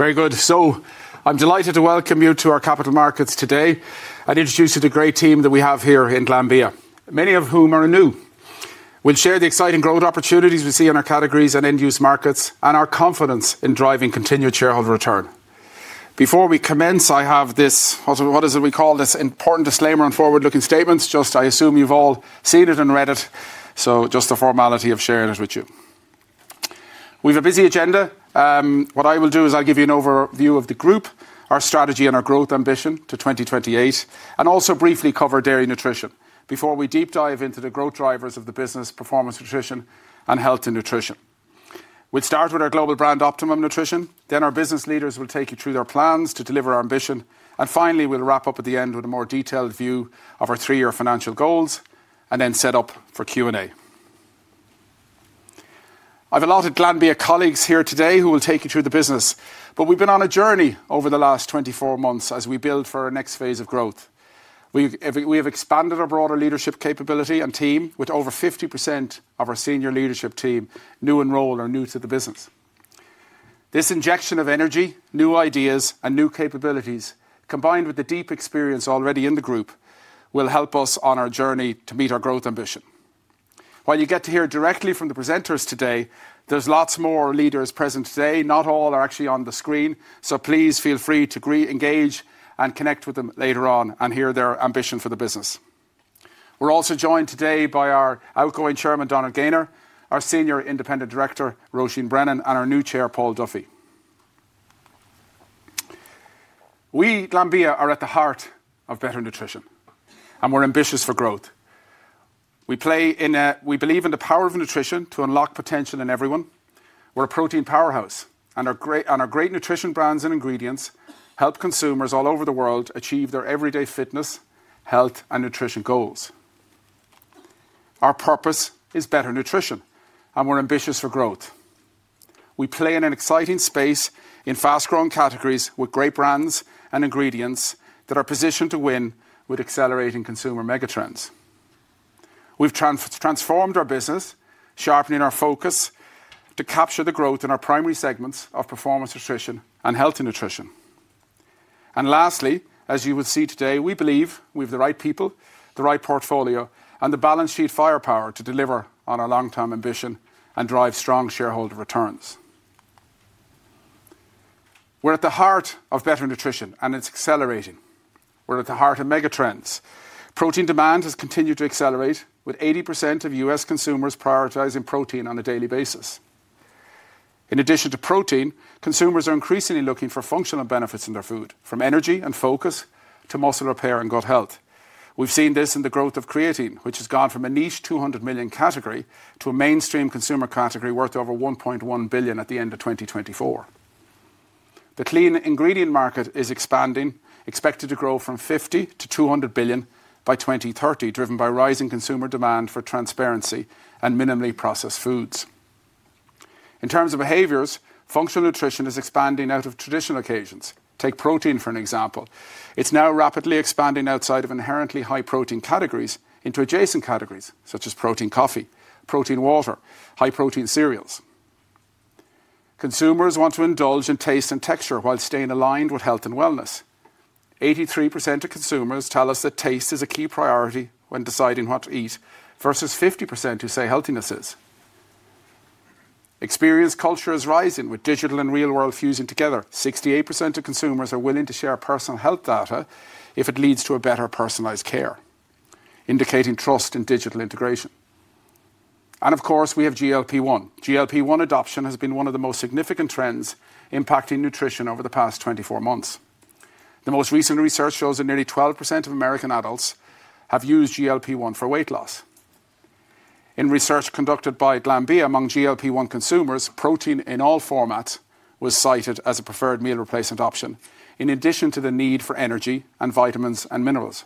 Very good. I'm delighted to welcome you to our capital markets today and introduce you to the great team that we have here in Glanbia, many of whom are new. We'll share the exciting growth opportunities we see in our categories and end-use markets and our confidence in driving continued shareholder return. Before we commence, I have this—what is it we call this—important disclaimer on forward-looking statements. I assume you've all seen it and read it, so just the formality of sharing it with you. We have a busy agenda. What I will do is I'll give you an overview of the group, our strategy, and our growth ambition to 2028, and also briefly cover Dairy Nutrition before we deep dive into the growth drivers of the business, Performance Nutrition, and Health & Nutrition. We'll start with our global brand Optimum Nutrition. Our business leaders will take you through their plans to deliver our ambition. Finally, we'll wrap up at the end with a more detailed view of our three-year financial goals and then set up for Q&A. I've allotted Glanbia colleagues here today who will take you through the business, but we've been on a journey over the last 24 months as we build for our next phase of growth. We have expanded our broader leadership capability and team with over 50% of our senior leadership team new enrolled or new to the business. This injection of energy, new ideas, and new capabilities, combined with the deep experience already in the group, will help us on our journey to meet our growth ambition. While you get to hear directly from the presenters today, there's lots more leaders present today. Not all are actually on the screen, so please feel free to engage and connect with them later on and hear their ambition for the business. We're also joined today by our outgoing Chairman, Donard Gaynor, our Senior Independent Director, Roisin Brennan, and our new Chair, Paul Duffy. We, Glanbia, are at the heart of better nutrition, and we're ambitious for growth. We believe in the power of nutrition to unlock potential in everyone. We're a protein powerhouse and our great nutrition brands and ingredients help consumers all over the world achieve their everyday fitness, health, and nutrition goals. Our purpose is better nutrition, and we're ambitious for growth. We play in an exciting space in fast-growing categories with great brands and ingredients that are positioned to win with accelerating consumer megatrends. We've transformed our business, sharpening our focus to capture the growth in our primary segments of performance nutrition and healthy nutrition. As you will see today, we believe we have the right people, the right portfolio, and the balance sheet firepower to deliver on our long-term ambition and drive strong shareholder returns. We're at the heart of better nutrition, and it's accelerating. We're at the heart of megatrends. Protein demand has continued to accelerate, with 80% of U.S. consumers prioritizing protein on a daily basis. In addition to protein, consumers are increasingly looking for functional benefits in their food, from energy and focus to muscle repair and gut health. We've seen this in the growth of creatine, which has gone from a niche $200 million category to a mainstream consumer category worth over $1.1 billion at the end of 2024. The clean ingredient market is expanding, expected to grow from $50 billion to $200 billion by 2030, driven by rising consumer demand for transparency and minimally processed foods. In terms of behaviors, functional nutrition is expanding out of traditional occasions. Take protein for an example. It's now rapidly expanding outside of inherently high-protein categories into adjacent categories such as protein coffee, protein water, high-protein cereals. Consumers want to indulge in taste and texture while staying aligned with health and wellness. 83% of consumers tell us that taste is a key priority when deciding what to eat versus 50% who say healthiness is. Experience culture is rising with digital and real-world fusion together. 68% of consumers are willing to share personal health data if it leads to better personalized care, indicating trust in digital integration. Of course, we have GLP-1. GLP-1 adoption has been one of the most significant trends impacting nutrition over the past 24 months. The most recent research shows that nearly 12% of American adults have used GLP-1 for weight loss. In research conducted by Glanbia among GLP-1 consumers, protein in all formats was cited as a preferred meal replacement option in addition to the need for energy and vitamins and minerals.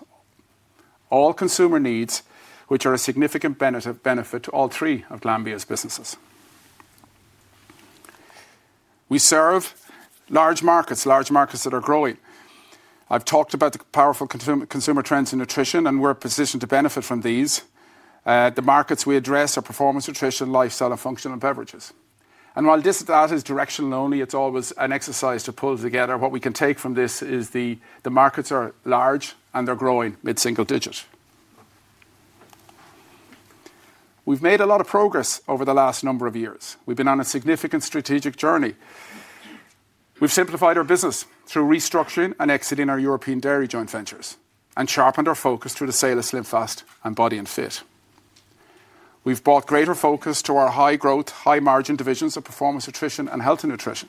All consumer needs, which are a significant benefit to all three of Glanbia's businesses. We serve large markets, large markets that are growing. I have talked about the powerful consumer trends in nutrition, and we are positioned to benefit from these. The markets we address are performance nutrition, lifestyle, and functional beverages. While this data is directional only, it is always an exercise to pull together. What we can take from this is the markets are large and they are growing mid-single digit. We've made a lot of progress over the last number of years. We've been on a significant strategic journey. We've simplified our business through restructuring and exiting our European dairy joint ventures and sharpened our focus through the sale of SlimFast and Body & Fit. We've brought greater focus to our high-growth, high-margin divisions of performance nutrition and healthy nutrition.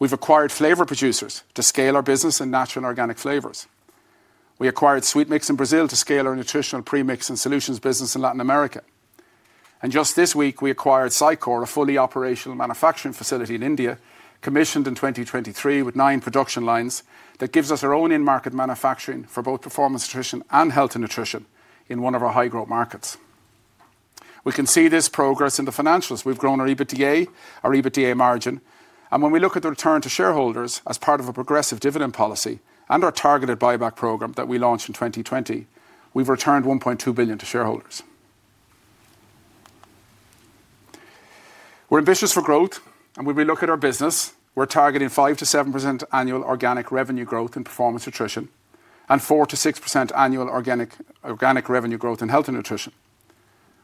We've acquired Flavor Producers to scale our business in natural and organic flavors. We acquired Sweet Mix in Brazil to scale our nutritional premix and solutions business in Latin America. Just this week, we acquired Sycor, a fully operational manufacturing facility in India, commissioned in 2023 with nine production lines that gives us our own in-market manufacturing for both performance nutrition and healthy nutrition in one of our high-growth markets. We can see this progress in the financials. We've grown our EBITDA, our EBITDA margin. When we look at the return to shareholders as part of a progressive dividend policy and our targeted buyback program that we launched in 2020, we've returned $1.2 billion to shareholders. We're ambitious for growth, and when we look at our business, we're targeting 5%-7% annual organic revenue growth in Performance Nutrition and 4%-6% annual organic revenue growth in Health & Nutrition.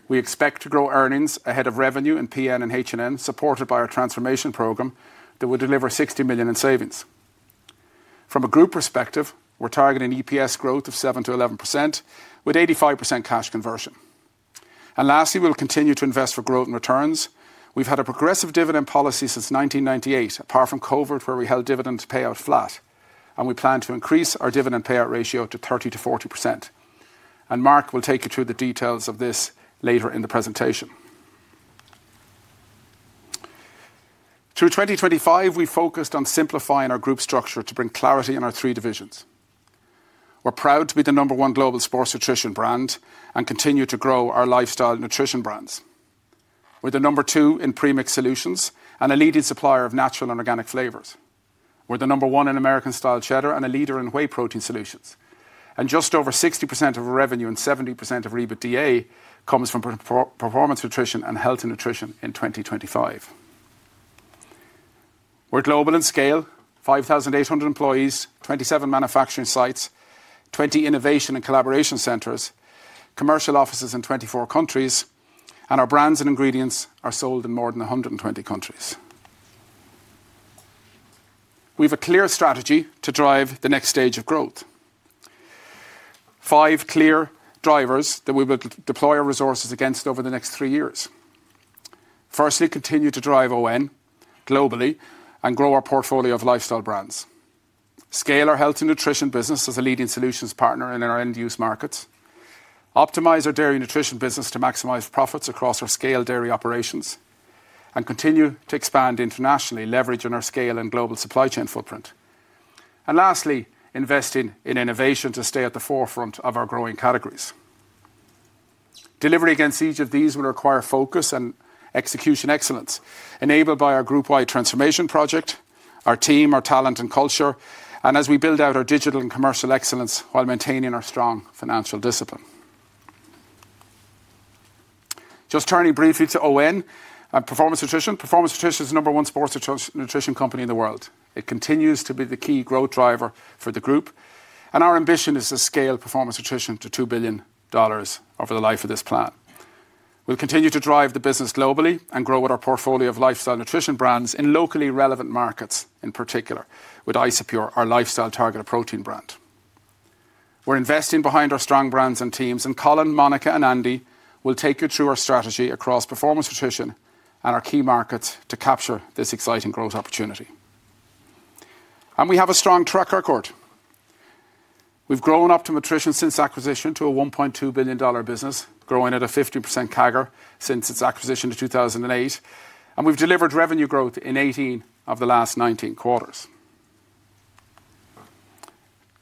We expect to grow earnings ahead of revenue in PN and H&M, supported by our transformation program that will deliver $60 million in savings. From a group perspective, we're targeting EPS growth of 7%-11% with 85% cash conversion. Lastly, we'll continue to invest for growth and returns. We've had a progressive dividend policy since 1998, apart from COVID, where we held dividend payout flat, and we plan to increase our dividend payout ratio to 30%-40%. Mark will take you through the details of this later in the presentation. Through 2025, we focused on simplifying our group structure to bring clarity in our three divisions. We're proud to be the number one global sports nutrition brand and continue to grow our lifestyle nutrition brands. We're the number two in premix solutions and a leading supplier of natural and organic flavors. We're the number one in American-style cheddar and a leader in whey protein solutions. Just over 60% of our revenue and 70% of our EBITDA comes from performance nutrition and healthy nutrition in 2025. We're global in scale, 5,800 employees, 27 manufacturing sites, 20 innovation and collaboration centers, commercial offices in 24 countries, and our brands and ingredients are sold in more than 120 countries. We have a clear strategy to drive the next stage of growth. Five clear drivers that we will deploy our resources against over the next three years. Firstly, continue to drive ON globally and grow our portfolio of lifestyle brands. Scale our healthy nutrition business as a leading solutions partner in our end-use markets. Optimize our dairy nutrition business to maximize profits across our scaled dairy operations and continue to expand internationally, leveraging our scale and global supply chain footprint. Lastly, investing in innovation to stay at the forefront of our growing categories. Delivery against each of these will require focus and execution excellence enabled by our group-wide transformation project, our team, our talent, and culture, as we build out our digital and commercial excellence while maintaining our strong financial discipline. Just turning briefly to ON and performance nutrition. Performance nutrition is the number one sports nutrition company in the world. It continues to be the key growth driver for the group, and our ambition is to scale performance nutrition to $2 billion over the life of this plan. We'll continue to drive the business globally and grow with our portfolio of lifestyle nutrition brands in locally relevant markets, in particular with Isopure, our lifestyle targeted protein brand. We're investing behind our strong brands and teams, and Colin, Monica, and Andy will take you through our strategy across performance nutrition and our key markets to capture this exciting growth opportunity. We have a strong track record. We've grown Optimum Nutrition since acquisition to a $1.2 billion business, growing at a 50% CAGR since its acquisition in 2008, and we've delivered revenue growth in 18 of the last 19 quarters.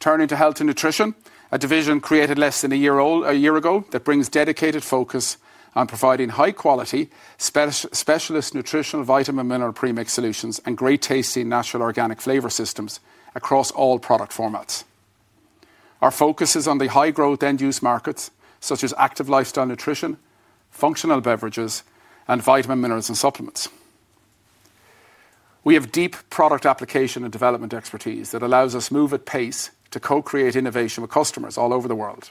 Turning to healthy nutrition, a division created less than a year ago that brings dedicated focus on providing high-quality specialist nutritional vitamin and mineral premix solutions and great tasty natural organic flavor systems across all product formats. Our focus is on the high-growth end-use markets such as active lifestyle nutrition, functional beverages, and vitamin minerals and supplements. We have deep product application and development expertise that allows us to move at pace to co-create innovation with customers all over the world.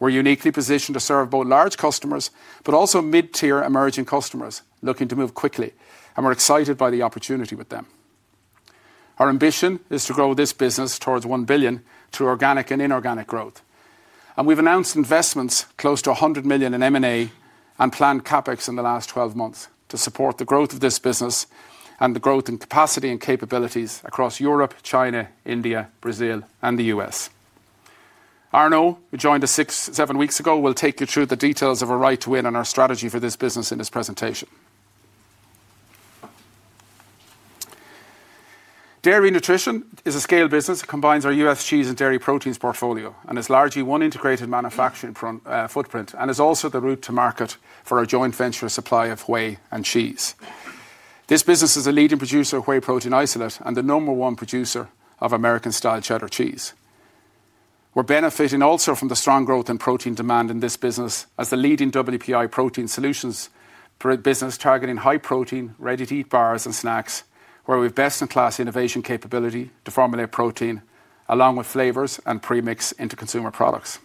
We're uniquely positioned to serve both large customers but also mid-tier emerging customers looking to move quickly, and we're excited by the opportunity with them. Our ambition is to grow this business towards $1 billion through organic and inorganic growth. We have announced investments close to $100 million in M&A and planned CapEx in the last 12 months to support the growth of this business and the growth in capacity and capabilities across Europe, China, India, Brazil, and the U.S. Arno, who joined us seven weeks ago, will take you through the details of our right to win and our strategy for this business in this presentation. Dairy Nutrition is a scaled business that combines our U.S. cheese and dairy proteins portfolio and is largely one integrated manufacturing footprint and is also the route to market for our joint venture supply of whey and cheese. This business is a leading producer of whey protein isolate and the number one producer of American-style cheddar cheese. We're benefiting also from the strong growth in protein demand in this business as the leading WPI protein solutions business targeting high-protein, ready-to-eat bars and snacks where we have best-in-class innovation capability to formulate protein along with flavors and premix into consumer products.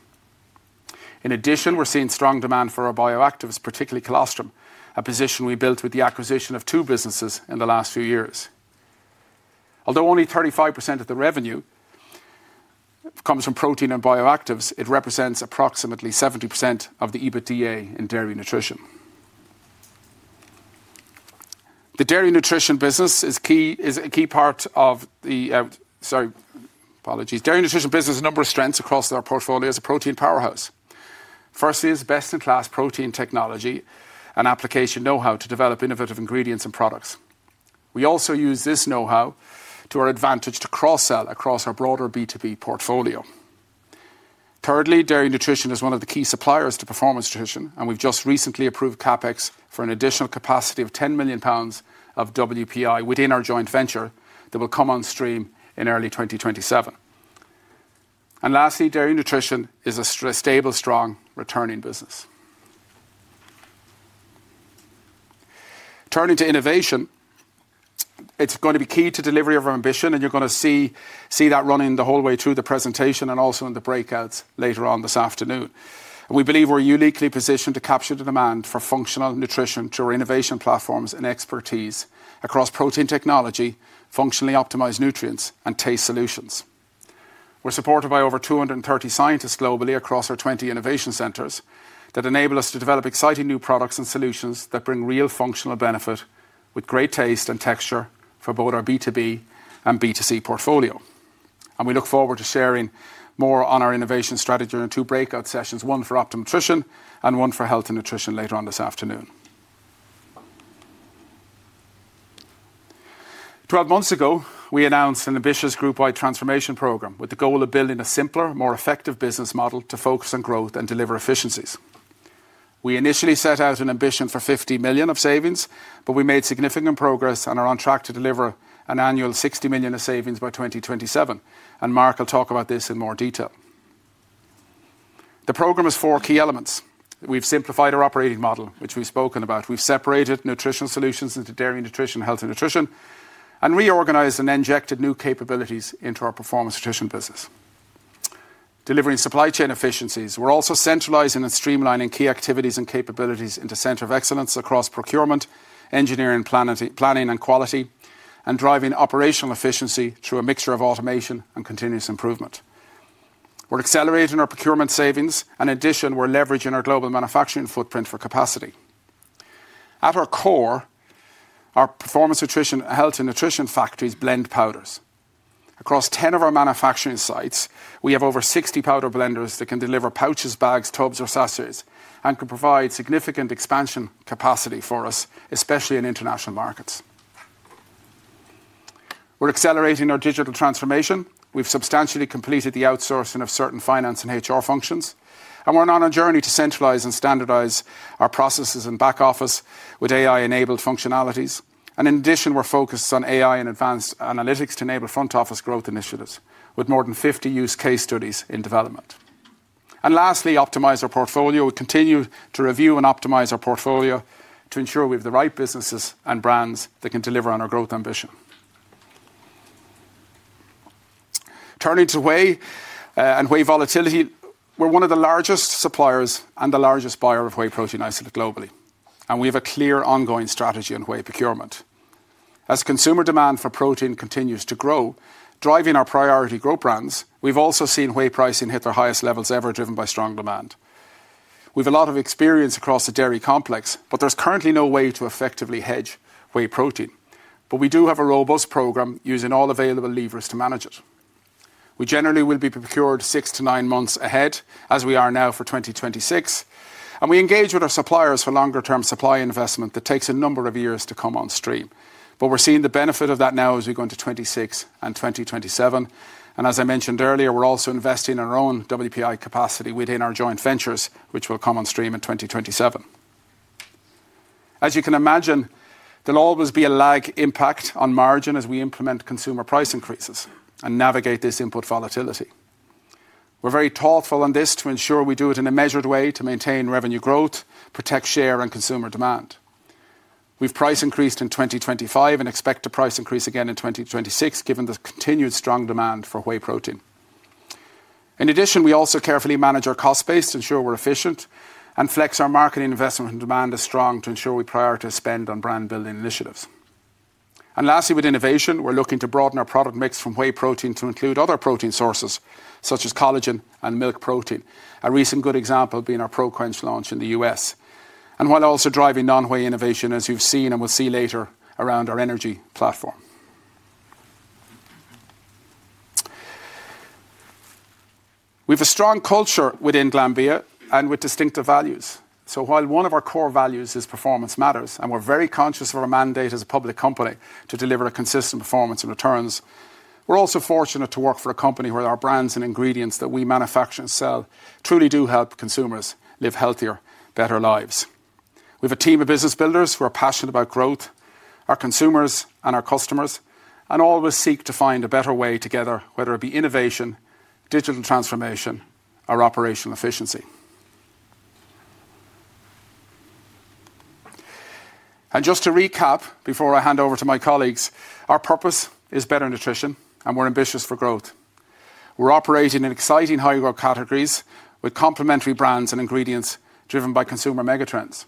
In addition, we're seeing strong demand for our bioactives, particularly colostrum, a position we built with the acquisition of two businesses in the last few years. Although only 35% of the revenue comes from protein and bioactives, it represents approximately 70% of the EBITDA in dairy nutrition. The dairy nutrition business is a key part of the, sorry, apologies. Dairy nutrition business has a number of strengths across our portfolio as a protein powerhouse. Firstly, it's best-in-class protein technology and application know-how to develop innovative ingredients and products. We also use this know-how to our advantage to cross-sell across our broader B2B portfolio. Thirdly, Dairy Nutrition is one of the key suppliers to Performance Nutrition, and we have just recently approved CapEx for an additional capacity of 10 million pounds of WPI within our joint venture that will come on stream in early 2027. Lastly, Dairy Nutrition is a stable, strong returning business. Turning to innovation, it is going to be key to delivery of our ambition, and you are going to see that running the whole way through the presentation and also in the breakouts later on this afternoon. We believe we are uniquely positioned to capture the demand for functional nutrition through our innovation platforms and expertise across protein technology, functionally optimized nutrients, and taste solutions. We are supported by over 230 scientists globally across our 20 innovation centers that enable us to develop exciting new products and solutions that bring real functional benefit with great taste and texture for both our B2B and B2C portfolio. We look forward to sharing more on our innovation strategy in two breakout sessions, one for Optimum Nutrition and one for Healthy Nutrition later on this afternoon. Twelve months ago, we announced an ambitious group-wide transformation program with the goal of building a simpler, more effective business model to focus on growth and deliver efficiencies. We initially set out an ambition for $50 million of savings, but we made significant progress and are on track to deliver an annual $60 million of savings by 2027. Mark will talk about this in more detail. The program has four key elements. We have simplified our operating model, which we have spoken about. We have separated Nutritional Solutions into Dairy Nutrition, Healthy Nutrition, and reorganized and injected new capabilities into our Performance Nutrition business, delivering supply chain efficiencies. We're also centralizing and streamlining key activities and capabilities into center of excellence across procurement, engineering, planning, and quality, and driving operational efficiency through a mixture of automation and continuous improvement. We're accelerating our procurement savings. In addition, we're leveraging our global manufacturing footprint for capacity. At our core, our performance nutrition and healthy nutrition factories blend powders. Across ten of our manufacturing sites, we have over 60 powder blenders that can deliver pouches, bags, tubs, or sachets and can provide significant expansion capacity for us, especially in international markets. We're accelerating our digital transformation. We've substantially completed the outsourcing of certain finance and HR functions, and we're now on a journey to centralize and standardize our processes and back office with AI-enabled functionalities. In addition, we're focused on AI and advanced analytics to enable front office growth initiatives with more than 50 use case studies in development. Lastly, optimize our portfolio. We continue to review and optimize our portfolio to ensure we have the right businesses and brands that can deliver on our growth ambition. Turning to whey and whey volatility, we are one of the largest suppliers and the largest buyer of whey protein isolate globally, and we have a clear ongoing strategy on whey procurement. As consumer demand for protein continues to grow, driving our priority growth brands, we have also seen whey pricing hit their highest levels ever, driven by strong demand. We have a lot of experience across the dairy complex, but there is currently no way to effectively hedge whey protein. We do have a robust program using all available levers to manage it. We generally will be procured six to nine months ahead, as we are now for 2026, and we engage with our suppliers for longer-term supply investment that takes a number of years to come on stream. We are seeing the benefit of that now as we go into 2026 and 2027. As I mentioned earlier, we are also investing in our own WPI capacity within our joint ventures, which will come on stream in 2027. As you can imagine, there will always be a lag impact on margin as we implement consumer price increases and navigate this input volatility. We are very thoughtful on this to ensure we do it in a measured way to maintain revenue growth, protect share, and consumer demand. We have price increased in 2025 and expect to price increase again in 2026, given the continued strong demand for whey protein. In addition, we also carefully manage our cost base to ensure we're efficient and flex our marketing investment when demand is strong to ensure we prioritize spend on brand-building initiatives. Lastly, with innovation, we're looking to broaden our product mix from whey protein to include other protein sources such as collagen and milk protein, a recent good example being our ProQuench launch in the U.S., while also driving non-whey innovation, as you've seen and will see later around our energy platform. We have a strong culture within Glanbia and with distinctive values. While one of our core values is performance matters, and we're very conscious of our mandate as a public company to deliver consistent performance and returns, we're also fortunate to work for a company where our brands and ingredients that we manufacture and sell truly do help consumers live healthier, better lives. We have a team of business builders who are passionate about growth, our consumers, and our customers, and always seek to find a better way together, whether it be innovation, digital transformation, or operational efficiency. Just to recap before I hand over to my colleagues, our purpose is better nutrition, and we're ambitious for growth. We're operating in exciting high-growth categories with complementary brands and ingredients driven by consumer megatrends.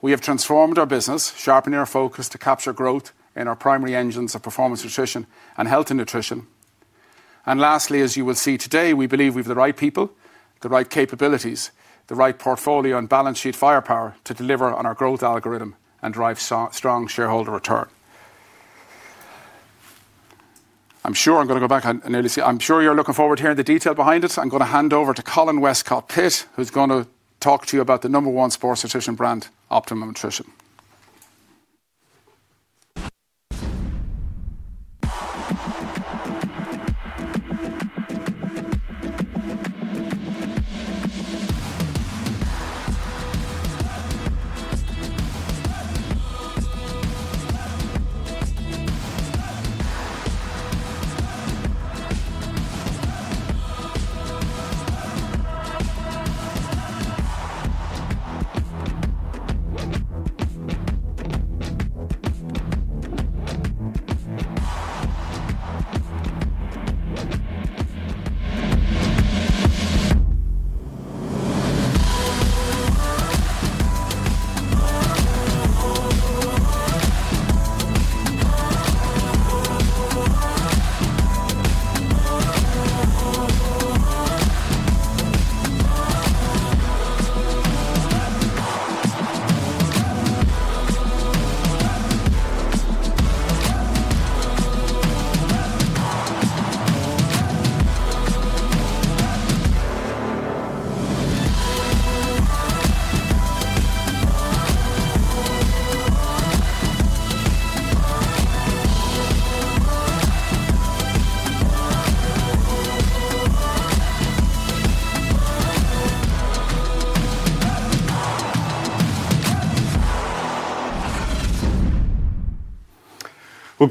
We have transformed our business, sharpening our focus to capture growth in our primary engines of performance nutrition and healthy nutrition. Lastly, as you will see today, we believe we have the right people, the right capabilities, the right portfolio, and balance sheet firepower to deliver on our growth algorithm and drive strong shareholder return. I'm sure I'm going to go back and I'm sure you're looking forward to hearing the detail behind it. I'm going to hand over to Colin Westcott Pitt, who's going to talk to you about the number one sports nutrition brand, Optimum Nutrition.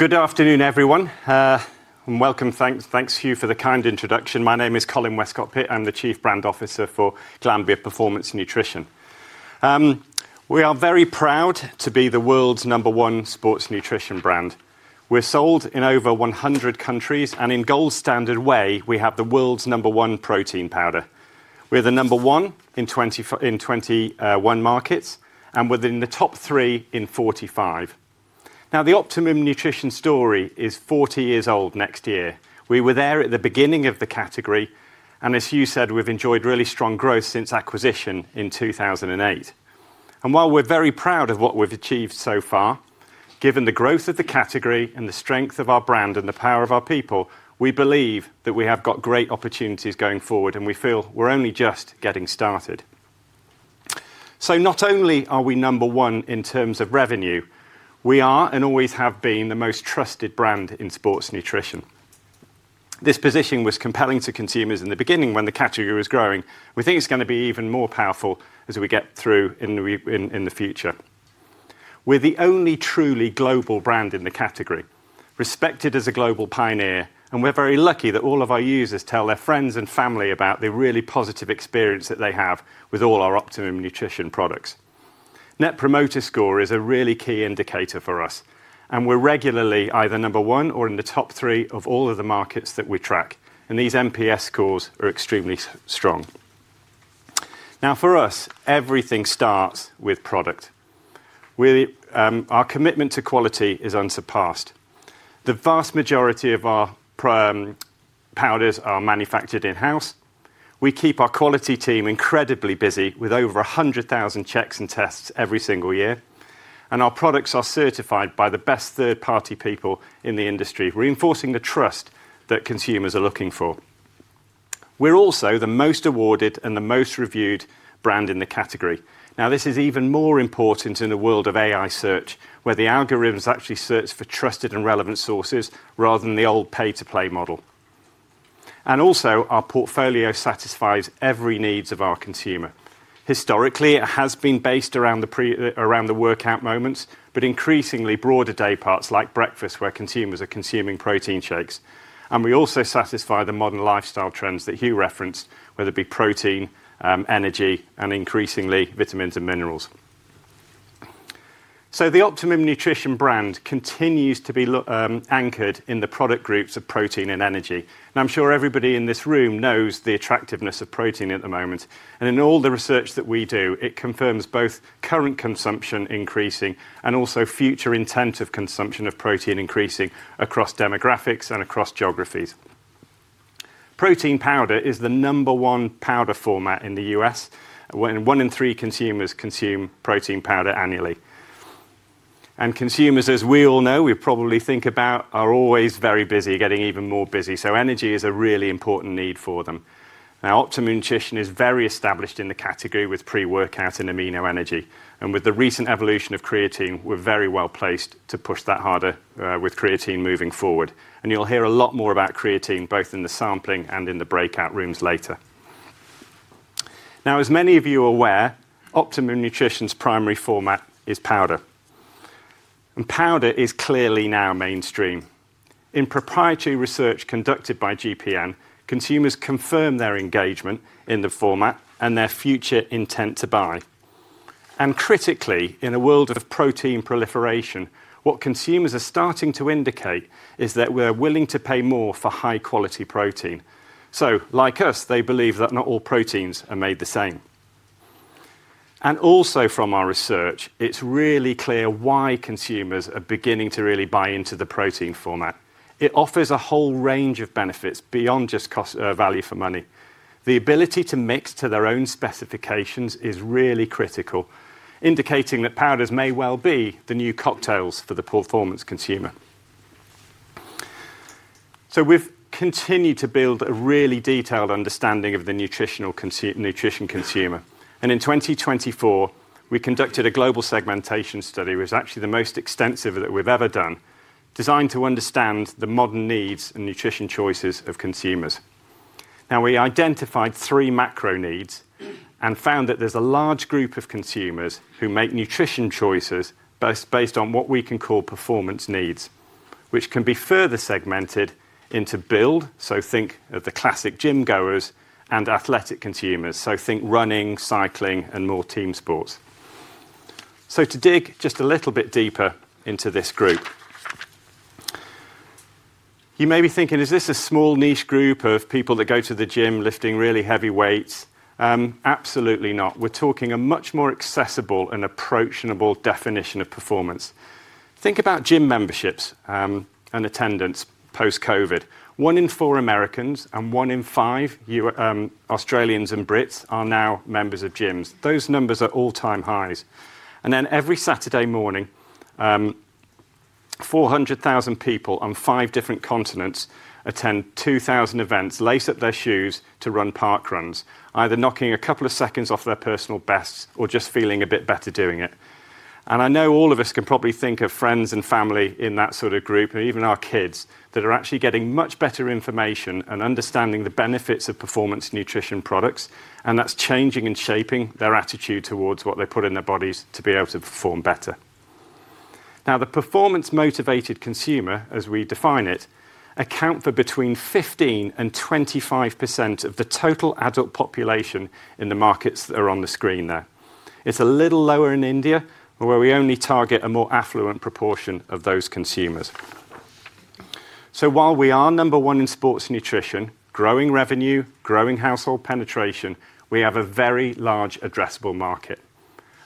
Good afternoon, everyone, and welcome. Thanks. Thanks to you for the kind introduction. My name is Colin Westcott-Pitt. I'm the Chief Brand Officer for Glanbia Performance Nutrition. We are very proud to be the world's number one sports nutrition brand. We're sold in over 100 countries, and in Gold Standard Whey, we have the world's number one protein powder. We're the number one in 21 markets and within the top three in 45. Now, the Optimum Nutrition story is 40 years old next year. We were there at the beginning of the category, and as you said, we've enjoyed really strong growth since acquisition in 2008. While we're very proud of what we've achieved so far, given the growth of the category and the strength of our brand and the power of our people, we believe that we have got great opportunities going forward, and we feel we're only just getting started. Not only are we number one in terms of revenue, we are and always have been the most trusted brand in sports nutrition. This position was compelling to consumers in the beginning when the category was growing. We think it's going to be even more powerful as we get through in the future. We're the only truly global brand in the category, respected as a global pioneer, and we're very lucky that all of our users tell their friends and family about the really positive experience that they have with all our Optimum Nutrition products. Net Promoter Score is a really key indicator for us, and we're regularly either number one or in the top three of all of the markets that we track, and these NPS scores are extremely strong. Now, for us, everything starts with product. Our commitment to quality is unsurpassed. The vast majority of our powders are manufactured in-house. We keep our quality team incredibly busy with over 100,000 checks and tests every single year, and our products are certified by the best third-party people in the industry, reinforcing the trust that consumers are looking for. We're also the most awarded and the most reviewed brand in the category. This is even more important in the world of AI search, where the algorithms actually search for trusted and relevant sources rather than the old pay-to-play model. Also, our portfolio satisfies every need of our consumer. Historically, it has been based around the workout moments, but increasingly broader day parts like breakfast, where consumers are consuming protein shakes. We also satisfy the modern lifestyle trends that Hugh referenced, whether it be protein, energy, and increasingly vitamins and minerals. The Optimum Nutrition brand continues to be anchored in the product groups of protein and energy. I'm sure everybody in this room knows the attractiveness of protein at the moment. In all the research that we do, it confirms both current consumption increasing and also future intent of consumption of protein increasing across demographics and across geographies. Protein powder is the number one powder format in the U.S. One in three consumers consume protein powder annually. Consumers, as we all know, we probably think about, are always very busy, getting even more busy. Energy is a really important need for them. Now, Optimum Nutrition is very established in the category with pre-workout and Amino Energy. With the recent evolution of creatine, we're very well placed to push that harder with creatine moving forward. You'll hear a lot more about creatine both in the sampling and in the breakout rooms later. As many of you are aware, Optimum Nutrition's primary format is powder. Powder is clearly now mainstream. In proprietary research conducted by GPN, consumers confirm their engagement in the format and their future intent to buy. Critically, in a world of protein proliferation, what consumers are starting to indicate is that we're willing to pay more for high-quality protein. Like us, they believe that not all proteins are made the same. Also, from our research, it's really clear why consumers are beginning to really buy into the protein format. It offers a whole range of benefits beyond just value for money. The ability to mix to their own specifications is really critical, indicating that powders may well be the new cocktails for the performance consumer. We have continued to build a really detailed understanding of the nutritional consumer. In 2024, we conducted a global segmentation study that was actually the most extensive that we have ever done, designed to understand the modern needs and nutrition choices of consumers. We identified three macro needs and found that there is a large group of consumers who make nutrition choices based on what we can call performance needs, which can be further segmented into build, so think of the classic gym-goers, and athletic consumers, so think running, cycling, and more team sports. To dig just a little bit deeper into this group, you may be thinking, "Is this a small niche group of people that go to the gym lifting really heavy weights?" Absolutely not. We're talking a much more accessible and approachable definition of performance. Think about gym memberships and attendance post-COVID. One in four Americans and one in five Australians and Brits are now members of gyms. Those numbers are all-time highs. Every Saturday morning, 400,000 people on five different continents attend 2,000 events, lace up their shoes to run park runs, either knocking a couple of seconds off their personal bests or just feeling a bit better doing it. I know all of us can probably think of friends and family in that sort of group, and even our kids, that are actually getting much better information and understanding the benefits of performance nutrition products, and that's changing and shaping their attitude towards what they put in their bodies to be able to perform better. Now, the performance-motivated consumer, as we define it, accounts for between 15% and 25% of the total adult population in the markets that are on the screen there. It's a little lower in India, where we only target a more affluent proportion of those consumers. While we are number one in sports nutrition, growing revenue, growing household penetration, we have a very large addressable market.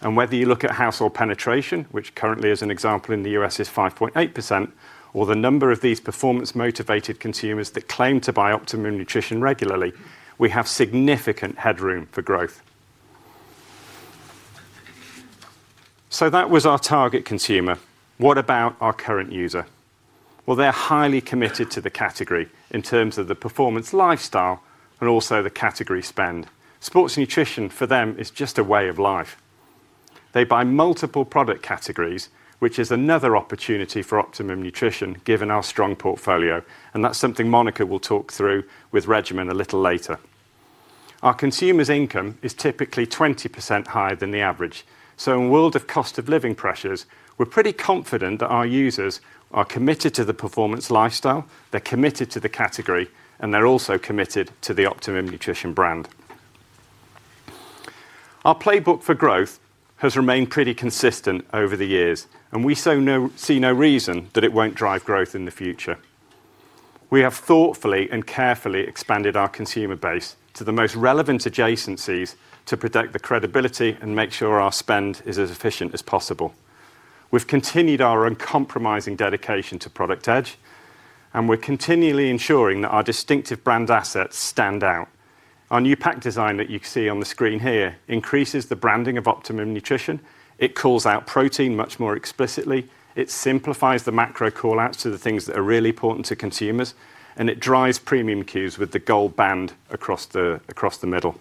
Whether you look at household penetration, which currently, as an example in the U.S., is 5.8%, or the number of these performance-motivated consumers that claim to buy Optimum Nutrition regularly, we have significant headroom for growth. That was our target consumer. What about our current user? They are highly committed to the category in terms of the performance lifestyle and also the category spend. Sports nutrition, for them, is just a way of life. They buy multiple product categories, which is another opportunity for Optimum Nutrition, given our strong portfolio. That is something Monica will talk through with regimen a little later. Our consumers' income is typically 20% higher than the average. In a world of cost of living pressures, we're pretty confident that our users are committed to the performance lifestyle, they're committed to the category, and they're also committed to the Optimum Nutrition brand. Our playbook for growth has remained pretty consistent over the years, and we see no reason that it won't drive growth in the future. We have thoughtfully and carefully expanded our consumer base to the most relevant adjacencies to protect the credibility and make sure our spend is as efficient as possible. We've continued our uncompromising dedication to product edge, and we're continually ensuring that our distinctive brand assets stand out. Our new pack design that you can see on the screen here increases the branding of Optimum Nutrition. It calls out protein much more explicitly. It simplifies the macro callouts to the things that are really important to consumers, and it drives premium cues with the gold band across the middle.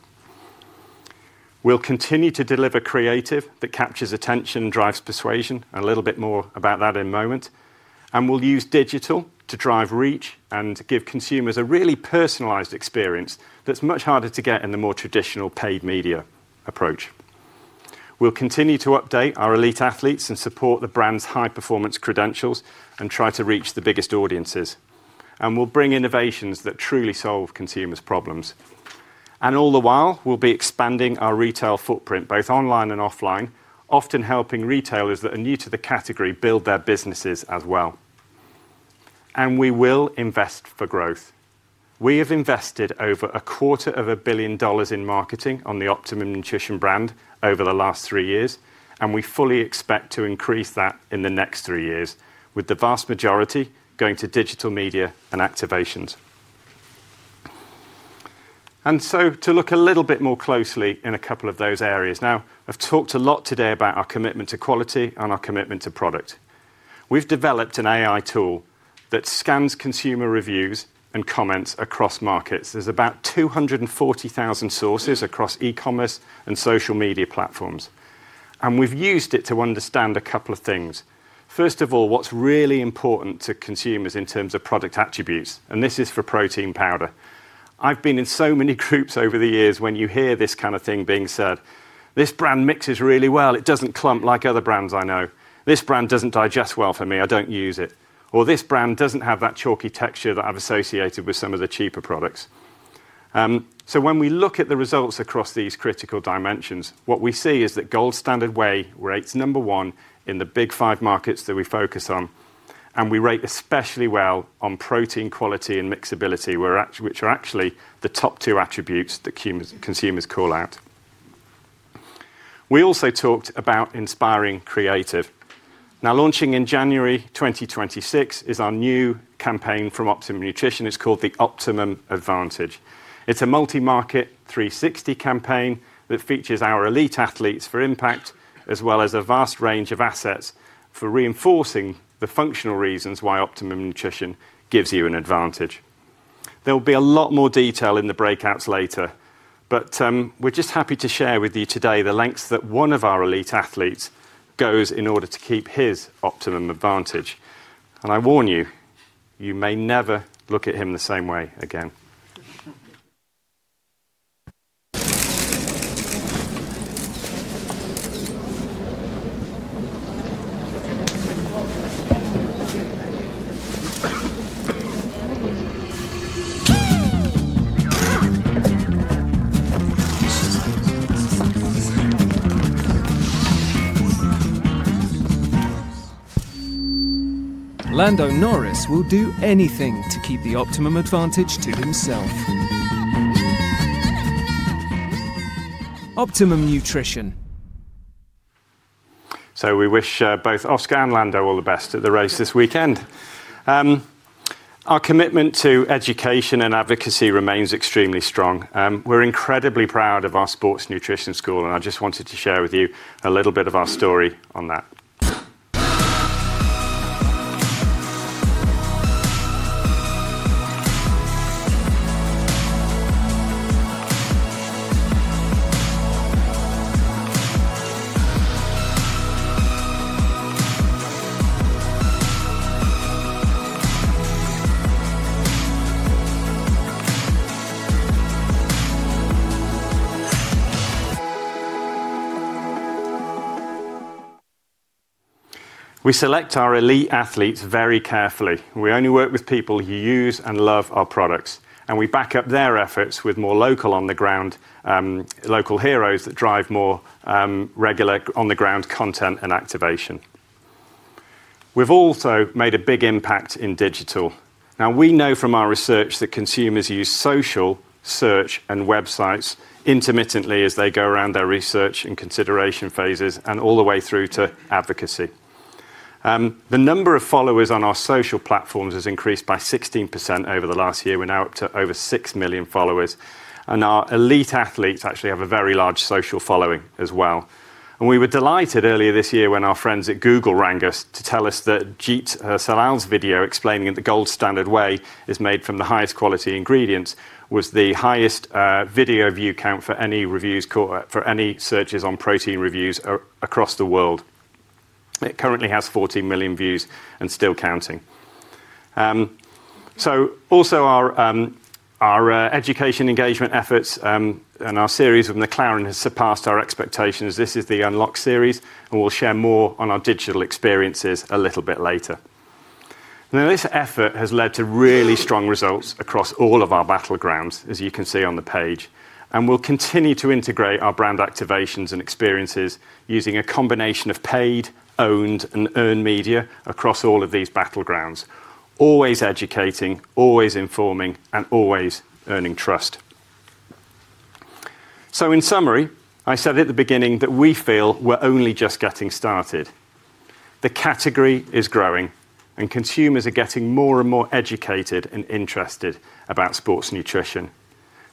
We'll continue to deliver creative that captures attention and drives persuasion, and a little bit more about that in a moment. We'll use digital to drive reach and give consumers a really personalized experience that's much harder to get in the more traditional paid media approach. We'll continue to update our elite athletes and support the brand's high-performance credentials and try to reach the biggest audiences. We'll bring innovations that truly solve consumers' problems. All the while, we'll be expanding our retail footprint, both online and offline, often helping retailers that are new to the category build their businesses as well. We will invest for growth. We have invested over a quarter of a billion dollars in marketing on the Optimum Nutrition brand over the last three years, and we fully expect to increase that in the next three years, with the vast majority going to digital media and activations. To look a little bit more closely in a couple of those areas. Now, I've talked a lot today about our commitment to quality and our commitment to product. We've developed an AI tool that scans consumer reviews and comments across markets. There's about 240,000 sources across e-commerce and social media platforms. We've used it to understand a couple of things. First of all, what's really important to consumers in terms of product attributes, and this is for protein powder. I've been in so many groups over the years when you hear this kind of thing being said, "This brand mixes really well. It doesn't clump like other brands I know. This brand doesn't digest well for me. I don't use it. "This brand doesn't have that chalky texture that I've associated with some of the cheaper products." When we look at the results across these critical dimensions, what we see is that Gold Standard Whey rates number one in the big five markets that we focus on, and we rate especially well on protein quality and mixability, which are actually the top two attributes that consumers call out. We also talked about inspiring creative. Launching in January 2026 is our new campaign from Optimum Nutrition. It's called the Optimum Advantage. It's a multi-market 360 campaign that features our elite athletes for impact, as well as a vast range of assets for reinforcing the functional reasons why Optimum Nutrition gives you an advantage. There'll be a lot more detail in the breakouts later, but we're just happy to share with you today the lengths that one of our elite athletes goes in order to keep his Optimum Advantage. I warn you, you may never look at him the same way again. Lando Norris will do anything to keep the Optimum Advantage to himself. Optimum Nutrition. We wish both Oscar and Lando all the best at the race this weekend. Our commitment to education and advocacy remains extremely strong. We're incredibly proud of our sports nutrition school, and I just wanted to share with you a little bit of our story on that. We select our elite athletes very carefully. We only work with people who use and love our products, and we back up their efforts with more local on-the-ground, local heroes that drive more regular on-the-ground content and activation. We've also made a big impact in digital. Now, we know from our research that consumers use social, search, and websites intermittently as they go around their research and consideration phases and all the way through to advocacy. The number of followers on our social platforms has increased by 16% over the last year. We're now up to over 6 million followers, and our elite athletes actually have a very large social following as well. We were delighted earlier this year when our friends at Google rang us to tell us that Jet Salal's video explaining that the Gold Standard Whey is made from the highest quality ingredients was the highest video view count for any reviews, for any searches on protein reviews across the world. It currently has 14 million views and still counting. Also, our education engagement efforts and our series with McLaren have surpassed our expectations. This is the Unlock series, and we'll share more on our digital experiences a little bit later. This effort has led to really strong results across all of our battlegrounds, as you can see on the page. We'll continue to integrate our brand activations and experiences using a combination of paid, owned, and earned media across all of these battlegrounds, always educating, always informing, and always earning trust. In summary, I said at the beginning that we feel we're only just getting started. The category is growing, and consumers are getting more and more educated and interested about sports nutrition.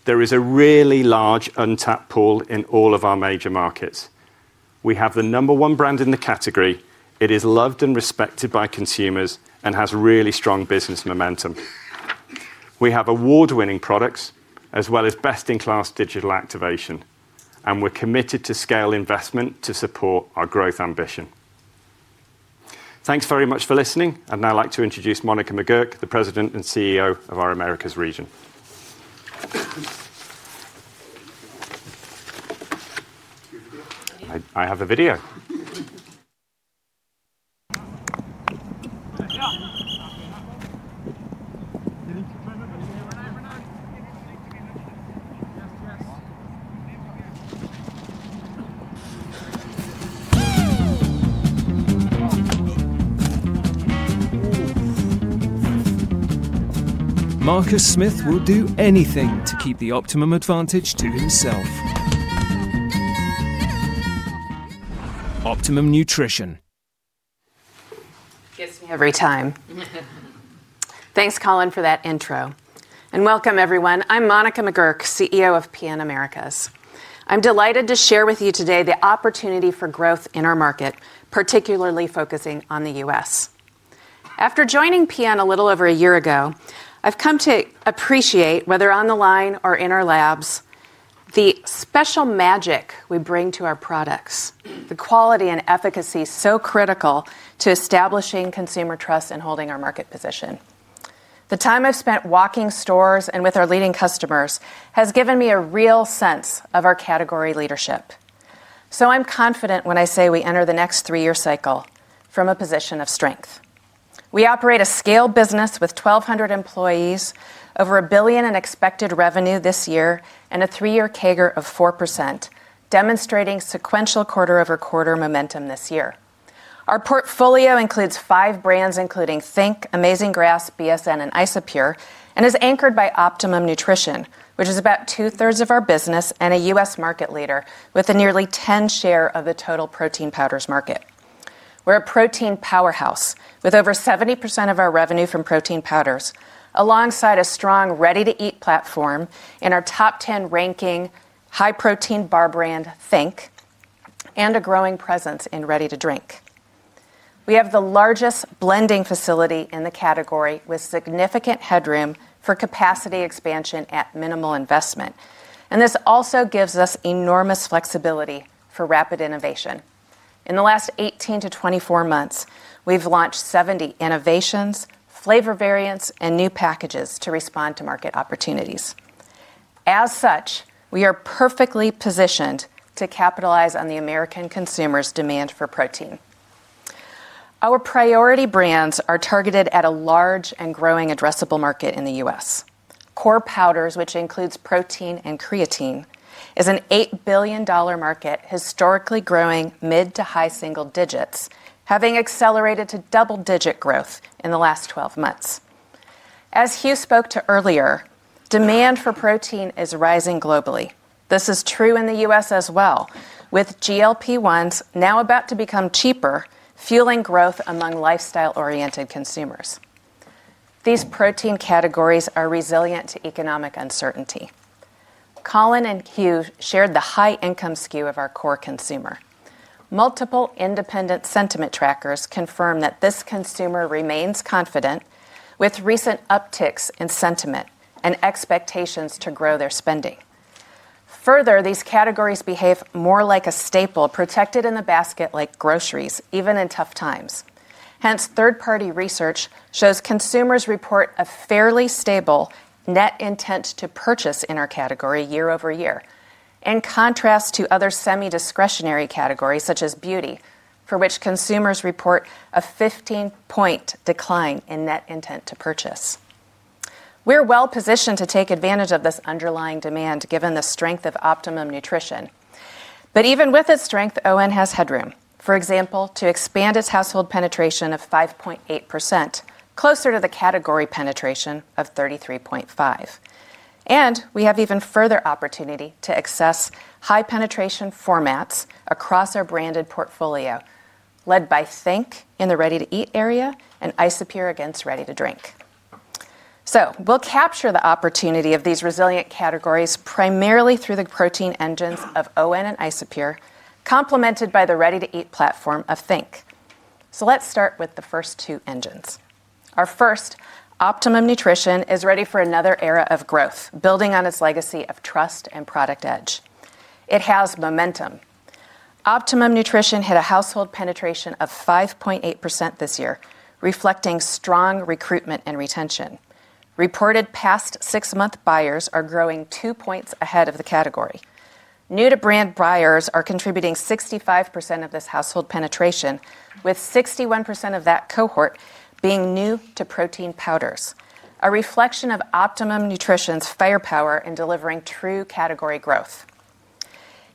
There is a really large untapped pool in all of our major markets. We have the number one brand in the category. It is loved and respected by consumers and has really strong business momentum. We have award-winning products as well as best-in-class digital activation, and we're committed to scale investment to support our growth ambition. Thanks very much for listening. I'd now like to introduce Monica McGurk, the President and CEO of our Americas Region. I have a video. Marcus Smith will do anything to keep the Optimum Advantage to himself. Optimum Nutrition. Gets me every time. Thanks, Colin, for that intro. Welcome, everyone. I'm Monica McGurk, CEO of PN Americas. I'm delighted to share with you today the opportunity for growth in our market, particularly focusing on the U.S. After joining PN a little over a year ago, I've come to appreciate, whether on the line or in our labs, the special magic we bring to our products, the quality and efficacy so critical to establishing consumer trust and holding our market position. The time I've spent walking stores and with our leading customers has given me a real sense of our category leadership. I'm confident when I say we enter the next three-year cycle from a position of strength. We operate a scaled business with 1,200 employees, over $1 billion in expected revenue this year, and a three-year CAGR of 4%, demonstrating sequential quarter-over-quarter momentum this year. Our portfolio includes five brands, including Think, Amazing Grass, BSN, and Isopure, and is anchored by Optimum Nutrition, which is about two-thirds of our business and a U.S. market leader with a nearly 10% share of the total protein powders market. We're a protein powerhouse with over 70% of our revenue from protein powders, alongside a strong ready-to-eat platform and our top 10 ranking high-protein bar brand, Think, and a growing presence in ready-to-drink. We have the largest blending facility in the category, with significant headroom for capacity expansion at minimal investment. This also gives us enormous flexibility for rapid innovation. In the last 18 to 24 months, we've launched 70 innovations, flavor variants, and new packages to respond to market opportunities. As such, we are perfectly positioned to capitalize on the American consumers' demand for protein. Our priority brands are targeted at a large and growing addressable market in the U.S. Core Powders, which includes protein and creatine, is an $8 billion market, historically growing mid to high single digits, having accelerated to double-digit growth in the last 12 months. As Hugh spoke to earlier, demand for protein is rising globally. This is true in the U.S. as well, with GLP-1s now about to become cheaper, fueling growth among lifestyle-oriented consumers. These protein categories are resilient to economic uncertainty. Colin and Hugh shared the high-income skew of our core consumer. Multiple independent sentiment trackers confirm that this consumer remains confident, with recent upticks in sentiment and expectations to grow their spending. Further, these categories behave more like a staple protected in the basket, like groceries, even in tough times. Hence, third-party research shows consumers report a fairly stable net intent to purchase in our category year over year, in contrast to other semi-discretionary categories such as beauty, for which consumers report a 15-point decline in net intent to purchase. We are well-positioned to take advantage of this underlying demand, given the strength of Optimum Nutrition. Even with its strength, ON has headroom, for example, to expand its household penetration of 5.8%, closer to the category penetration of 33.5%. We have even further opportunity to access high-penetration formats across our branded portfolio, led by Think in the ready-to-eat area and Isopure against ready-to-drink. We will capture the opportunity of these resilient categories primarily through the protein engines of ON and Isopure, complemented by the ready-to-eat platform of Think. Let's start with the first two engines. Our first, Optimum Nutrition, is ready for another era of growth, building on its legacy of trust and product edge. It has momentum. Optimum Nutrition hit a household penetration of 5.8% this year, reflecting strong recruitment and retention. Reported past six-month buyers are growing two percentage points ahead of the category. New-to-brand buyers are contributing 65% of this household penetration, with 61% of that cohort being new to protein powders, a reflection of Optimum Nutrition's firepower in delivering true category growth.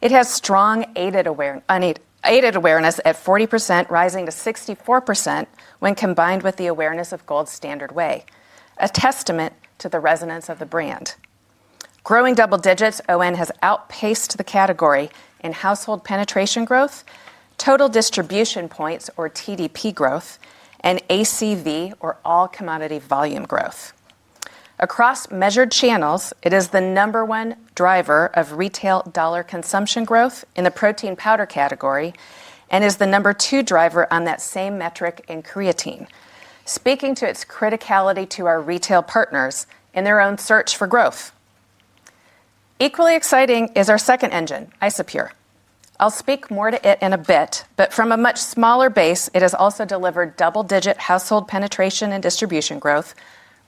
It has strong aided awareness at 40%, rising to 64% when combined with the awareness of Gold Standard Whey, a testament to the resonance of the brand. Growing double digits, ON has outpaced the category in household penetration growth, total distribution points, or TDP growth, and ACV, or all commodity volume growth. Across measured channels, it is the number one driver of retail dollar consumption growth in the protein powder category and is the number two driver on that same metric in creatine, speaking to its criticality to our retail partners in their own search for growth. Equally exciting is our second engine, Isopure. I'll speak more to it in a bit, but from a much smaller base, it has also delivered double-digit household penetration and distribution growth,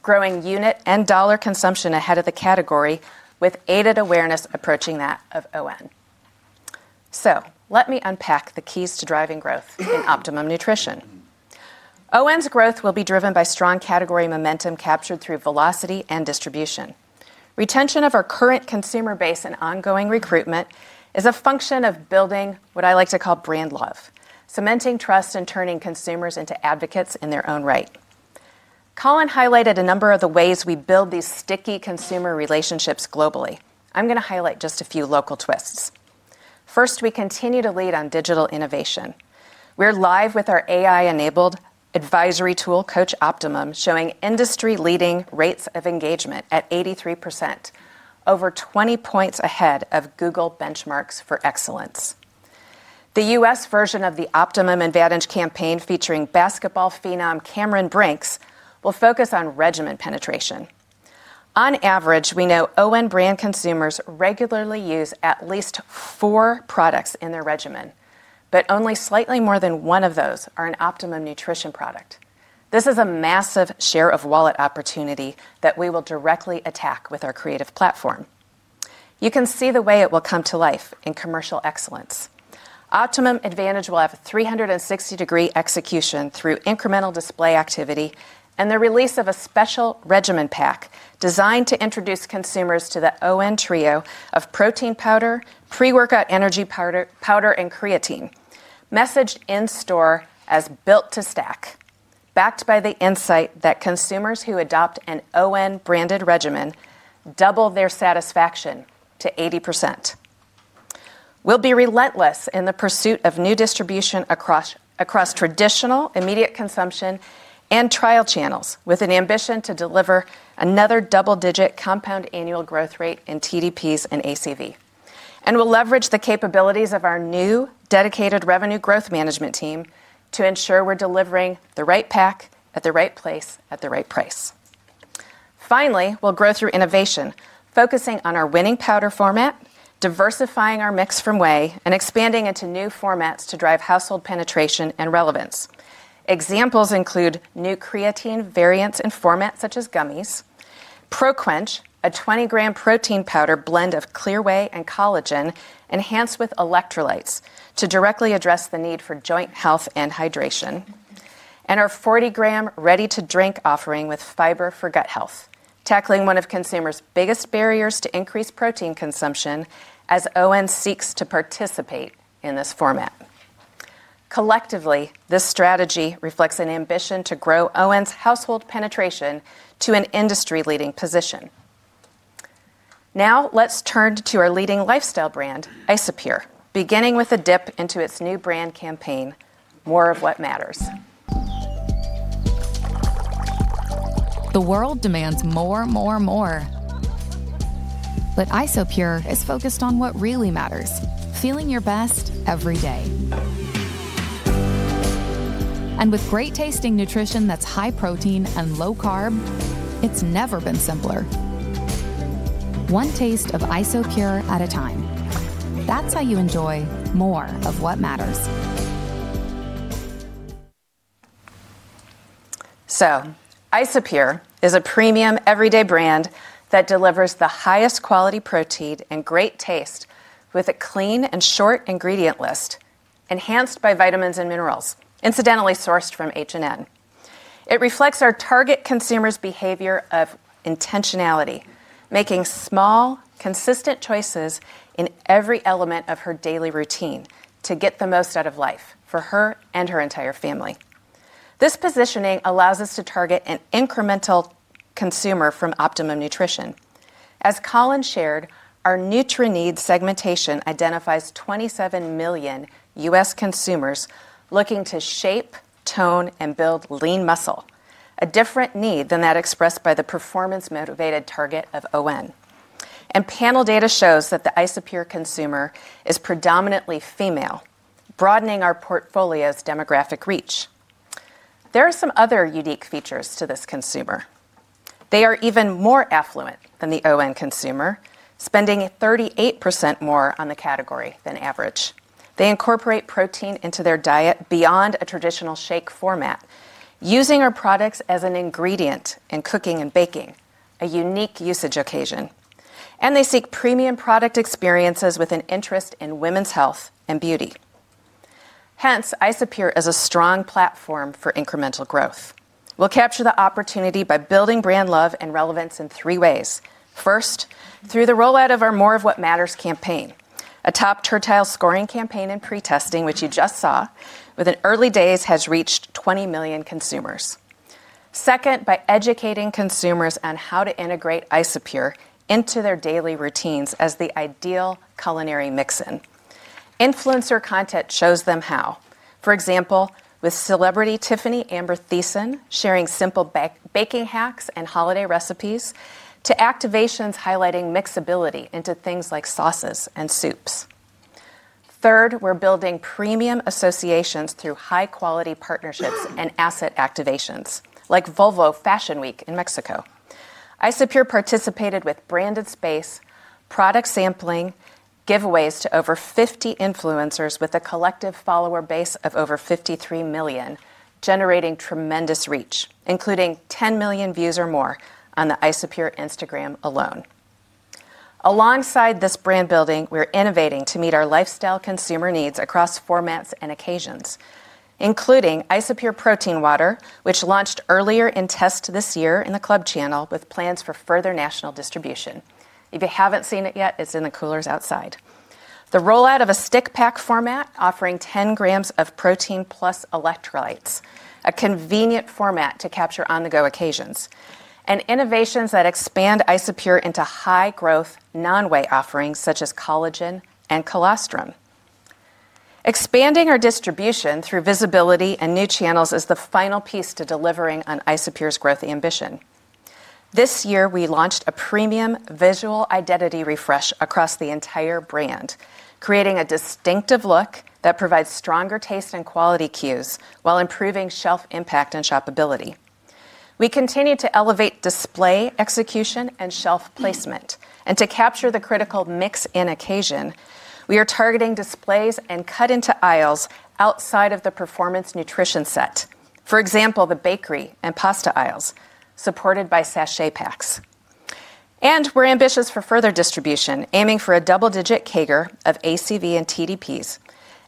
growing unit and dollar consumption ahead of the category, with aided awareness approaching that of ON. Let me unpack the keys to driving growth in Optimum Nutrition. ON's growth will be driven by strong category momentum captured through velocity and distribution. Retention of our current consumer base and ongoing recruitment is a function of building what I like to call brand love, cementing trust and turning consumers into advocates in their own right. Colin highlighted a number of the ways we build these sticky consumer relationships globally. I'm going to highlight just a few local twists. First, we continue to lead on digital innovation. We're live with our AI-enabled advisory tool, Coach Optimum, showing industry-leading rates of engagement at 83%, over 20 percentage points ahead of Google benchmarks for excellence. The U.S. version of the Optimum Advantage campaign, featuring basketball phenom Cameron Brink, will focus on regimen penetration. On average, we know ON brand consumers regularly use at least four products in their regimen, but only slightly more than one of those are an Optimum Nutrition product. This is a massive share of wallet opportunity that we will directly attack with our creative platform. You can see the way it will come to life in commercial excellence. Optum Advantage will have a 360-degree execution through incremental display activity and the release of a special regimen pack designed to introduce consumers to the ON trio of protein powder, pre-workout energy powder, and creatine, messaged in store as built to stack, backed by the insight that consumers who adopt an ON branded regimen double their satisfaction to 80%. We will be relentless in the pursuit of new distribution across traditional immediate consumption and trial channels, with an ambition to deliver another double-digit compound annual growth rate in TDPs and ACV. We will leverage the capabilities of our new dedicated revenue growth management team to ensure we are delivering the right pack at the right place at the right price. Finally, we will grow through innovation, focusing on our winning powder format, diversifying our mix from whey, and expanding into new formats to drive household penetration and relevance. Examples include new creatine variants and formats such as gummies, ProQuench, a 20-gram protein powder blend of clear whey and collagen enhanced with electrolytes to directly address the need for joint health and hydration, and our 40-gram ready-to-drink offering with fiber for gut health, tackling one of consumers' biggest barriers to increased protein consumption as ON seeks to participate in this format. Collectively, this strategy reflects an ambition to grow ON's household penetration to an industry-leading position. Now, let's turn to our leading lifestyle brand, Isopure, beginning with a dip into its new brand campaign, More of What Matters. The world demands more, more, more. Isopure is focused on what really matters: feeling your best every day. With great-tasting nutrition that's high protein and low carb, it's never been simpler. One taste of Isopure at a time. That's how you enjoy more of what matters. Isopure is a premium everyday brand that delivers the highest quality protein and great taste with a clean and short ingredient list, enhanced by vitamins and minerals, incidentally sourced from H&N. It reflects our target consumer's behavior of intentionality, making small, consistent choices in every element of her daily routine to get the most out of life for her and her entire family. This positioning allows us to target an incremental consumer from Optimum Nutrition. As Colin shared, our nutri-need segmentation identifies 27 million U.S. consumers looking to shape, tone, and build lean muscle, a different need than that expressed by the performance-motivated target of ON. Panel data shows that the Isopure consumer is predominantly female, broadening our portfolio's demographic reach. There are some other unique features to this consumer. They are even more affluent than the ON consumer, spending 38% more on the category than average. They incorporate protein into their diet beyond a traditional shake format, using our products as an ingredient in cooking and baking, a unique usage occasion. They seek premium product experiences with an interest in women's health and beauty. Hence, Isopure is a strong platform for incremental growth. We'll capture the opportunity by building brand love and relevance in three ways. First, through the rollout of our More of What Matters campaign, a top-tertile scoring campaign in pre-testing, which you just saw, within early days has reached 20 million consumers. Second, by educating consumers on how to integrate Isopure into their daily routines as the ideal culinary mix-in. Influencer content shows them how, for example, with celebrity Tiffani Amber Thiessen sharing simple baking hacks and holiday recipes to activations highlighting mixability into things like sauces and soups. Third, we're building premium associations through high-quality partnerships and asset activations, like Volvo Fashion Week in Mexico. Isopure participated with branded space, product sampling, giveaways to over 50 influencers with a collective follower base of over 53 million, generating tremendous reach, including 10 million views or more on the Isopure Instagram alone. Alongside this brand building, we're innovating to meet our lifestyle consumer needs across formats and occasions, including Isopure Protein Water, which launched earlier in test this year in the Club channel with plans for further national distribution. If you haven't seen it yet, it's in the coolers outside. The rollout of a stick pack format offering 10 grams of protein + electrolytes, a convenient format to capture on-the-go occasions, and innovations that expand Isopure into high-growth non-weight offerings such as collagen and colostrum. Expanding our distribution through visibility and new channels is the final piece to delivering on Isopure's growth ambition. This year, we launched a premium visual identity refresh across the entire brand, creating a distinctive look that provides stronger taste and quality cues while improving shelf impact and shoppability. We continue to elevate display execution and shelf placement. To capture the critical mix-in occasion, we are targeting displays and cut-into aisles outside of the performance nutrition set, for example, the bakery and pasta aisles, supported by sachet packs. We are ambitious for further distribution, aiming for a double-digit CAGR of ACV and TDPs,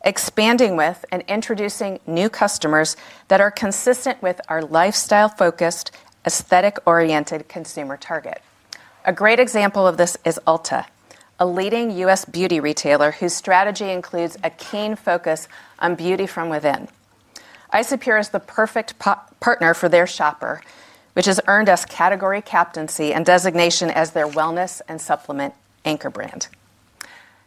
expanding with and introducing new customers that are consistent with our lifestyle-focused, aesthetic-oriented consumer target. A great example of this is Ulta, a leading U.S. beauty retailer whose strategy includes a keen focus on beauty from within. Isopure is the perfect partner for their shopper, which has earned us category captaincy and designation as their wellness and supplement anchor brand.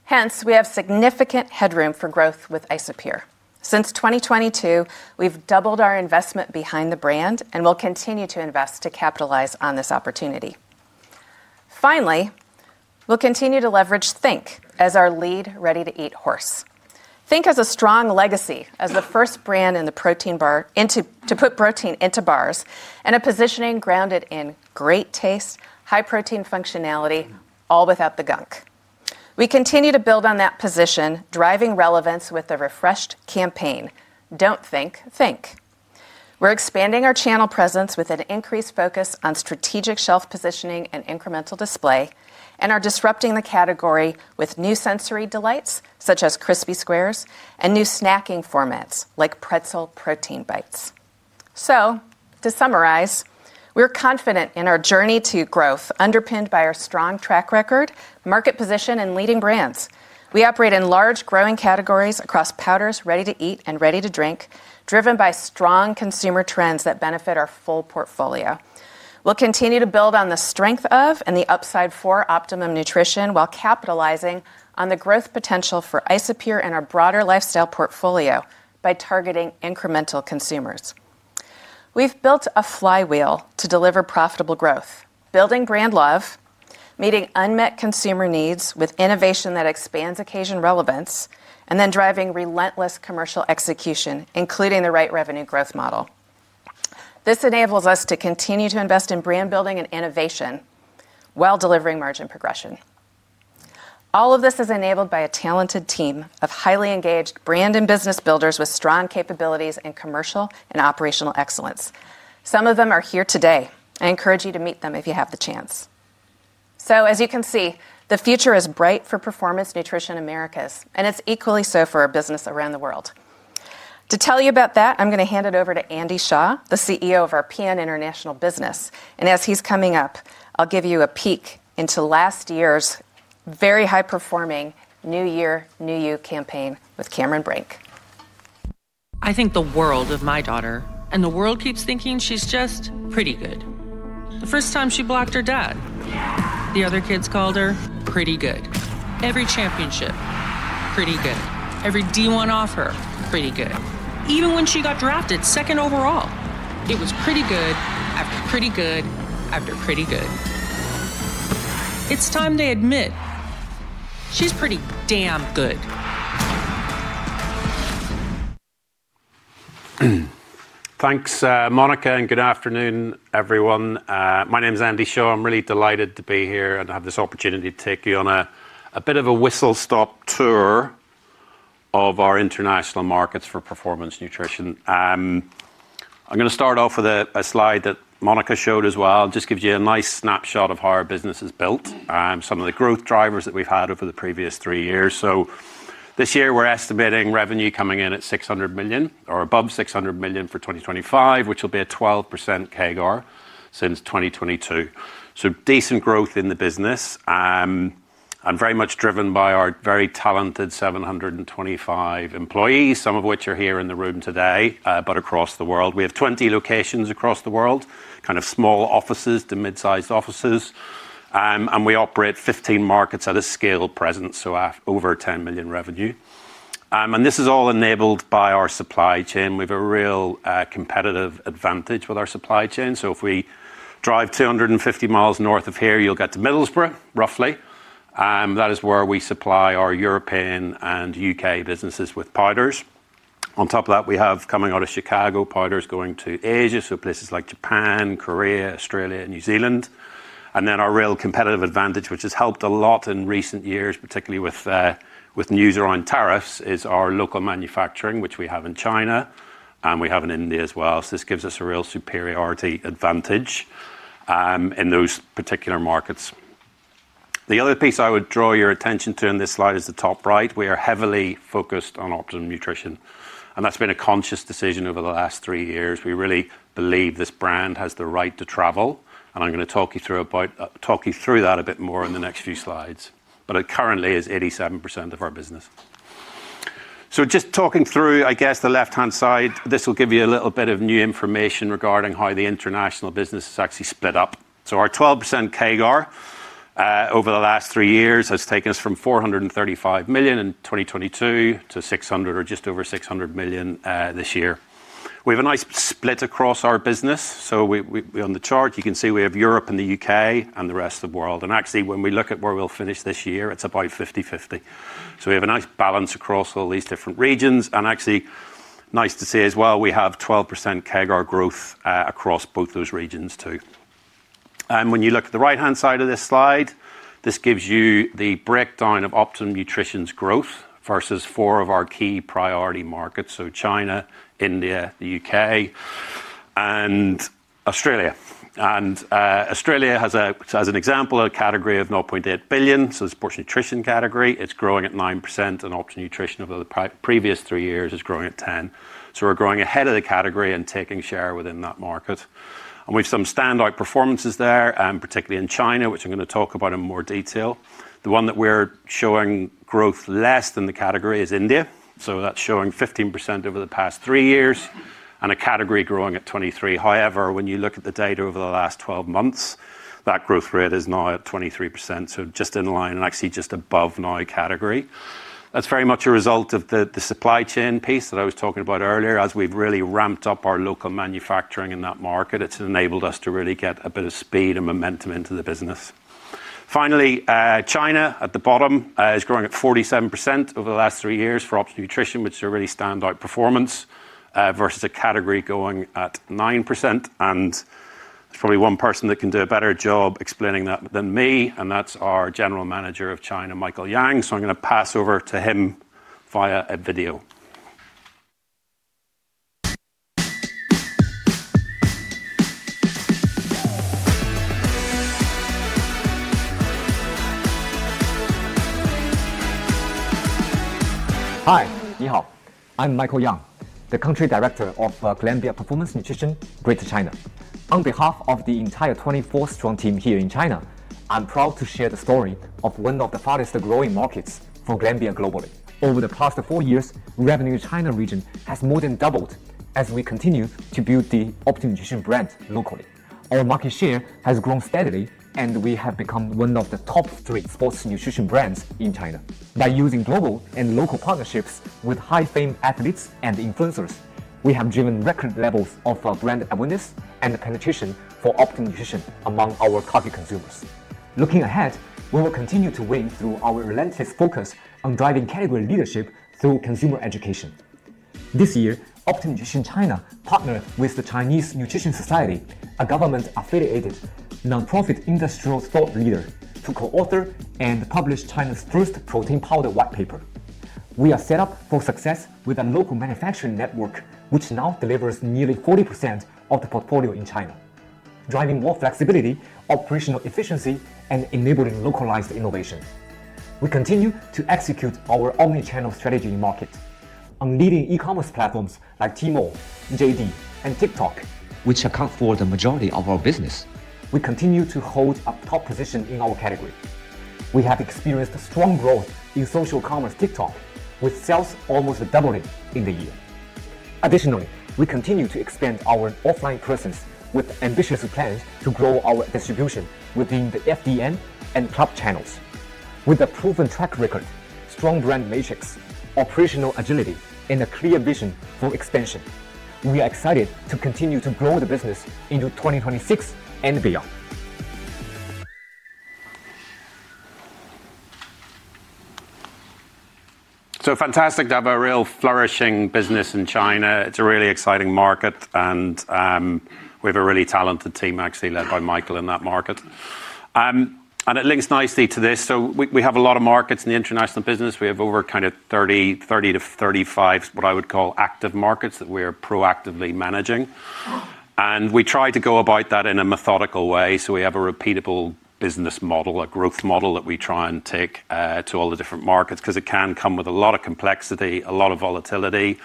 Hence, we have significant headroom for growth with Isopure. Since 2022, we've doubled our investment behind the brand and will continue to invest to capitalize on this opportunity. Finally, we'll continue to leverage Think as our lead ready-to-eat horse. Think has a strong legacy as the first brand in the protein bar to put protein into bars and a positioning grounded in great taste, high-protein functionality, all without the gunk. We continue to build on that position, driving relevance with a refreshed campaign, Don't Think, Think. We're expanding our channel presence with an increased focus on strategic shelf positioning and incremental display, and are disrupting the category with new sensory delights such as Crispy Squares and new snacking formats like pretzel protein bites. To summarize, we're confident in our journey to growth underpinned by our strong track record, market position, and leading brands. We operate in large growing categories across powders, ready-to-eat, and ready-to-drink, driven by strong consumer trends that benefit our full portfolio. We'll continue to build on the strength of and the upside for Optimum Nutrition while capitalizing on the growth potential for Isopure and our broader lifestyle portfolio by targeting incremental consumers. We've built a flywheel to deliver profitable growth, building brand love, meeting unmet consumer needs with innovation that expands occasion relevance, and then driving relentless commercial execution, including the right revenue growth model. This enables us to continue to invest in brand building and innovation while delivering margin progression. All of this is enabled by a talented team of highly engaged brand and business builders with strong capabilities and commercial and operational excellence. Some of them are here today. I encourage you to meet them if you have the chance. As you can see, the future is bright for Performance Nutrition Americas, and it's equally so for our business around the world. To tell you about that, I'm going to hand it over to Andy Shaw, the CEO of our PN International Business. As he's coming up, I'll give you a peek into last year's very high-performing New Year, New You campaign with Cameron Brink. I think the world of my daughter, and the world keeps thinking she's just pretty good. The first time she blocked her dad, the other kids called her pretty good. Every championship, pretty good. Every D1 offer, pretty good. Even when she got drafted second overall, it was pretty good after pretty good after pretty good. It's time they admit she's pretty damn good. Thanks, Monica, and good afternoon, everyone. My name is Andy Shaw. I'm really delighted to be here and have this opportunity to take you on a bit of a whistle-stop tour of our international markets for Performance Nutrition. I'm going to start off with a slide that Monica showed as well. It just gives you a nice snapshot of how our business is built, some of the growth drivers that we've had over the previous three years. This year, we're estimating revenue coming in at $600 million or above $600 million for 2025, which will be a 12% CAGR since 2022. Decent growth in the business and very much driven by our very talented 725 employees, some of which are here in the room today, but across the world. We have 20 locations across the world, kind of small offices to mid-sized offices. We operate in 15 markets at a scale present, so over $10 million revenue. This is all enabled by our supply chain. We have a real competitive advantage with our supply chain. If we drive 250 mi north of here, you'll get to Middlesbrough, roughly. That is where we supply our European and U.K. businesses with powders. On top of that, we have coming out of Chicago, powders going to Asia, so places like Japan, Korea, Australia, and New Zealand. Our real competitive advantage, which has helped a lot in recent years, particularly with news around tariffs, is our local manufacturing, which we have in China, and we have in India as well. This gives us a real superiority advantage in those particular markets. The other piece I would draw your attention to in this slide is the top right. We are heavily focused on Optimum Nutrition. That's been a conscious decision over the last three years. We really believe this brand has the right to travel. I'm going to talk you through that a bit more in the next few slides. It currently is 87% of our business. Just talking through, I guess, the left-hand side, this will give you a little bit of new information regarding how the international business is actually split up. Our 12% CAGR over the last three years has taken us from $435 million in 2022 to $600 million or just over $600 million this year. We have a nice split across our business. On the chart, you can see we have Europe and the U.K. and the rest of the world. Actually, when we look at where we'll finish this year, it's about 50-50. We have a nice balance across all these different regions. Actually, nice to see as well, we have 12% CAGR growth across both those regions, too. When you look at the right-hand side of this slide, this gives you the breakdown of Optimum Nutrition's growth versus four of our key priority markets, so China, India, the U.K., and Australia. Australia has, as an example, a category of $0.8 billion, so it's a portion nutrition category. It's growing at 9%, and Optimum Nutrition over the previous three years is growing at 10%. We're growing ahead of the category and taking share within that market. We have some standout performances there, particularly in China, which I'm going to talk about in more detail. The one that we're showing growth less than the category is India. That's showing 15% over the past three years and a category growing at 23%. However, when you look at the data over the last 12 months, that growth rate is now at 23%, just in line, and actually just above now a category. That's very much a result of the supply chain piece that I was talking about earlier. As we've really ramped up our local manufacturing in that market, it's enabled us to really get a bit of speed and momentum into the business. Finally, China at the bottom is growing at 47% over the last three years for Optimum Nutrition, which is a really standout performance versus a category going at 9%. There is probably one person that can do a better job explaining that than me, and that is our General Manager of China, Michael Yang. I am going to pass over to him via a video. Hi, Nihao. I am Michael Yang, the Country Director of Glanbia Performance Nutrition, Greater China. On behalf of the entire 24-strong team here in China, I am proud to share the story of one of the fastest growing markets for Glanbia globally. Over the past four years, revenue in the China region has more than doubled as we continue to build the Optimum Nutrition brand locally. Our market share has grown steadily, and we have become one of the top three sports nutrition brands in China. By using global and local partnerships with high-fame athletes and influencers, we have driven record levels of brand awareness and penetration for Optimum Nutrition among our target consumers. Looking ahead, we will continue to win through our relentless focus on driving category leadership through consumer education. This year, Optimum Nutrition China partnered with the Chinese Nutrition Society, a government-affiliated nonprofit industrial thought leader, to co-author and publish China's first protein powder white paper. We are set up for success with a local manufacturing network, which now delivers nearly 40% of the portfolio in China, driving more flexibility, operational efficiency, and enabling localized innovation. We continue to execute our omnichannel strategy in market. On leading e-commerce platforms like Tmall, JD.com, and TikTok, which account for the majority of our business, we continue to hold a top position in our category. We have experienced strong growth in social commerce TikTok, with sales almost doubling in the year. Additionally, we continue to expand our offline presence with ambitious plans to grow our distribution within the FDN and club channels. With a proven track record, strong brand matrix, operational agility, and a clear vision for expansion, we are excited to continue to grow the business into 2026 and beyond. Fantastic to have a real flourishing business in China. It's a really exciting market, and we have a really talented team, actually led by Michael in that market. It links nicely to this. We have a lot of markets in the international business. We have over 30-35, what I would call active markets that we are proactively managing. We try to go about that in a methodical way. We have a repeatable business model, a growth model that we try and take to all the different markets because it can come with a lot of complexity, a lot of volatility.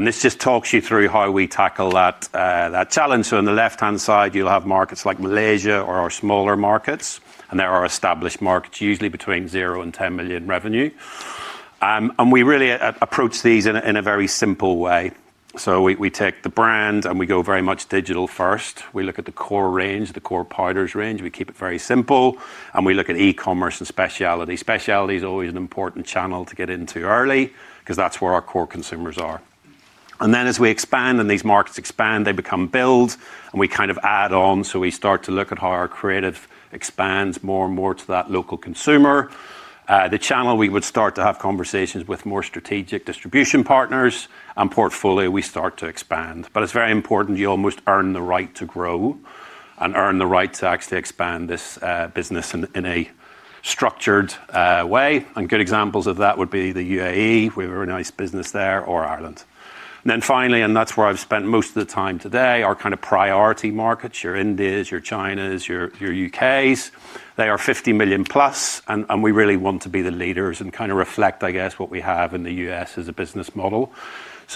This just talks you through how we tackle that challenge. On the left-hand side, you'll have markets like Malaysia or our smaller markets, and there are established markets, usually between $0 and $10 million revenue. We really approach these in a very simple way. We take the brand and we go very much digital first. We look at the core range, the core powders range. We keep it very simple, and we look at e-commerce and specialty. Specialty is always an important channel to get into early because that's where our core consumers are. As we expand and these markets expand, they become billed, and we kind of add on. We start to look at how our creative expands more and more to that local consumer. The channel we would start to have conversations with more strategic distribution partners and portfolio, we start to expand. It's very important you almost earn the right to grow and earn the right to actually expand this business in a structured way. Good examples of that would be the UAE, we have a very nice business there, or Ireland. Finally, and that's where I've spent most of the time today, our kind of priority markets, your Indias, your Chinas, your U.K.s. They are $50 million +, and we really want to be the leaders and kind of reflect, I guess, what we have in the U.S. as a business model.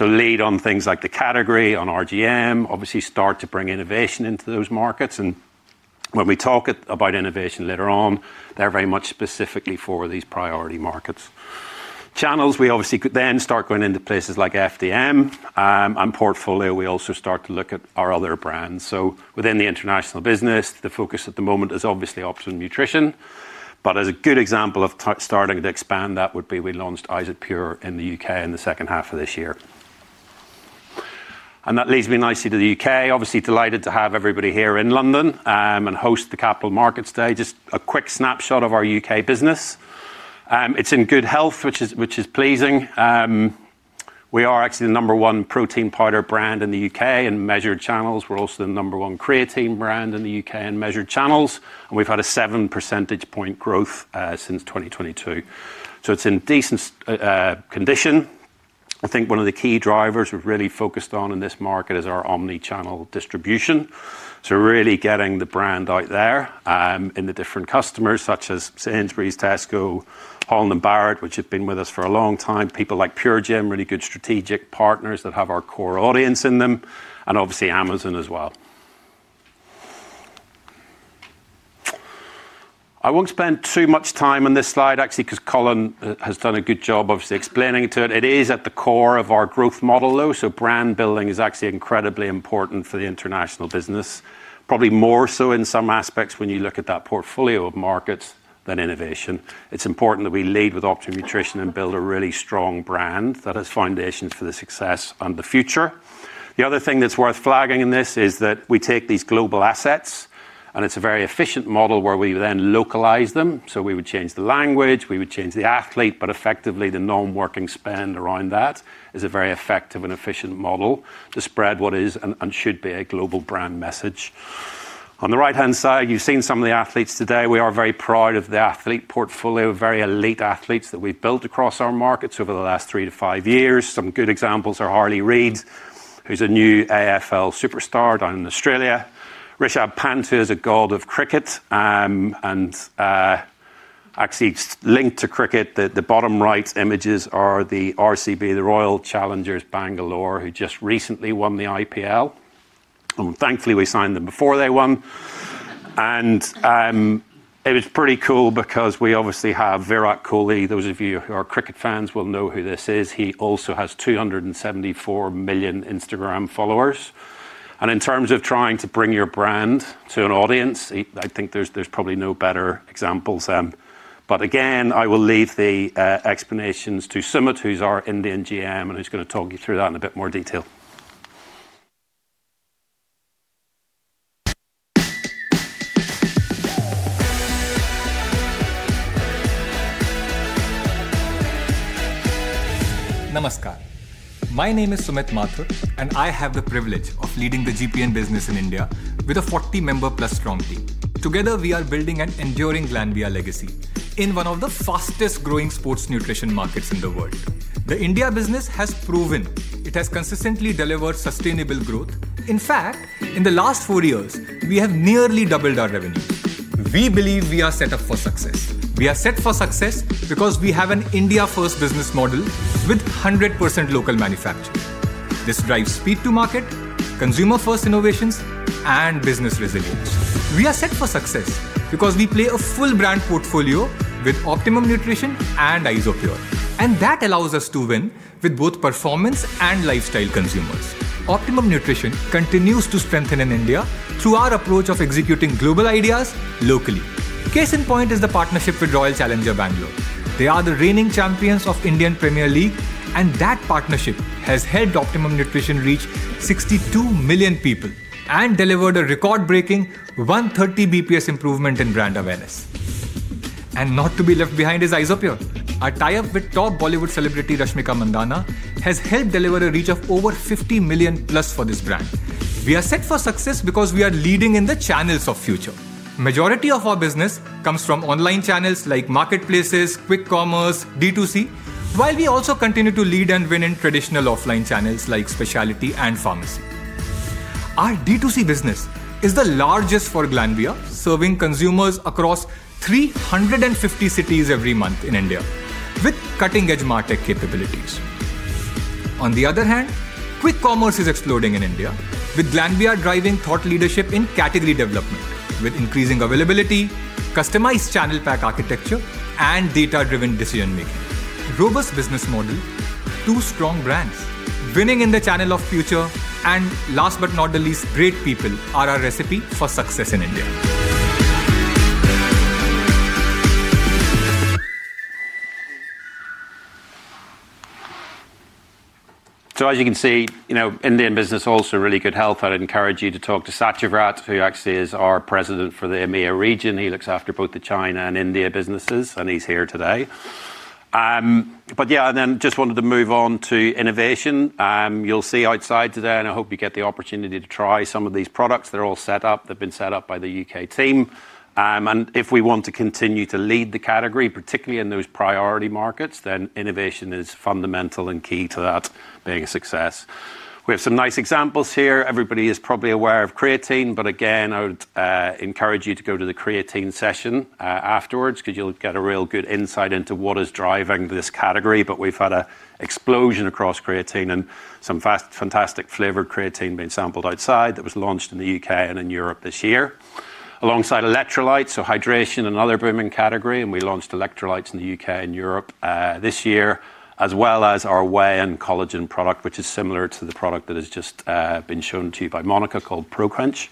Lead on things like the category, on RGM, obviously start to bring innovation into those markets. When we talk about innovation later on, they're very much specifically for these priority markets. Channels, we obviously then start going into places like FDM and portfolio. We also start to look at our other brands. Within the international business, the focus at the moment is obviously Optimum Nutrition. As a good example of starting to expand, that would be we launched Isopure in the U.K. in the second half of this year. That leads me nicely to the U.K. Obviously delighted to have everybody here in London and host the capital markets today. Just a quick snapshot of our U.K. business. It's in good health, which is pleasing. We are actually the number one protein powder brand in the U.K. in measured channels. We're also the number one creatine brand in the U.K. in measured channels. We've had a seven percentage point growth since 2022. It's in decent condition. I think one of the key drivers we've really focused on in this market is our omnichannel distribution. Really getting the brand out there in the different customers such as Sainsbury's, Tesco, Holland & Barrett, which have been with us for a long time. People like PureGym, really good strategic partners that have our core audience in them, and obviously Amazon as well. I won't spend too much time on this slide, actually, because Colin has done a good job of explaining to it. It is at the core of our growth model, though. Brand building is actually incredibly important for the international business, probably more so in some aspects when you look at that portfolio of markets than innovation. It's important that we lead with Optimum Nutrition and build a really strong brand that has foundations for the success and the future. The other thing that's worth flagging in this is that we take these global assets, and it's a very efficient model where we then localize them. We would change the language, we would change the athlete, but effectively the non-working spend around that is a very effective and efficient model to spread what is and should be a global brand message. On the right-hand side, you've seen some of the athletes today. We are very proud of the athlete portfolio, very elite athletes that we've built across our markets over the last three to five years. Some good examples are Harley Reid, who's a new AFL superstar down in Australia. Rishabh Pant, who is a god of cricket and actually linked to cricket. The bottom right images are the RCB, the Royal Challengers Bengaluru, who just recently won the IPL. Thankfully, we signed them before they won. It was pretty cool because we obviously have Virat Kohli. Those of you who are cricket fans will know who this is. He also has 274 million Instagram followers. In terms of trying to bring your brand to an audience, I think there's probably no better examples than. I will leave the explanations to Sumit, who's our Indian GM, and who's going to talk you through that in a bit more detail. नमस्कार. My name is Sumit Mathur, and I have the privilege of leading the GPN business in India with a 40-member- + strong team. Together, we are building an enduring Glanbia legacy in one of the fastest-growing sports nutrition markets in the world. The India business has proven it has consistently delivered sustainable growth. In fact, in the last four years, we have nearly doubled our revenue. We believe we are set up for success. We are set for success because we have an India-first business model with 100% local manufacturing. This drives speed to market, consumer-first innovations, and business resilience. We are set for success because we play a full brand portfolio with Optimum Nutrition and Isopure. That allows us to win with both performance and lifestyle consumers. Optimum Nutrition continues to strengthen in India through our approach of executing global ideas locally. Case in point is the partnership with Royal Challengers Bengaluru. They are the reigning champions of the Indian Premier League, and that partnership has helped Optimum Nutrition reach 62 million people and delivered a record-breaking 130 basis points improvement in brand awareness. Not to be left behind is Isopure. A tie-up with top Bollywood celebrity Rashmika Mandanna has helped deliver a reach of over 50 million + for this brand. We are set for success because we are leading in the channels of future. The majority of our business comes from online channels like marketplaces, quick commerce, D2C, while we also continue to lead and win in traditional offline channels like specialty and pharmacy. Our D2C business is the largest for Glanbia, serving consumers across 350 cities every month in India, with cutting-edge martech capabilities. On the other hand, quick commerce is exploding in India, with Glanbia driving thought leadership in category development, with increasing availability, customized channel pack architecture, and data-driven decision-making. Robust business model, two strong brands, winning in the channel of future, and last but not the least, great people are our recipe for success in India. As you can see, you know, Indian business also really good health. I'd encourage you to talk to Satcharitra, who actually is our President for the MEA region. He looks after both the China and India businesses, and he's here today. Yeah, I just wanted to move on to innovation. You'll see outside today, and I hope you get the opportunity to try some of these products. They're all set up. They've been set up by the U.K. team. If we want to continue to lead the category, particularly in those priority markets, then innovation is fundamental and key to that being a success. We have some nice examples here. Everybody is probably aware of creatine, but again, I would encourage you to go to the creatine session afterwards because you'll get a real good insight into what is driving this category. We have had an explosion across creatine and some fantastic flavored creatine being sampled outside that was launched in the U.K. and in Europe this year, alongside electrolytes, so hydration and other booming category. We launched electrolytes in the U.K. and Europe this year, as well as our whey and collagen product, which is similar to the product that has just been shown to you by Monica called ProQuench.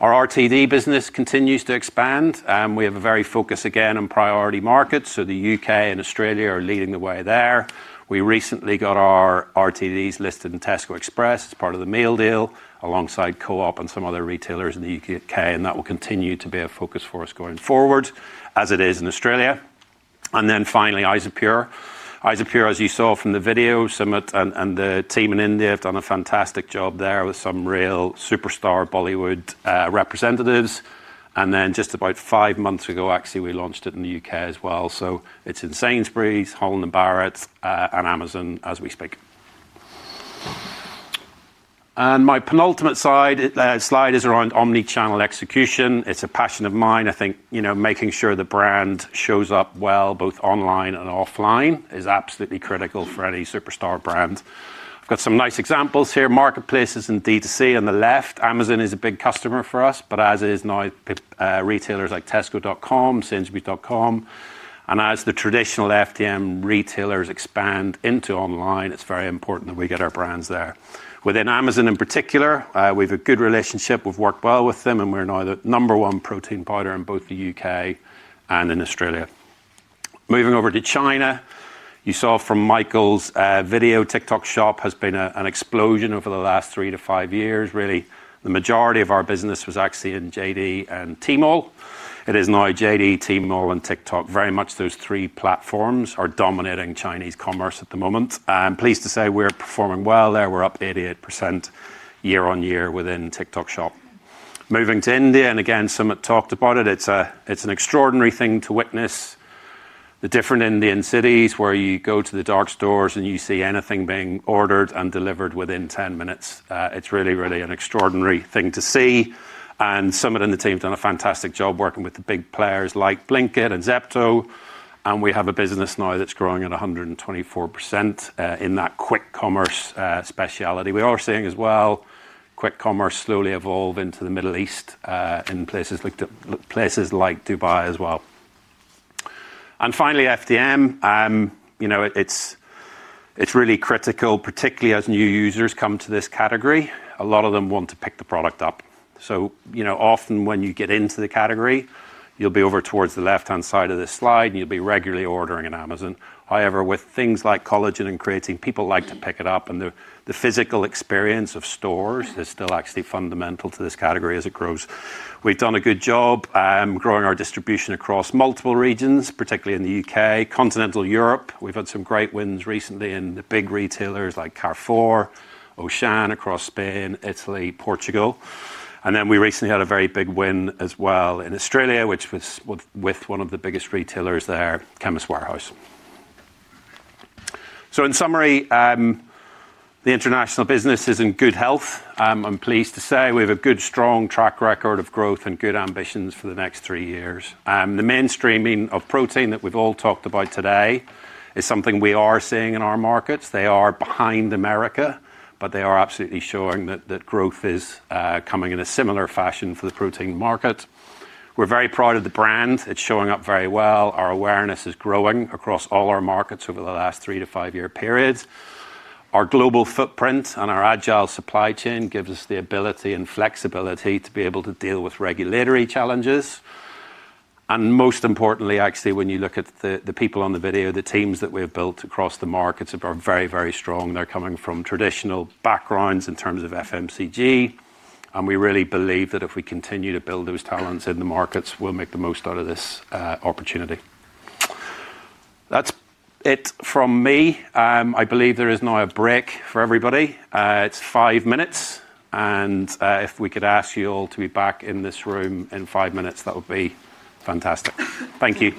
Our RTD business continues to expand, and we have a very focus again on priority markets. The U.K. and Australia are leading the way there. We recently got our RTDs listed in Tesco Express as part of the meal deal alongside Co-op and some other retailers in the U.K., and that will continue to be a focus for us going forward as it is in Australia. Finally, Isopure. Isopure, as you saw from the video, Sumit and the team in India have done a fantastic job there with some real superstar Bollywood representatives. Just about five months ago, actually, we launched it in the U.K. as well. It is in Sainsbury's, Holland & Barrett, and Amazon as we speak. My penultimate slide is around omnichannel execution. It is a passion of mine. I think, you know, making sure the brand shows up well, both online and offline, is absolutely critical for any superstar brand. I have got some nice examples here. Marketplaces and D2C on the left. Amazon is a big customer for us, but as is now, retailers like Tesco.com, Sainsbury's.com. As the traditional FDM retailers expand into online, it is very important that we get our brands there. Within Amazon in particular, we have a good relationship. We've worked well with them, and we're now the number one protein powder in both the U.K. and in Australia. Moving over to China, you saw from Michael's video, TikTok shop has been an explosion over the last three to five years. Really, the majority of our business was actually in JD and Tmall. It is now JD, Tmall, and TikTok. Very much those three platforms are dominating Chinese commerce at the moment. I'm pleased to say we're performing well there. We're up 88% year on year within TikTok shop. Moving to India, and again, Sumit talked about it. It's an extraordinary thing to witness the different Indian cities where you go to the dark stores and you see anything being ordered and delivered within 10 minutes. It's really, really an extraordinary thing to see. Sumit and the team have done a fantastic job working with the big players like Blinkit and Zepto. We have a business now that's growing at 124% in that quick commerce specialty. We are seeing as well quick commerce slowly evolve into the Middle East in places like Dubai as well. Finally, FDM, you know, it's really critical, particularly as new users come to this category. A lot of them want to pick the product up. You know, often when you get into the category, you'll be over towards the left-hand side of this slide, and you'll be regularly ordering on Amazon. However, with things like collagen and creatine, people like to pick it up, and the physical experience of stores is still actually fundamental to this category as it grows. We've done a good job growing our distribution across multiple regions, particularly in the U.K., continental Europe. We've had some great wins recently in the big retailers like Carrefour, Auchan across Spain, Italy, Portugal. We recently had a very big win as well in Australia, which was with one of the biggest retailers there, Chemist Warehouse. In summary, the international business is in good health. I'm pleased to say we have a good, strong track record of growth and good ambitions for the next three years. The mainstreaming of protein that we've all talked about today is something we are seeing in our markets. They are behind America, but they are absolutely showing that growth is coming in a similar fashion for the protein market. We're very proud of the brand. It's showing up very well. Our awareness is growing across all our markets over the last three to five year periods. Our global footprint and our agile supply chain gives us the ability and flexibility to be able to deal with regulatory challenges. Most importantly, actually, when you look at the people on the video, the teams that we have built across the markets are very, very strong. They're coming from traditional backgrounds in terms of FMCG. We really believe that if we continue to build those talents in the markets, we'll make the most out of this opportunity. That's it from me. I believe there is now a break for everybody. It's five minutes. If we could ask you all to be back in this room in five minutes, that would be fantastic. Thank you.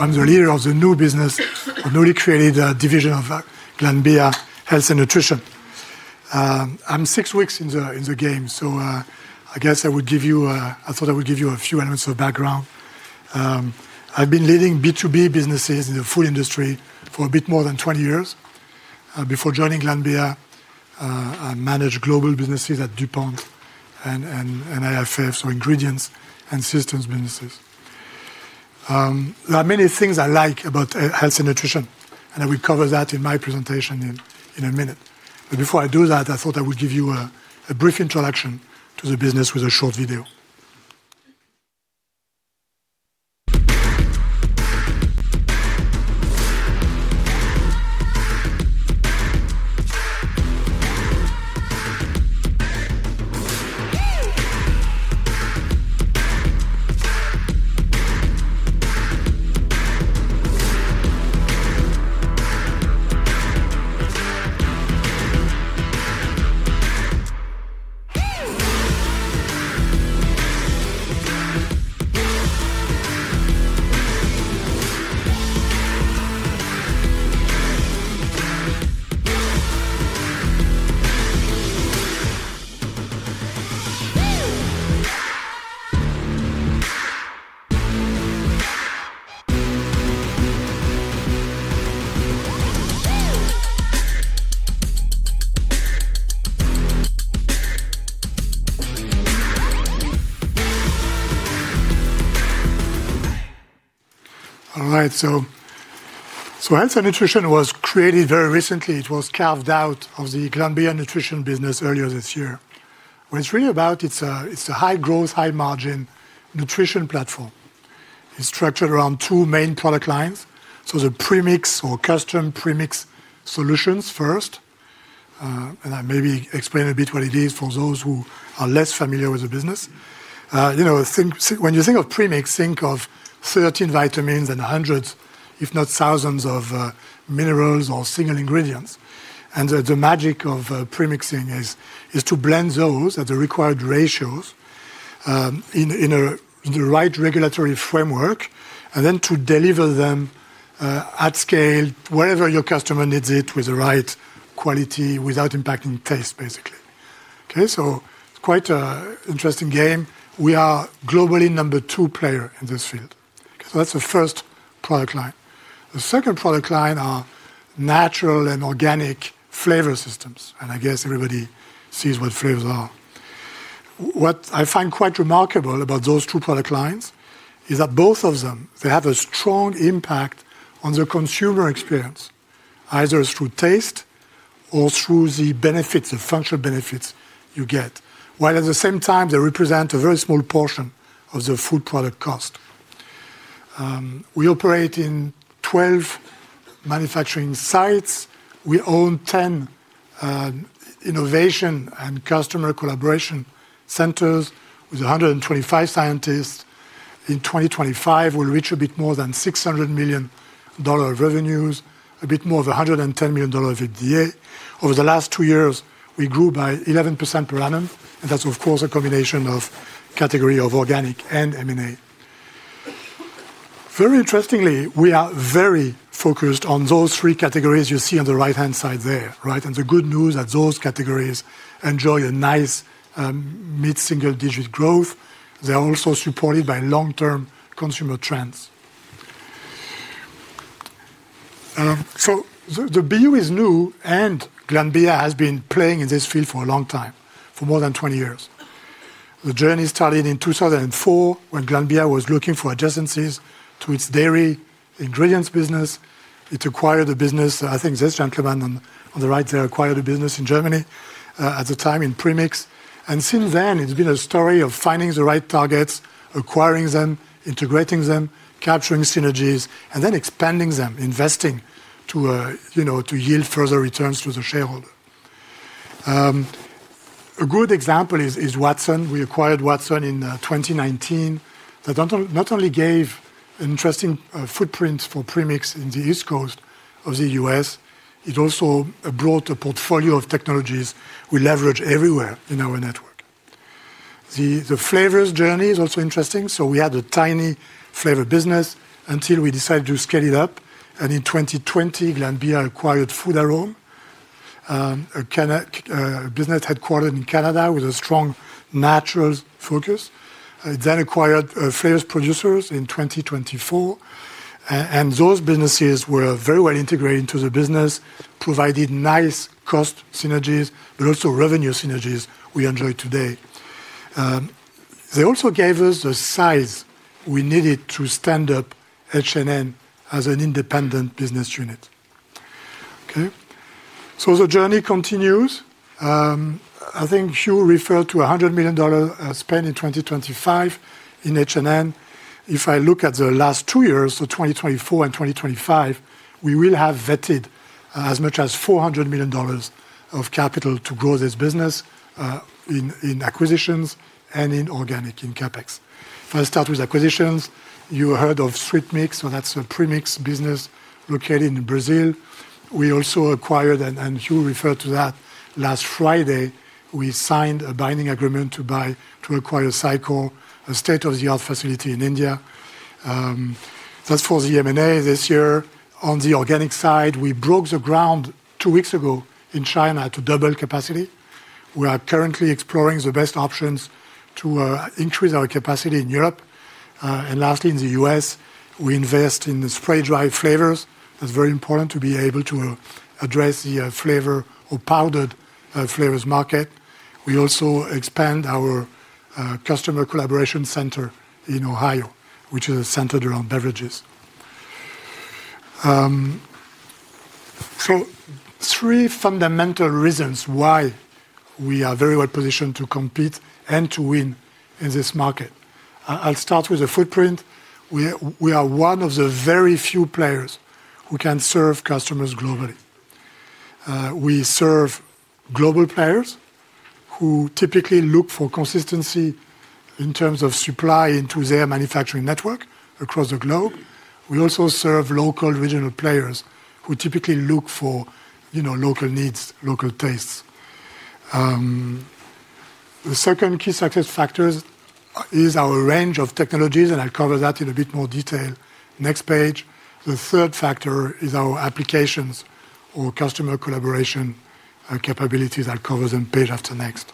I'm the new leader. I'm the leader of the new business. I've newly created a division of Glanbia Health and Nutrition. I'm six weeks in the game, so I guess I would give you a—I thought I would give you a few elements of background. I've been leading B2B businesses in the food industry for a bit more than 20 years. Before joining Glanbia, I managed global businesses at DuPont and IFF, so ingredients and systems businesses. There are many things I like about health and nutrition, and I will cover that in my presentation in a minute. Before I do that, I thought I would give you a brief introduction to the business with a short video. All right, health and nutrition was created very recently. It was carved out of the Glanbia nutrition business earlier this year. What it's really about, it's a high growth, high margin nutrition platform. It's structured around two main product lines. The premix or custom premix solutions first. I maybe explain a bit what it is for those who are less familiar with the business. You know, when you think of premix, think of 13 vitamins and hundreds, if not thousands, of minerals or single ingredients. The magic of premixing is to blend those at the required ratios in the right regulatory framework, and then to deliver them at scale, wherever your customer needs it, with the right quality, without impacting taste, basically. Okay, so it's quite an interesting game. We are globally number two player in this field. That's the first product line. The second product line are natural and organic flavor systems. I guess everybody sees what flavors are. What I find quite remarkable about those two product lines is that both of them, they have a strong impact on the consumer experience, either through taste or through the benefits, the functional benefits you get, while at the same time, they represent a very small portion of the food product cost. We operate in 12 manufacturing sites. We own 10 innovation and customer collaboration centers with 125 scientists. In 2025, we'll reach a bit more than $600 million of revenues, a bit more of $110 million of EBITDA. Over the last two years, we grew by 11% per annum. That is, of course, a combination of categories of organic and M&A. Very interestingly, we are very focused on those three categories you see on the right-hand side there, right? The good news is that those categories enjoy a nice mid-single digit growth. They're also supported by long-term consumer trends. The BU is new, and Glanbia has been playing in this field for a long time, for more than 20 years. The journey started in 2004 when Glanbia was looking for adjacencies to its dairy ingredients business. It acquired a business. I think this gentleman on the right there acquired a business in Germany at the time in premix. Since then, it's been a story of finding the right targets, acquiring them, integrating them, capturing synergies, and then expanding them, investing to yield further returns to the shareholder. A good example is Watson. We acquired Watson in 2019. That not only gave an interesting footprint for premix in the East Coast of the U.S., it also brought a portfolio of technologies we leverage everywhere in our network. The flavors journey is also interesting. We had a tiny flavor business until we decided to scale it up. In 2020, Glanbia acquired Food Arome, a business headquartered in Canada with a strong natural focus. It then acquired Flavor Producers in 2024. Those businesses were very well integrated into the business, provided nice cost synergies, but also revenue synergies we enjoy today. They also gave us the size we needed to stand up H&M as an independent business unit. Okay, the journey continues. I think Hugh referred to $100 million spent in 2025 in H&M. If I look at the last two years, 2024 and 2025, we will have vetted as much as $400 million of capital to grow this business in acquisitions and in organic, in CapEx. If I start with acquisitions, you heard of Sweet Mix. That is a premix business located in Brazil. We also acquired, and Hugh referred to that last Friday, we signed a binding agreement to acquire Sycor, a state-of-the-art facility in India. That's for the M&A this year. On the organic side, we broke the ground two weeks ago in China to double capacity. We are currently exploring the best options to increase our capacity in Europe. Lastly, in the U.S., we invest in spray-dry flavors. That's very important to be able to address the flavor or powdered flavors market. We also expand our customer collaboration center in Ohio, which is centered around beverages. Three fundamental reasons why we are very well positioned to compete and to win in this market. I'll start with the footprint. We are one of the very few players who can serve customers globally. We serve global players who typically look for consistency in terms of supply into their manufacturing network across the globe. We also serve local regional players who typically look for local needs, local tastes. The second key success factor is our range of technologies, and I'll cover that in a bit more detail next page. The third factor is our applications or customer collaboration capabilities. I'll cover them page after next.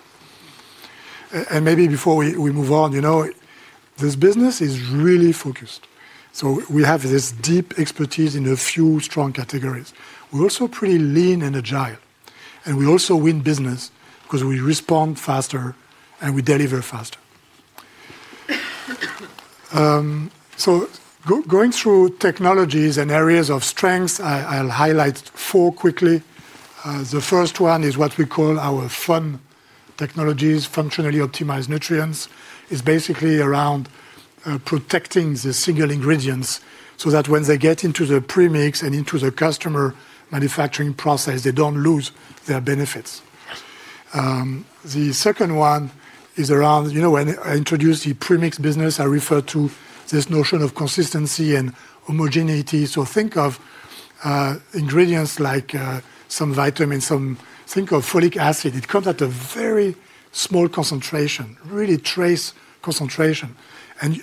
Maybe before we move on, you know, this business is really focused. We have this deep expertise in a few strong categories. We're also pretty lean and agile. We also win business because we respond faster and we deliver faster. Going through technologies and areas of strength, I'll highlight four quickly. The first one is what we call our FON technologies, functionally optimized nutrients. It's basically around protecting the single ingredients so that when they get into the premix and into the customer manufacturing process, they don't lose their benefits. The second one is around, you know, when I introduced the premix business, I referred to this notion of consistency and homogeneity. Think of ingredients like some vitamins, some think of folic acid. It comes at a very small concentration, really trace concentration.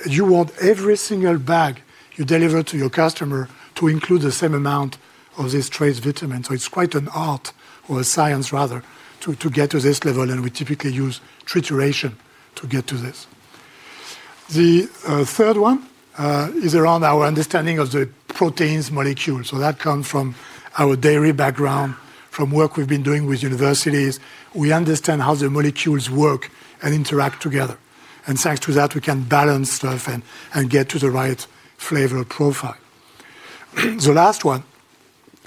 You want every single bag you deliver to your customer to include the same amount of this trace vitamin. It's quite an art or a science, rather, to get to this level. We typically use trituration to get to this. The third one is around our understanding of the proteins molecules. That comes from our dairy background, from work we've been doing with universities. We understand how the molecules work and interact together. Thanks to that, we can balance stuff and get to the right flavor profile. The last one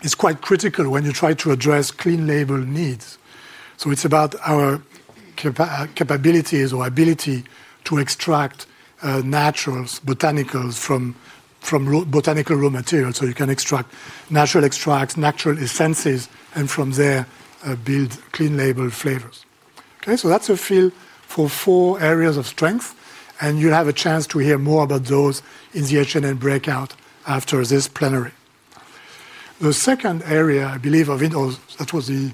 is quite critical when you try to address clean label needs. It's about our capabilities or ability to extract natural botanicals from botanical raw materials. You can extract natural extracts, natural essences, and from there build clean label flavors. That's a field for four areas of strength. You'll have a chance to hear more about those in the H&M breakout after this plenary. The second area, I believe, of interest, that was the,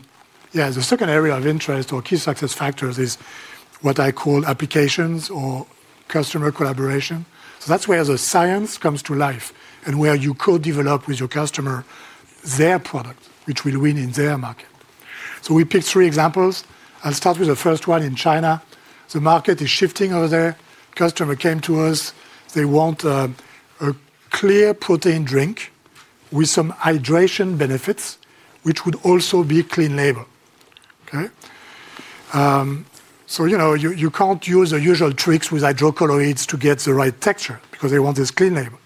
yeah, the second area of interest or key success factors is what I call applications or customer collaboration. That's where the science comes to life and where you co-develop with your customer their product, which will win in their market. We picked three examples. I'll start with the first one in China. The market is shifting over there. Customer came to us. They want a clear protein drink with some hydration benefits, which would also be clean label. Okay, so you know, you can't use the usual tricks with hydrocolloids to get the right texture because they want this clean label.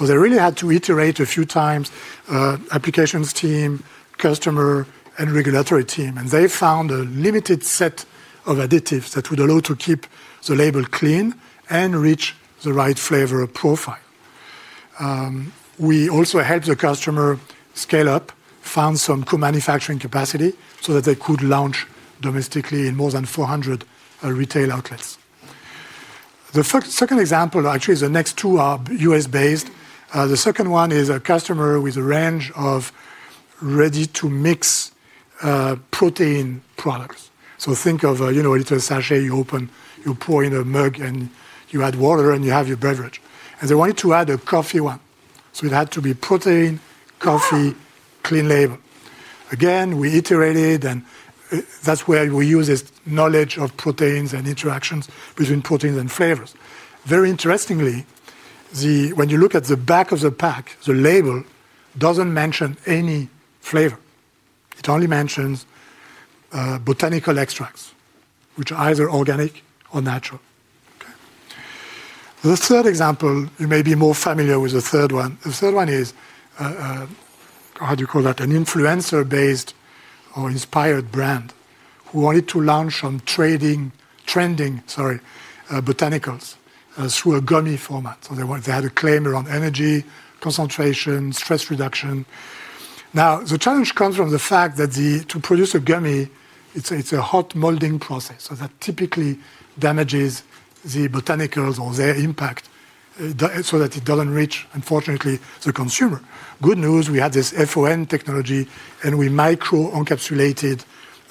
They really had to iterate a few times, applications team, customer, and regulatory team. They found a limited set of additives that would allow to keep the label clean and reach the right flavor profile. We also helped the customer scale up, found some co-manufacturing capacity so that they could launch domestically in more than 400 retail outlets. The second example, actually, the next two are U.S.-based. The second one is a customer with a range of ready-to-mix protein products. Think of a little sachet you open, you pour in a mug, and you add water, and you have your beverage. They wanted to add a coffee one. It had to be protein, coffee, clean label. Again, we iterated, and that's where we use this knowledge of proteins and interactions between proteins and flavors. Very interestingly, when you look at the back of the pack, the label doesn't mention any flavor. It only mentions botanical extracts, which are either organic or natural. The third example, you may be more familiar with the third one. The third one is, how do you call that, an influencer-based or inspired brand who wanted to launch some trending botanicals through a gummy format. They had a claim around energy, concentration, stress reduction. Now, the challenge comes from the fact that to produce a gummy, it's a hot molding process. That typically damages the botanicals or their impact so that it doesn't reach, unfortunately, the consumer. Good news, we had this FON technology, and we micro-encapsulated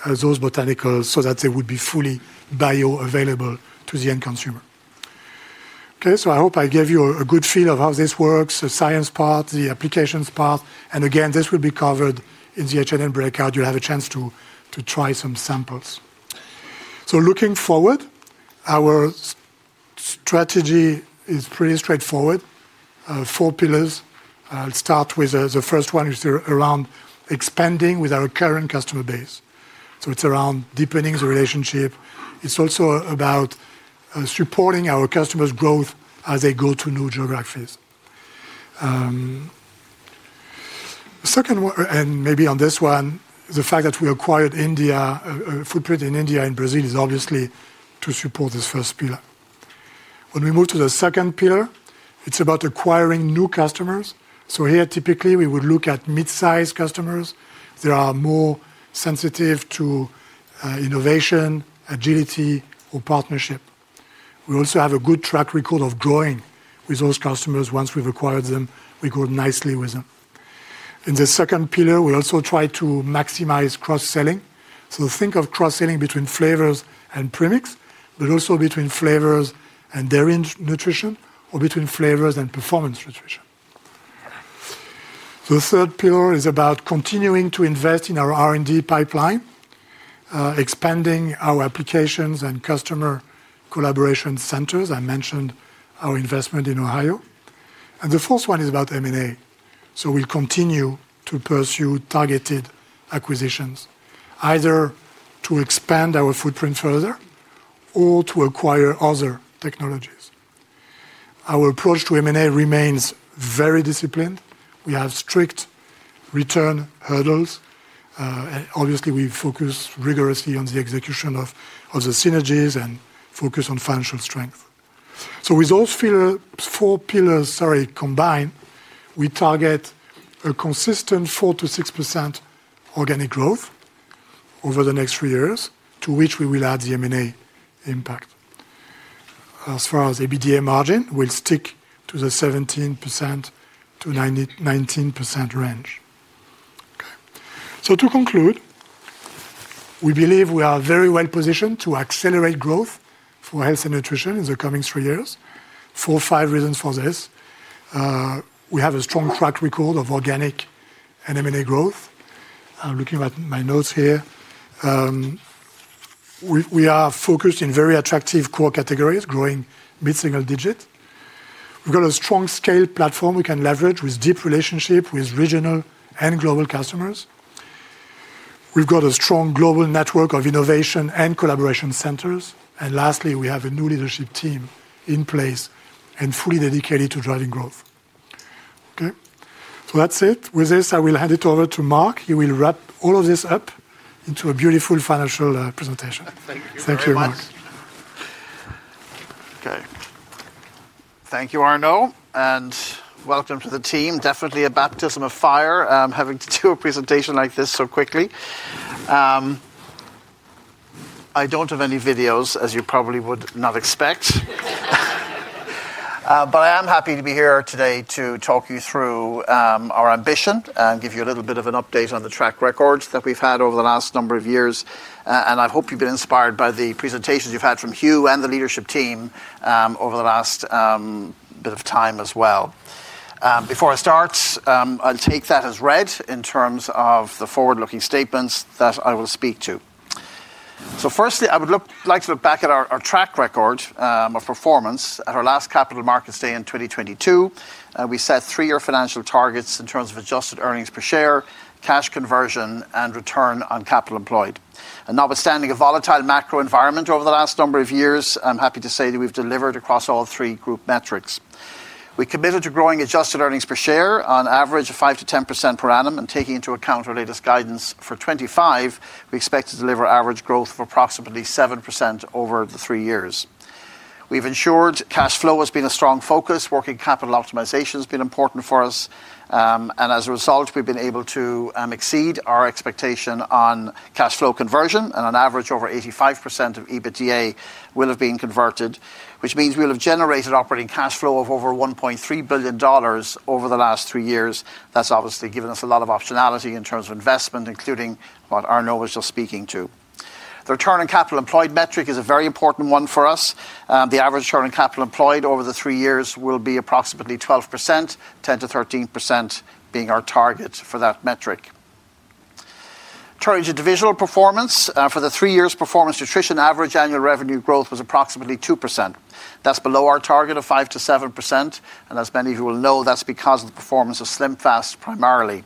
those botanicals so that they would be fully bioavailable to the end consumer. Okay, I hope I gave you a good feel of how this works, the science part, the applications part. This will be covered in the H&M breakout. You'll have a chance to try some samples. Looking forward, our strategy is pretty straightforward. Four pillars. I'll start with the first one, which is around expanding with our current customer base. It's around deepening the relationship. It's also about supporting our customers' growth as they go to new geographies. The second one, and maybe on this one, the fact that we acquired India, a footprint in India and Brazil is obviously to support this first pillar. When we move to the second pillar, it is about acquiring new customers. Here, typically, we would look at mid-size customers that are more sensitive to innovation, agility, or partnership. We also have a good track record of growing with those customers. Once we have acquired them, we grow nicely with them. In the second pillar, we also try to maximize cross-selling. Think of cross-selling between flavors and premix, but also between flavors and dairy nutrition or between flavors and performance nutrition. The third pillar is about continuing to invest in our R&D pipeline, expanding our applications and customer collaboration centers. I mentioned our investment in Ohio. The fourth one is about M&A. We'll continue to pursue targeted acquisitions, either to expand our footprint further or to acquire other technologies. Our approach to M&A remains very disciplined. We have strict return hurdles. Obviously, we focus rigorously on the execution of the synergies and focus on financial strength. With those four pillars combined, we target a consistent 4%-6% organic growth over the next three years, to which we will add the M&A impact. As far as EBITDA margin, we'll stick to the 17%-19% range. To conclude, we believe we are very well positioned to accelerate growth for health and nutrition in the coming three years. Four or five reasons for this. We have a strong track record of organic and M&A growth. I'm looking at my notes here. We are focused in very attractive core categories, growing mid-single digit. We've got a strong scale platform we can leverage with deep relationships with regional and global customers. We've got a strong global network of innovation and collaboration centers. Lastly, we have a new leadership team in place and fully dedicated to driving growth. Okay, so that's it. With this, I will hand it over to Mark. He will wrap all of this up into a beautiful financial presentation. Thank you, Mark. Okay, thank you, Arno, and welcome to the team. Definitely a baptism of fire having to do a presentation like this so quickly. I don't have any videos, as you probably would not expect. I am happy to be here today to talk you through our ambition and give you a little bit of an update on the track records that we've had over the last number of years. I hope you've been inspired by the presentations you've had from Hugh and the leadership team over the last bit of time as well. Before I start, I'll take that as read in terms of the forward-looking statements that I will speak to. Firstly, I would like to look back at our track record of performance at our last capital markets day in 2022. We set three-year financial targets in terms of adjusted earnings per share, cash conversion, and return on capital employed. Notwithstanding a volatile macro environment over the last number of years, I'm happy to say that we've delivered across all three group metrics. We committed to growing adjusted earnings per share on average of 5%-10% per annum. Taking into account our latest guidance for 2025, we expect to deliver average growth of approximately 7% over the three years. We've ensured cash flow has been a strong focus. Working capital optimization has been important for us. As a result, we've been able to exceed our expectation on cash flow conversion. On average, over 85% of EBITDA will have been converted, which means we will have generated operating cash flow of over $1.3 billion over the last three years. That's obviously given us a lot of optionality in terms of investment, including what Arno was just speaking to. The return on capital employed metric is a very important one for us. The average return on capital employed over the three years will be approximately 12%, 10%-13% being our target for that metric. Turn to divisional performance. For the three years' performance, nutrition average annual revenue growth was approximately 2%. That's below our target of 5%-7%. As many of you will know, that's because of the performance of SlimFast primarily.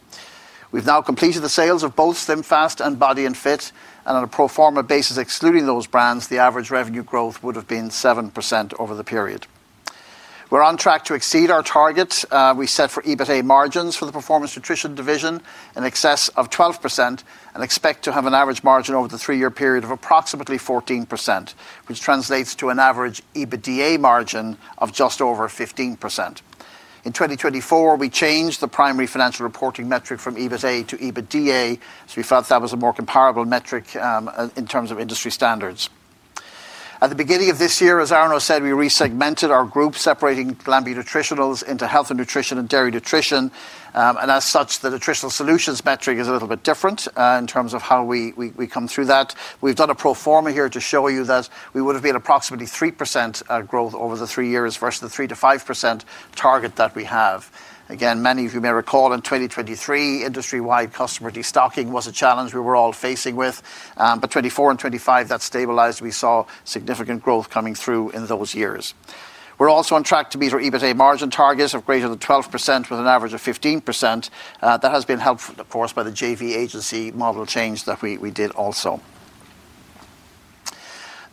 We've now completed the sales of both SlimFast and Body & Fit. On a proforma basis, excluding those brands, the average revenue growth would have been 7% over the period. We're on track to exceed our target. We set for EBITA margins for the Performance Nutrition division in excess of 12% and expect to have an average margin over the three-year period of approximately 14%, which translates to an average EBITDA margin of just over 15%. In 2024, we changed the primary financial reporting metric from EBITA to EBITDA because we felt that was a more comparable metric in terms of industry standards. At the beginning of this year, as Arno said, we resegmented our group, separating Glanbia Nutritionals into Health & Nutrition and Dairy Nutrition. As such, the Nutritional Solutions metric is a little bit different in terms of how we come through that. We've done a proforma here to show you that we would have been approximately 3% growth over the three years versus the 3%-5% target that we have. Again, many of you may recall in 2023, industry-wide customer destocking was a challenge we were all facing with. However, 2024 and 2025, that stabilized. We saw significant growth coming through in those years. We're also on track to meet our EBITDA margin targets of greater than 12% with an average of 15%. That has been helped, of course, by the JV agency model change that we did also.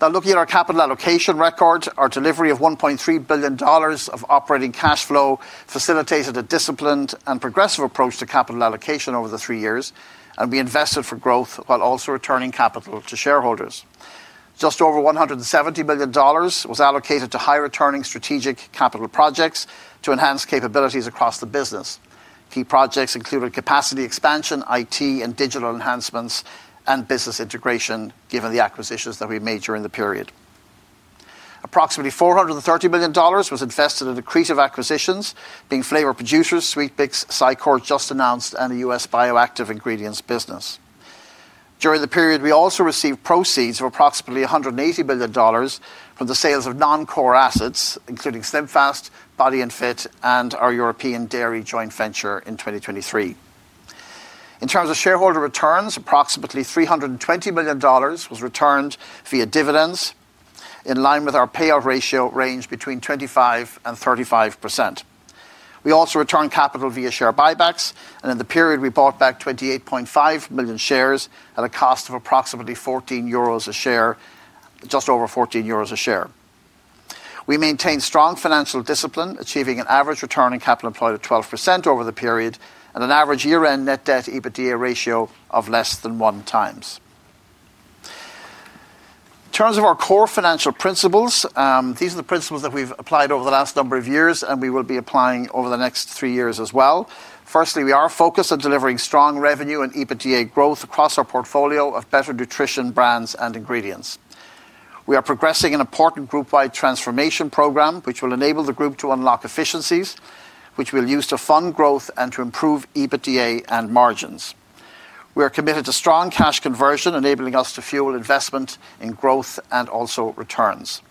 Now, looking at our capital allocation record, our delivery of $1.3 billion of operating cash flow facilitated a disciplined and progressive approach to capital allocation over the three years. We invested for growth while also returning capital to shareholders. Just over $170 million was allocated to high-returning strategic capital projects to enhance capabilities across the business. Key projects included capacity expansion, IT and digital enhancements, and business integration given the acquisitions that we made during the period. Approximately $430 million was invested in accretive acquisitions, being Flavor Producers, Sweet Mix, Sycor, just announced, and the US bioactive ingredients business. During the period, we also received proceeds of approximately $180 million from the sales of non-core assets, including SlimFast, Body & Fit, and our European dairy joint venture in 2023. In terms of shareholder returns, approximately $320 million was returned via dividends in line with our payout ratio range between 25% and 35%. We also returned capital via share buybacks. In the period, we bought back 28.5 million shares at a cost of approximately 14 euros a share, just over 14 euros a share. We maintained strong financial discipline, achieving an average return on capital employed of 12% over the period and an average year-end net debt/EBITDA ratio of less than one times. In terms of our core financial principles, these are the principles that we've applied over the last number of years and we will be applying over the next three years as well. Firstly, we are focused on delivering strong revenue and EBITDA growth across our portfolio of better nutrition brands and ingredients. We are progressing an important group-wide transformation program, which will enable the group to unlock efficiencies, which we'll use to fund growth and to improve EBITDA and margins. We are committed to strong cash conversion, enabling us to fuel investment in growth and also returns.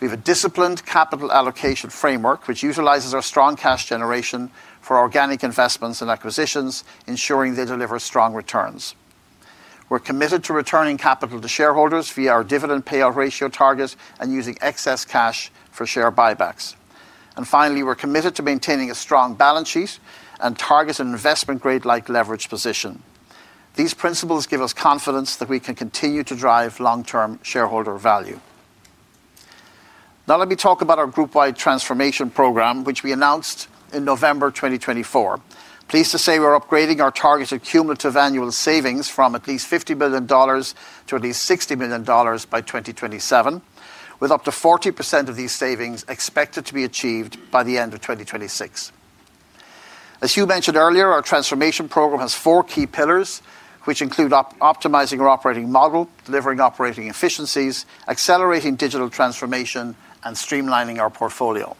We have a disciplined capital allocation framework, which utilizes our strong cash generation for organic investments and acquisitions, ensuring they deliver strong returns. We are committed to returning capital to shareholders via our dividend payout ratio target and using excess cash for share buybacks. Finally, we are committed to maintaining a strong balance sheet and target an investment-grade-like leverage position. These principles give us confidence that we can continue to drive long-term shareholder value. Now, let me talk about our group-wide transformation program, which we announced in November 2024. Pleased to say we are upgrading our targeted cumulative annual savings from at least $50 million to at least $60 million by 2027, with up to 40% of these savings expected to be achieved by the end of 2026. As Hugh mentioned earlier, our transformation program has four key pillars, which include optimizing our operating model, delivering operating efficiencies, accelerating digital transformation, and streamlining our portfolio.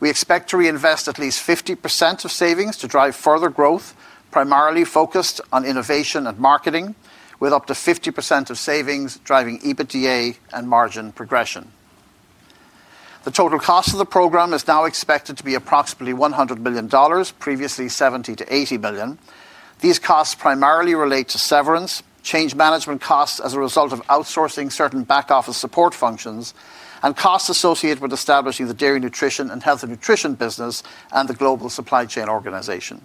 We expect to reinvest at least 50% of savings to drive further growth, primarily focused on innovation and marketing, with up to 50% of savings driving EBITDA and margin progression. The total cost of the program is now expected to be approximately $100 million, previously $70-$80 million. These costs primarily relate to severance, change management costs as a result of outsourcing certain back-office support functions, and costs associated with establishing the Dairy Nutrition and Health & Nutrition business and the global supply chain organization.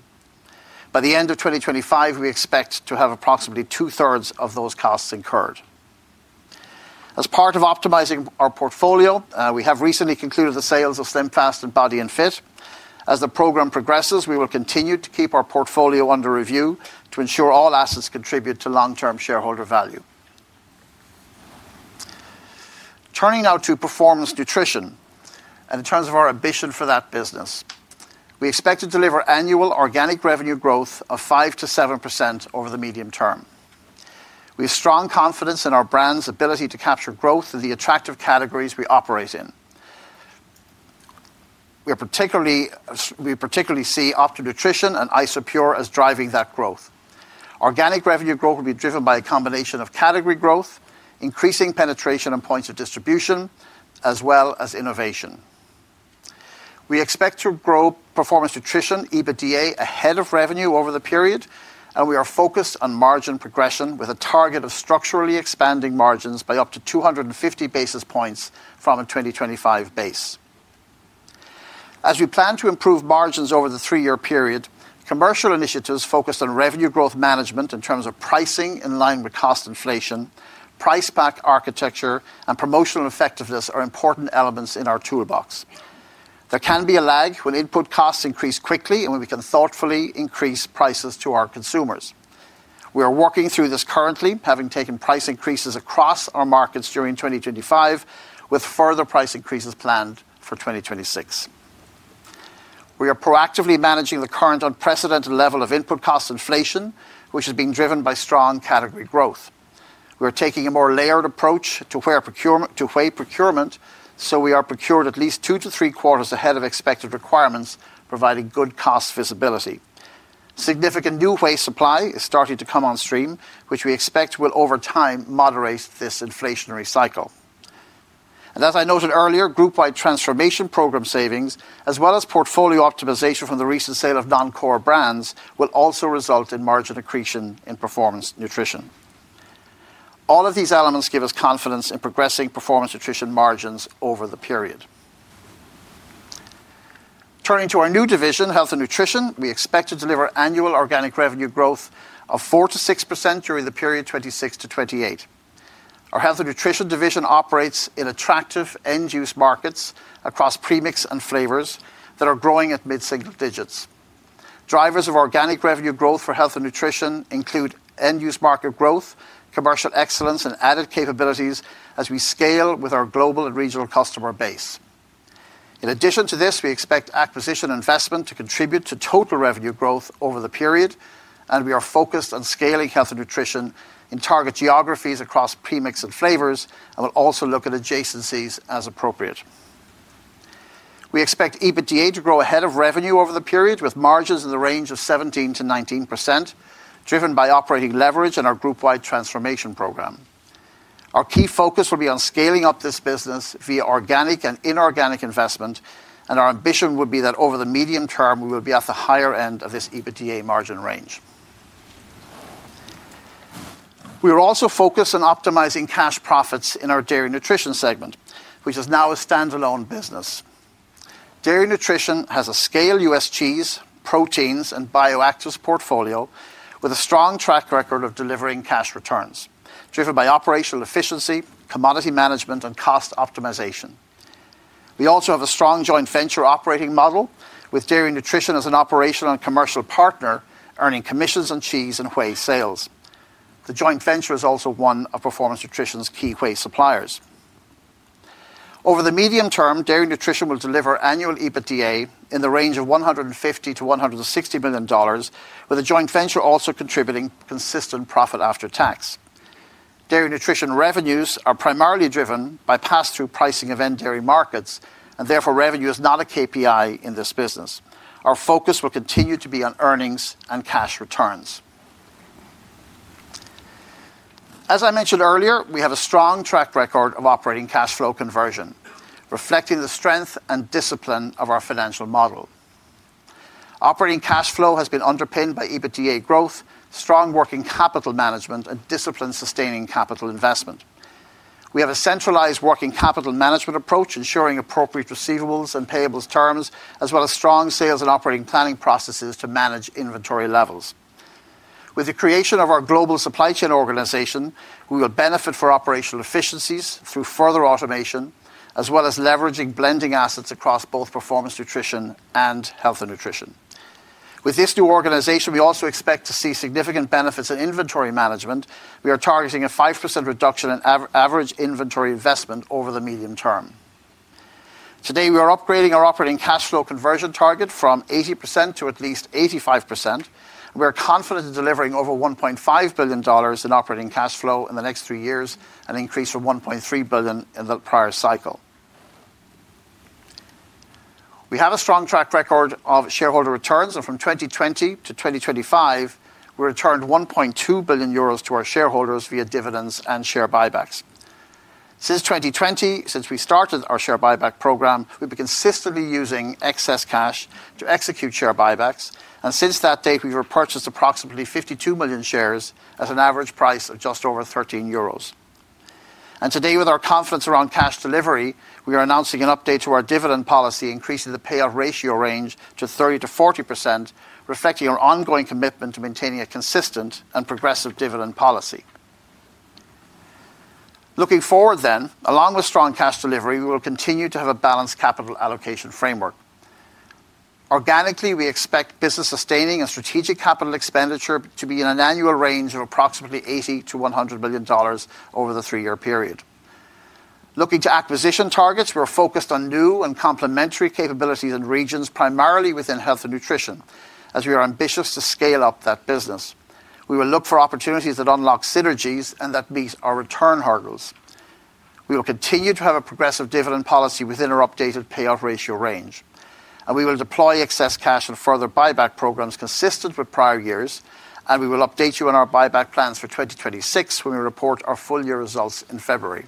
By the end of 2025, we expect to have approximately two-thirds of those costs incurred. As part of optimizing our portfolio, we have recently concluded the sales of SlimFast and Body & Fit. As the program progresses, we will continue to keep our portfolio under review to ensure all assets contribute to long-term shareholder value. Turning now to Performance Nutrition and in terms of our ambition for that business, we expect to deliver annual organic revenue growth of 5%-7% over the medium term. We have strong confidence in our brands' ability to capture growth in the attractive categories we operate in. We particularly see Optimum Nutrition and Isopure as driving that growth. Organic revenue growth will be driven by a combination of category growth, increasing penetration and points of distribution, as well as innovation. We expect to grow Performance Nutrition EBITDA ahead of revenue over the period, and we are focused on margin progression with a target of structurally expanding margins by up to 250 basis points from a 2025 base. As we plan to improve margins over the three-year period, commercial initiatives focused on revenue growth management in terms of pricing in line with cost inflation, price back architecture, and promotional effectiveness are important elements in our toolbox. There can be a lag when input costs increase quickly and when we can thoughtfully increase prices to our consumers. We are working through this currently, having taken price increases across our markets during 2025, with further price increases planned for 2026. We are proactively managing the current unprecedented level of input cost inflation, which has been driven by strong category growth. We are taking a more layered approach to whey procurement, so we are procured at least two to three quarters ahead of expected requirements, providing good cost visibility. Significant new whey supply is starting to come on stream, which we expect will, over time, moderate this inflationary cycle. As I noted earlier, group-wide transformation program savings, as well as portfolio optimization from the recent sale of non-core brands, will also result in margin accretion in Performance Nutrition. All of these elements give us confidence in progressing Performance Nutrition margins over the period. Turning to our new division, Health & Nutrition, we expect to deliver annual organic revenue growth of 4%-6% during the period 2026-2028. Our Health & Nutrition division operates in attractive end-use markets across premix and flavors that are growing at mid-single digits. Drivers of organic revenue growth for Health & Nutrition include end-use market growth, commercial excellence, and added capabilities as we scale with our global and regional customer base. In addition to this, we expect acquisition investment to contribute to total revenue growth over the period, and we are focused on scaling health and nutrition in target geographies across premix and flavors and will also look at adjacencies as appropriate. We expect EBITDA to grow ahead of revenue over the period with margins in the range of 17%-19%, driven by operating leverage and our group-wide transformation program. Our key focus will be on scaling up this business via organic and inorganic investment, and our ambition would be that over the medium term, we will be at the higher end of this EBITDA margin range. We are also focused on optimizing cash profits in our dairy nutrition segment, which is now a standalone business. Dairy Nutrition has a scale U.S. cheese, proteins, and bioactive portfolio with a strong track record of delivering cash returns, driven by operational efficiency, commodity management, and cost optimization. We also have a strong joint venture operating model with Dairy Nutrition as an operational and commercial partner, earning commissions on cheese and whey sales. The joint venture is also one of Performance Nutrition's key whey suppliers. Over the medium term, Dairy Nutrition will deliver annual EBITDA in the range of $150-$160 million, with the joint venture also contributing consistent profit after tax. Dairy Nutrition revenues are primarily driven by pass-through pricing of end-dairy markets, and therefore, revenue is not a KPI in this business. Our focus will continue to be on earnings and cash returns. As I mentioned earlier, we have a strong track record of operating cash flow conversion, reflecting the strength and discipline of our financial model. Operating cash flow has been underpinned by EBITDA growth, strong working capital management, and disciplined sustaining capital investment. We have a centralized working capital management approach, ensuring appropriate receivables and payables terms, as well as strong sales and operating planning processes to manage inventory levels. With the creation of our global supply chain organization, we will benefit from operational efficiencies through further automation, as well as leveraging blending assets across both performance nutrition and health and nutrition. With this new organization, we also expect to see significant benefits in inventory management. We are targeting a 5% reduction in average inventory investment over the medium term. Today, we are upgrading our operating cash flow conversion target from 80% to at least 85%. We are confident in delivering over $1.5 billion in operating cash flow in the next three years and an increase of $1.3 billion in the prior cycle. We have a strong track record of shareholder returns, and from 2020-2025, we returned 1.2 billion euros to our shareholders via dividends and share buybacks. Since 2020, since we started our share buyback program, we've been consistently using excess cash to execute share buybacks. Since that date, we've repurchased approximately 52 million shares at an average price of just over 13 euros. Today, with our confidence around cash delivery, we are announcing an update to our dividend policy, increasing the payout ratio range to 30%-40%, reflecting our ongoing commitment to maintaining a consistent and progressive dividend policy. Looking forward, then, along with strong cash delivery, we will continue to have a balanced capital allocation framework. Organically, we expect business-sustaining and strategic capital expenditure to be in an annual range of approximately $80-$100 million over the three-year period. Looking to acquisition targets, we're focused on new and complementary capabilities in regions primarily within health and nutrition, as we are ambitious to scale up that business. We will look for opportunities that unlock synergies and that meet our return hurdles. We will continue to have a progressive dividend policy within our updated payout ratio range, and we will deploy excess cash and further buyback programs consistent with prior years. We will update you on our buyback plans for 2026 when we report our full-year results in February.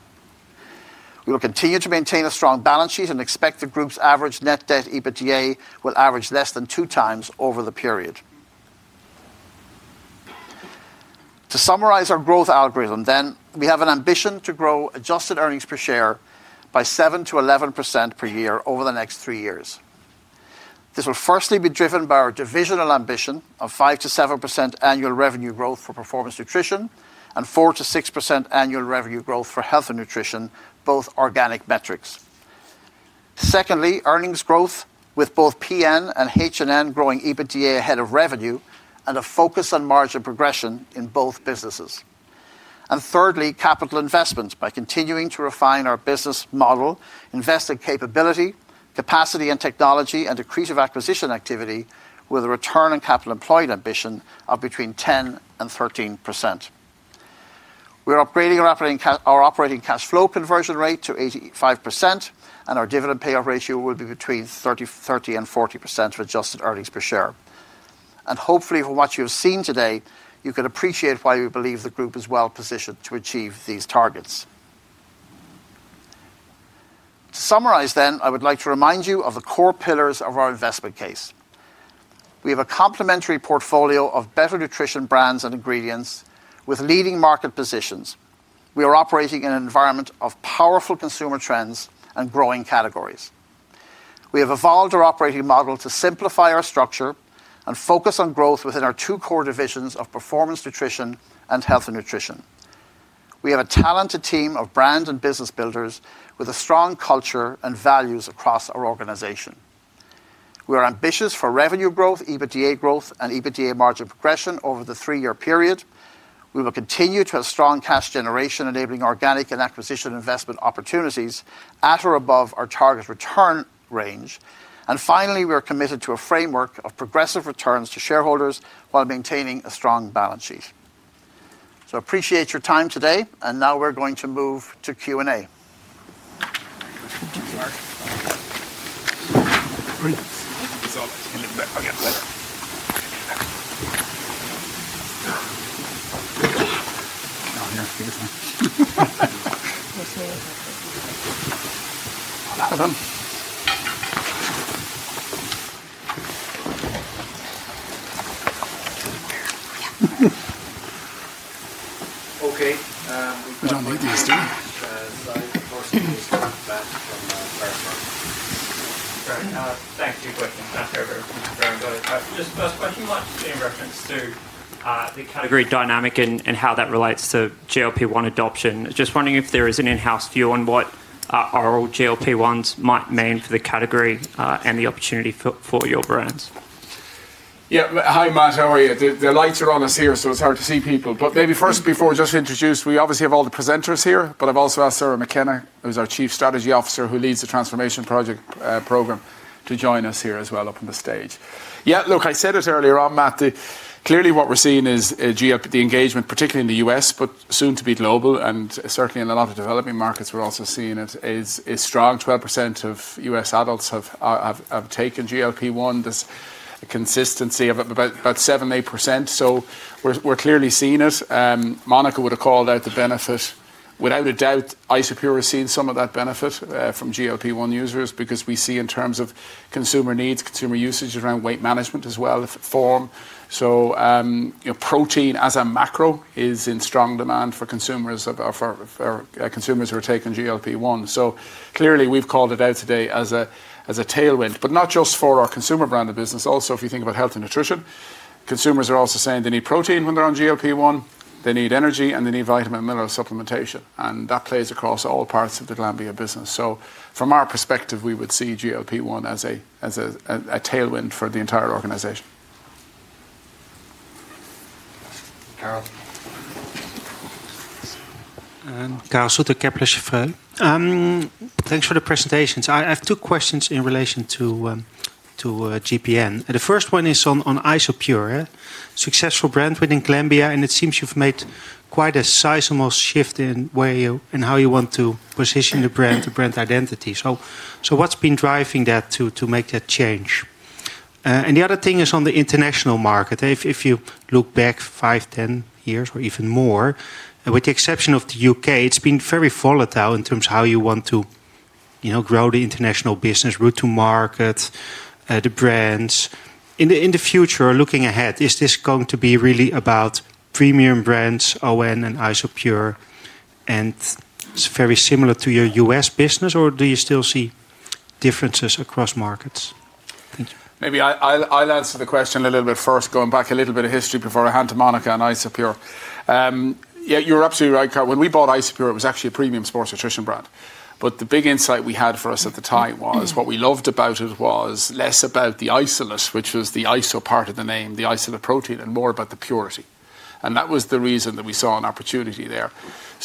We will continue to maintain a strong balance sheet and expect the group's average net debt/EBITDA will average less than two times over the period. To summarize our growth algorithm, then, we have an ambition to grow adjusted earnings per share by 7%-11% per year over the next three years. This will firstly be driven by our divisional ambition of 5%-7% annual revenue growth for performance nutrition and 4%-6% annual revenue growth for health and nutrition, both organic metrics. Secondly, earnings growth with both PN and H&M growing EBITDA ahead of revenue and a focus on margin progression in both businesses. Thirdly, capital investments by continuing to refine our business model, invest in capability, capacity, and technology, and accretive acquisition activity with a return on capital employed ambition of between 10% and 13%. We're upgrading our operating cash flow conversion rate to 85%, and our dividend payout ratio will be between 30% and 40% for adjusted earnings per share. Hopefully, from what you've seen today, you can appreciate why we believe the group is well-positioned to achieve these targets. To summarize, I would like to remind you of the core pillars of our investment case. We have a complementary portfolio of better nutrition brands and ingredients with leading market positions. We are operating in an environment of powerful consumer trends and growing categories. We have evolved our operating model to simplify our structure and focus on growth within our two core divisions of Performance Nutrition and Health & Nutrition. We have a talented team of brand and business builders with a strong culture and values across our organization. We are ambitious for revenue growth, EBITDA growth, and EBITDA margin progression over the three-year period. We will continue to have strong cash generation, enabling organic and acquisition investment opportunities at or above our target return range. Finally, we are committed to a framework of progressive returns to shareholders while maintaining a strong balance sheet. I appreciate your time today, and now we're going to move to Q&A. Thank you, McGuire. Just last question, McGuire, just in reference to the category dynamic and how that relates to GLP-1 adoption. Just wondering if there is an in-house view on what our old GLP-1s might mean for the category and the opportunity for your brands? Yeah. Hi, Matt. How are you? They're later on the series, so it's hard to see people. Maybe first, before we just introduce, we obviously have all the presenters here, but I've also asked Sarah McKenna, who's our Chief Strategy Officer who leads the transformation project program, to join us here as well up on the stage. Yeah, look, I said it earlier, Matt, that clearly what we're seeing is the engagement, particularly in the U.S., but soon to be global, and certainly in a lot of developing markets, we're also seeing it, is strong. 12% of U.S. adults have taken GLP-1. There's a consistency of about 7%-8%. We're clearly seeing it. Monica would have called out the benefit. Without a doubt, Isopure has seen some of that benefit from GLP-1 users because we see in terms of consumer needs, consumer usage around weight management as well. Form. Protein as a macro is in strong demand for consumers who are taking GLP-1. We've called it out today as a tailwind, but not just for our consumer brand of business. Also, if you think about health and nutrition, consumers are also saying they need protein when they're on GLP-1, they need energy, and they need vitamin and mineral supplementation. That plays across all parts of the Glanbia business. From our perspective, we would see GLP-1 as a tailwind for the entire organization. Thanks for the presentation. I have two questions in relation to GPN. The first one is on Isopure, successful brand within Glanbia, and it seems you've made quite a sizable shift in how you want to position the brand, the brand identity. What's been driving that to make that change? The other thing is on the international market. If you look back five years, 10 years, or even more, with the exception of the U.K., it's been very volatile in terms of how you want to grow the international business, route to market, the brands. In the future, looking ahead, is this going to be really about premium brands, Owen and Isopure, and it's very similar to your U.S. business, or do you still see differences across markets? Maybe I'll answer the question a little bit first, going back a little bit of history before I hand to Monica and Isopure. Yeah, you're absolutely right, Carl. When we bought Isopure, it was actually a premium sports nutrition brand. The big insight we had for us at the time was what we loved about it was less about the isolate, which was the iso part of the name, the isolate protein, and more about the purity. That was the reason that we saw an opportunity there.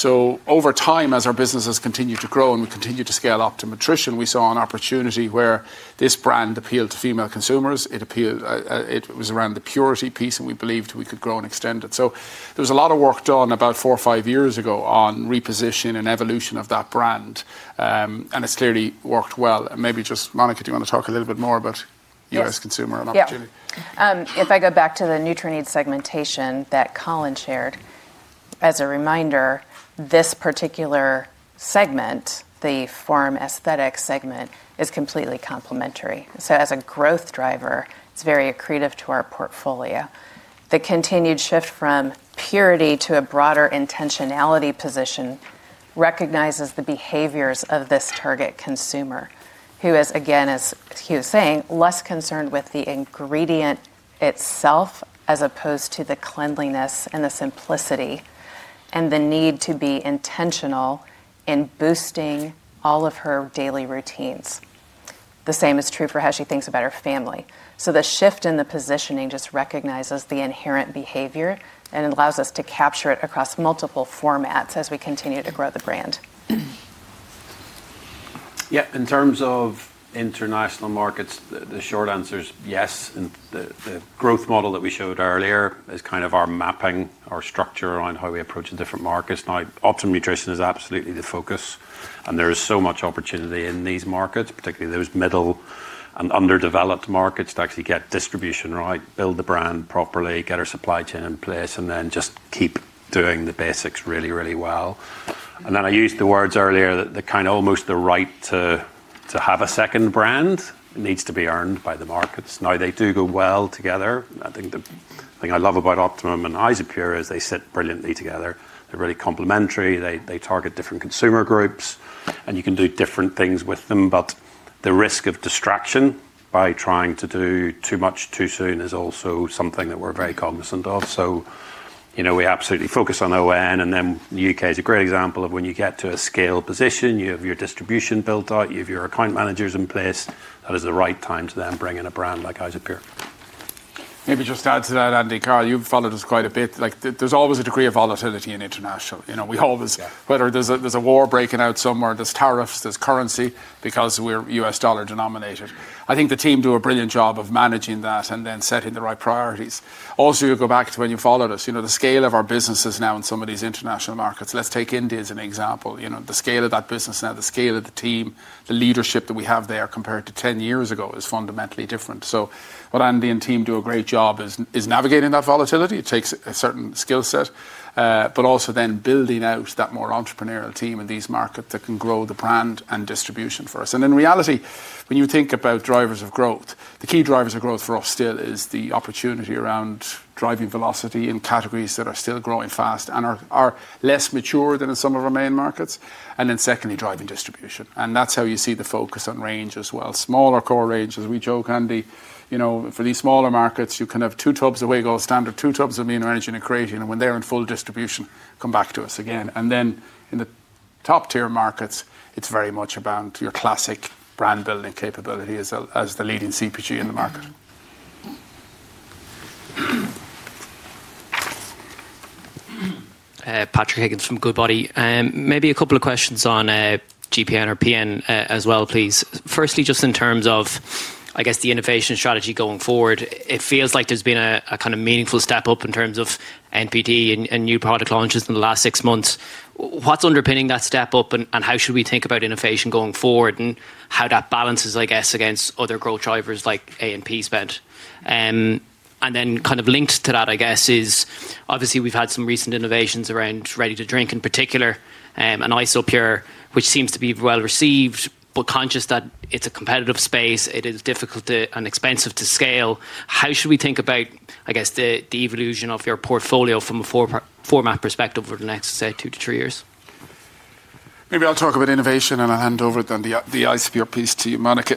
Over time, as our business has continued to grow and we continue to scale up to nutrition, we saw an opportunity where this brand appealed to female consumers. It was around the purity piece, and we believed we could grow and extend it. There was a lot of work done about four or five years ago on repositioning and evolution of that brand, and it has clearly worked well. Maybe just, Monica, do you want to talk a little bit more about U.S. consumer opportunity? If I go back to the nutrient segmentation that Colin shared, as a reminder, this particular segment, the form aesthetic segment, is completely complementary. As a growth driver, it is very accretive to our portfolio. The continued shift from purity to a broader intentionality position recognizes the behaviors of this target consumer, who is, again, as he was saying, less concerned with the ingredient itself as opposed to the cleanliness and the simplicity and the need to be intentional in boosting all of her daily routines. The same is true for how she thinks about her family. The shift in the positioning just recognizes the inherent behavior and allows us to capture it across multiple formats as we continue to grow the brand. Yeah. In terms of international markets, the short answer is yes. The growth model that we showed earlier is kind of our mapping, our structure around how we approach the different markets. Now, Optimum Nutrition is absolutely the focus, and there is so much opportunity in these markets, particularly those middle and underdeveloped markets, to actually get distribution right, build the brand properly, get our supply chain in place, and just keep doing the basics really, really well. I used the words earlier that kind of almost the right to have a second brand needs to be earned by the markets. They do go well together. I think the thing I love about Optimum and Isopure is they sit brilliantly together. They're really complementary. They target different consumer groups, and you can do different things with them. The risk of distraction by trying to do too much too soon is also something that we're very cognizant of. We absolutely focus on ON, and then the U.K. is a great example of when you get to a scale position, you have your distribution built out, you have your account managers in place. That is the right time to then bring in a brand like Isopure. Maybe just add to that, Andy, Carl. You've followed us quite a bit. There's always a degree of volatility in international. Whether there's a war breaking out somewhere, there's tariffs, there's currency because we're U.S. dollar denominated. I think the team do a brilliant job of managing that and then setting the right priorities. Also, you go back to when you followed us, the scale of our businesses now in some of these international markets. Let's take India as an example. The scale of that business now, the scale of the team, the leadership that we have there compared to 10 years ago is fundamentally different. What Andy and team do a great job is navigating that volatility. It takes a certain skill set, but also then building out that more entrepreneurial team in these markets that can grow the brand and distribution for us. In reality, when you think about drivers of growth, the key drivers of growth for us still is the opportunity around driving velocity in categories that are still growing fast and are less mature than in some of our main markets, and then secondly, driving distribution. That is how you see the focus on range as well. Smaller core ranges, we joke, Andy, for these smaller markets, you can have two tubs of Wiggle, standard two tubs of Amino Energy and creatine, and when they're in full distribution, come back to us again. In the top-tier markets, it's very much about your classic brand building capability as the leading CPG in the market. Patrick Higgins from Goodbody. Maybe a couple of questions on GPN and PN as well, please. Firstly, just in terms of, I guess, the innovation strategy going forward, it feels like there's been a kind of meaningful step up in terms of NPD and new product launches in the last six months. What's underpinning that step up, and how should we think about innovation going forward, and how that balances, I guess, against other growth drivers like A&P spent? Kind of linked to that, I guess, is obviously we've had some recent innovations around ready-to-drink in particular and Isopure, which seems to be well received, but conscious that it's a competitive space. It is difficult and expensive to scale. How should we think about, I guess, the evolution of your portfolio from a format perspective over the next, say, two to three years? Maybe I'll talk about innovation, and I'll hand over then the Isopure piece to you, Monica.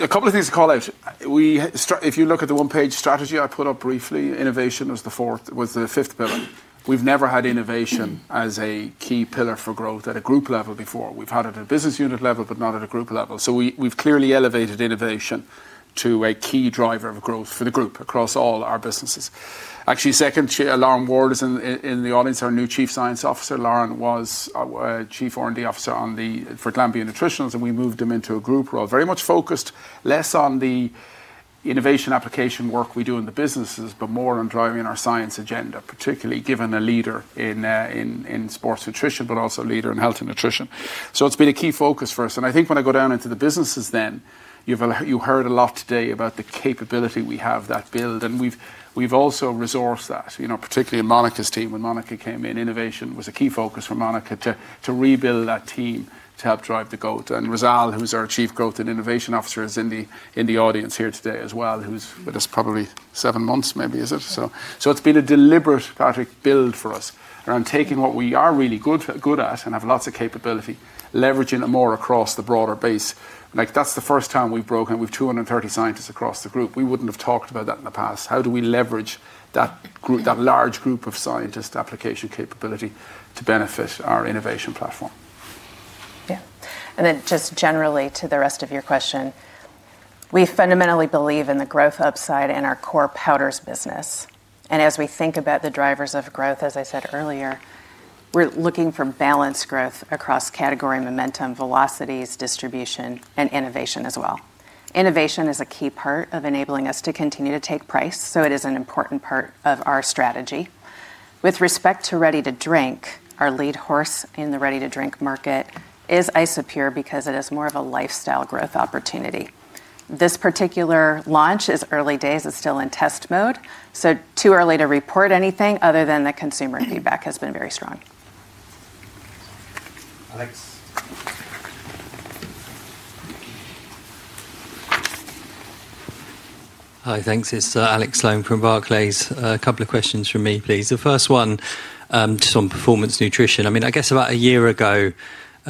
A couple of things to call out. If you look at the one-page strategy I put up briefly, innovation was the fifth pillar. We've never had innovation as a key pillar for growth at a group level before. We've had it at a business unit level, but not at a group level. We have clearly elevated innovation to a key driver of growth for the group across all our businesses. Actually, second alarm word in the audience, our new Chief Science Officer, Lauren, was Chief R&D Officer for Glanbia Nutritionals, and we moved them into a group role. Very much focused less on the innovation application work we do in the businesses, but more on driving our science agenda, particularly given a leader in sports nutrition, but also a leader in health and nutrition. It has been a key focus for us. I think when I go down into the businesses then, you heard a lot today about the capability we have that build, and we have also resourced that, particularly in Monica's team. When Monica came in, innovation was a key focus for Monica to rebuild that team to help drive the growth. Rizal, who's our Chief Growth and Innovation Officer, is in the audience here today as well, who's with us probably seven months, maybe, is it? It has been a deliberate, Patrick, build for us around taking what we are really good at and have lots of capability, leveraging it more across the broader base. That's the first time we've broken with 230 scientists across the group. We wouldn't have talked about that in the past. How do we leverage that large group of scientist application capability to benefit our innovation platform? Yeah. Just generally to the rest of your question, we fundamentally believe in the growth upside in our core powders business. As we think about the drivers of growth, as I said earlier, we're looking for balanced growth across category momentum, velocities, distribution, and innovation as well. Innovation is a key part of enabling us to continue to take price, so it is an important part of our strategy. With respect to ready-to-drink, our lead horse in the ready-to-drink market is Isopure because it is more of a lifestyle growth opportunity. This particular launch is early days, it's still in test mode, so too early to report anything other than that consumer feedback has been very strong. Hi, thanks. It's Alex Sloane from Barclays. A couple of questions from me, please. The first one is on performance nutrition. I mean, I guess about a year ago,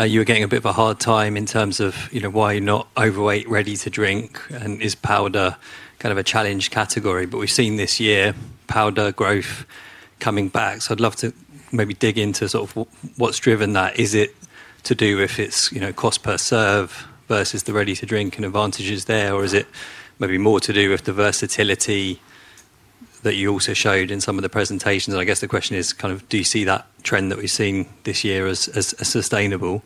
you were getting a bit of a hard time in terms of why you're not overweight ready-to-drink, and is powder kind of a challenge category? We have seen this year powder growth coming back. I would love to maybe dig into sort of what's driven that. Is it to do with its cost per serve versus the ready-to-drink and advantages there, or is it maybe more to do with the versatility that you also showed in some of the presentations? I guess the question is kind of, do you see that trend that we've seen this year as sustainable?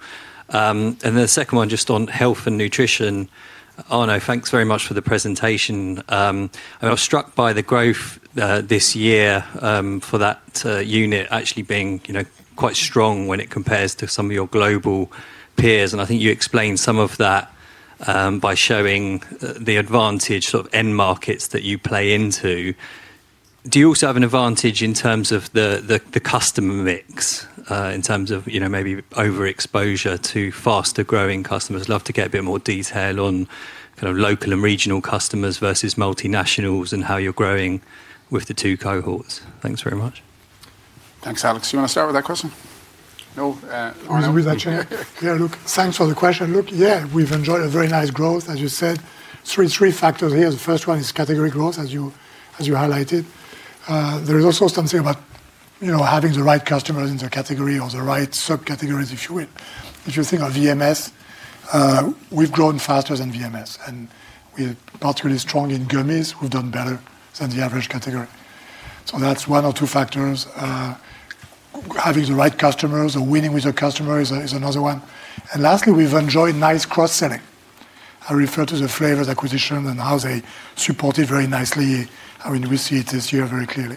The second one, just on Health & Nutrition. Arnaud, thanks very much for the presentation. I was struck by the growth this year for that unit actually being quite strong when it compares to some of your global peers. I think you explained some of that by showing the advantage of end markets that you play into. Do you also have an advantage in terms of the customer mix in terms of maybe overexposure to faster growing customers? Love to get a bit more detail on kind of local and regional customers versus multinationals and how you're growing with the two cohorts. Thanks very much. Thanks, Arnaud. Do you want to start with that question? No. Thanks for the question. Look, yeah, we've enjoyed a very nice growth, as you said. Three factors here. The first one is category growth, as you highlighted. There is also something about having the right customers in the category or the right subcategories, if you will. If you think of VMS, we've grown faster than VMS, and we're particularly strong in gummies. We've done better than the average category. That is one or two factors. Having the right customers or winning with your customer is another one. Lastly, we've enjoyed nice cross-selling. I refer to the flavors acquisition and how they supported very nicely. I mean, we see it this year very clearly.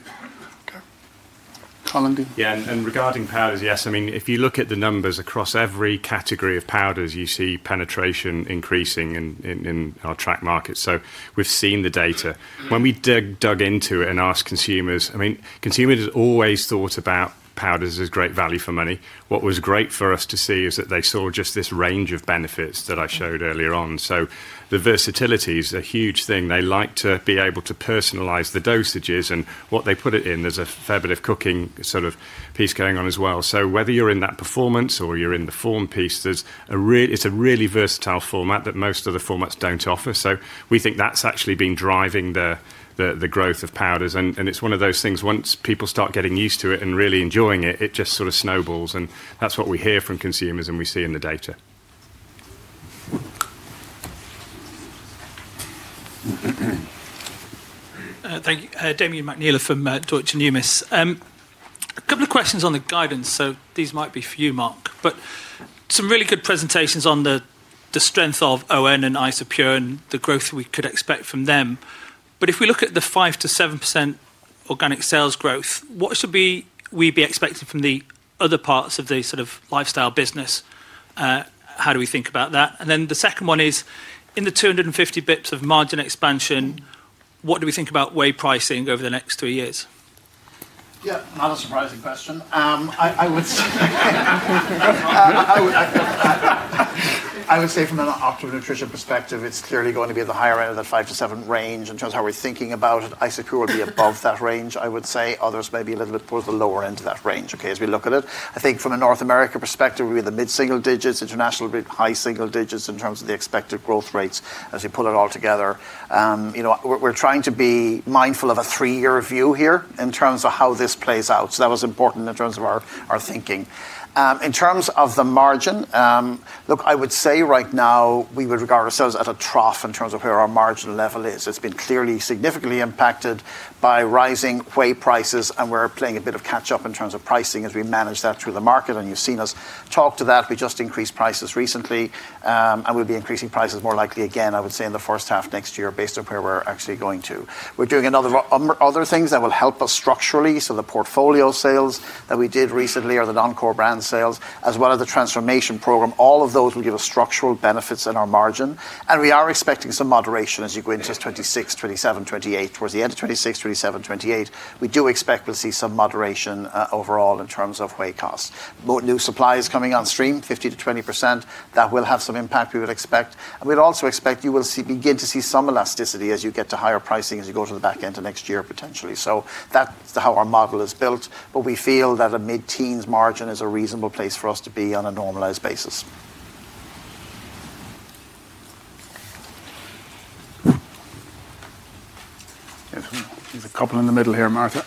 Yeah. And regarding powders, yes. I mean, if you look at the numbers across every category of powders, you see penetration increasing in our track market. We have seen the data. When we dug into it and asked consumers, I mean, consumers always thought about powders as great value for money. What was great for us to see is that they saw just this range of benefits that I showed earlier on. The versatility is a huge thing. They like to be able to personalize the dosages and what they put it in. There is a fabulous cooking sort of piece going on as well. Whether you are in that performance or you are in the form piece, it is a really versatile format that most other formats do not offer. We think that is actually been driving the growth of powders. It is one of those things once people start getting used to it and really enjoying it, it just sort of snowballs. That is what we hear from consumers and we see in the data. Thank you. Damien McNeill from Deutsche Numis. A couple of questions on the guidance. These might be for you, Mark, but some really good presentations on the strength of ON and Isopure and the growth we could expect from them. If we look at the 5%-7% organic sales growth, what should we be expecting from the other parts of the sort of lifestyle business? How do we think about that? The second one is, in the 250 basis points of margin expansion, what do we think about whey pricing over the next three years? Yeah, not a surprising question. I would say from an Optimum Nutrition perspective, it's clearly going to be at the higher end of that 5%-7% range in terms of how we're thinking about it. Isopure would be above that range, I would say. Others may be a little bit towards the lower end of that range, okay, as we look at it. I think from a North America perspective, we'll be in the mid-single digits, international would be high single digits in terms of the expected growth rates as we pull it all together. We're trying to be mindful of a three-year view here in terms of how this plays out. That was important in terms of our thinking. In terms of the margin, look, I would say right now we would regard ourselves at a trough in terms of where our margin level is. It's been clearly significantly impacted by rising whey prices, and we're playing a bit of catch-up in terms of pricing as we manage that through the market. You have seen us talk to that. We just increased prices recently, and we'll be increasing prices more likely again, I would say, in the first half next year based on where we're actually going to. We're doing other things that will help us structurally. The portfolio sales that we did recently or the non-core brand sales, as well as the transformation program, all of those will give us structural benefits in our margin. We are expecting some moderation as you go into 2026, 2027, 2028, towards the end of 2026, 2027, 2028. We do expect we'll see some moderation overall in terms of whey costs. New supply is coming on stream, 15%-20%. That will have some impact we would expect. We would also expect you will begin to see some elasticity as you get to higher pricing as you go to the back end of next year potentially. That is how our model is built. We feel that a mid-teens margin is a reasonable place for us to be on a normalized basis. There is a couple in the middle here, Martha.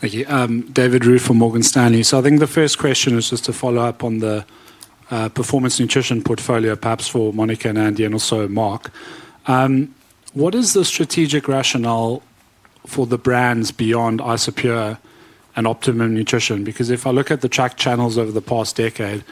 Thank you. David Ruth from Morgan Stanley. I think the first question is just to follow up on the performance nutrition portfolio, perhaps for Monica and Andy and also Mark. What is the strategic rationale for the brands beyond Isopure and Optimum Nutrition? Because if I look at the track channels over the past decade,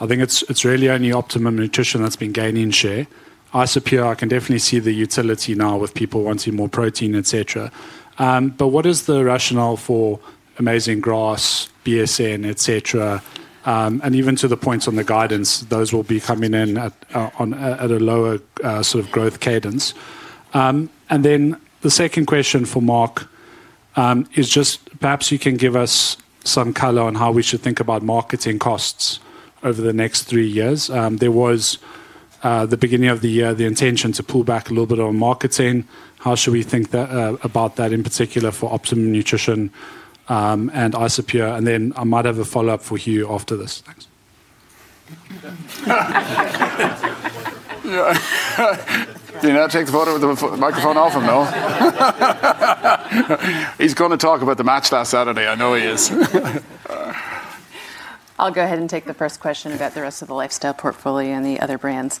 I think it is really only Optimum Nutrition that has been gaining share. Isopure, I can definitely see the utility now with people wanting more protein, etc. What is the rationale for Amazing Grass, BSN, etc.? Even to the points on the guidance, those will be coming in at a lower sort of growth cadence. The second question for Mark is just perhaps you can give us some color on how we should think about marketing costs over the next three years. There was, at the beginning of the year, the intention to pull back a little bit on marketing. How should we think about that in particular for Optimum Nutrition and Isopure? I might have a follow-up for Hugh after this. Thanks. That takes the microphone off him, no? He's going to talk about the match last Saturday. I know he is. I'll go ahead and take the first question about the rest of the lifestyle portfolio and the other brands.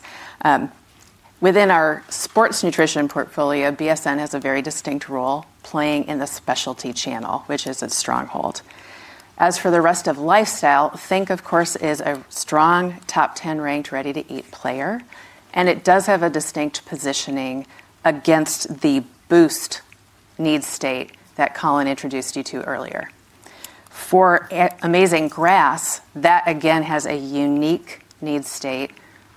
Within our sports nutrition portfolio, BSN has a very distinct role playing in the specialty channel, which is its stronghold. As for the rest of lifestyle, Think, of course, is a strong top 10 ranked ready-to-eat player, and it does have a distinct positioning against the boost need state that Colin introduced you to earlier. For Amazing Grass, that again has a unique need state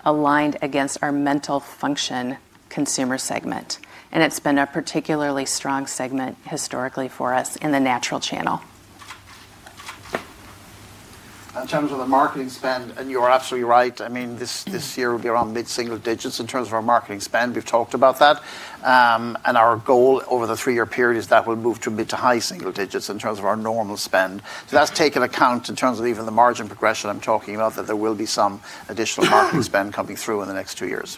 aligned against our mental function consumer segment. It's been a particularly strong segment historically for us in the natural channel. In terms of the marketing spend, and you're absolutely right, I mean, this year will be around mid-single digits in terms of our marketing spend. We've talked about that. Our goal over the three-year period is that we'll move to mid to high single digits in terms of our normal spend. That is taken account in terms of even the margin progression I'm talking about, that there will be some additional marketing spend coming through in the next two years.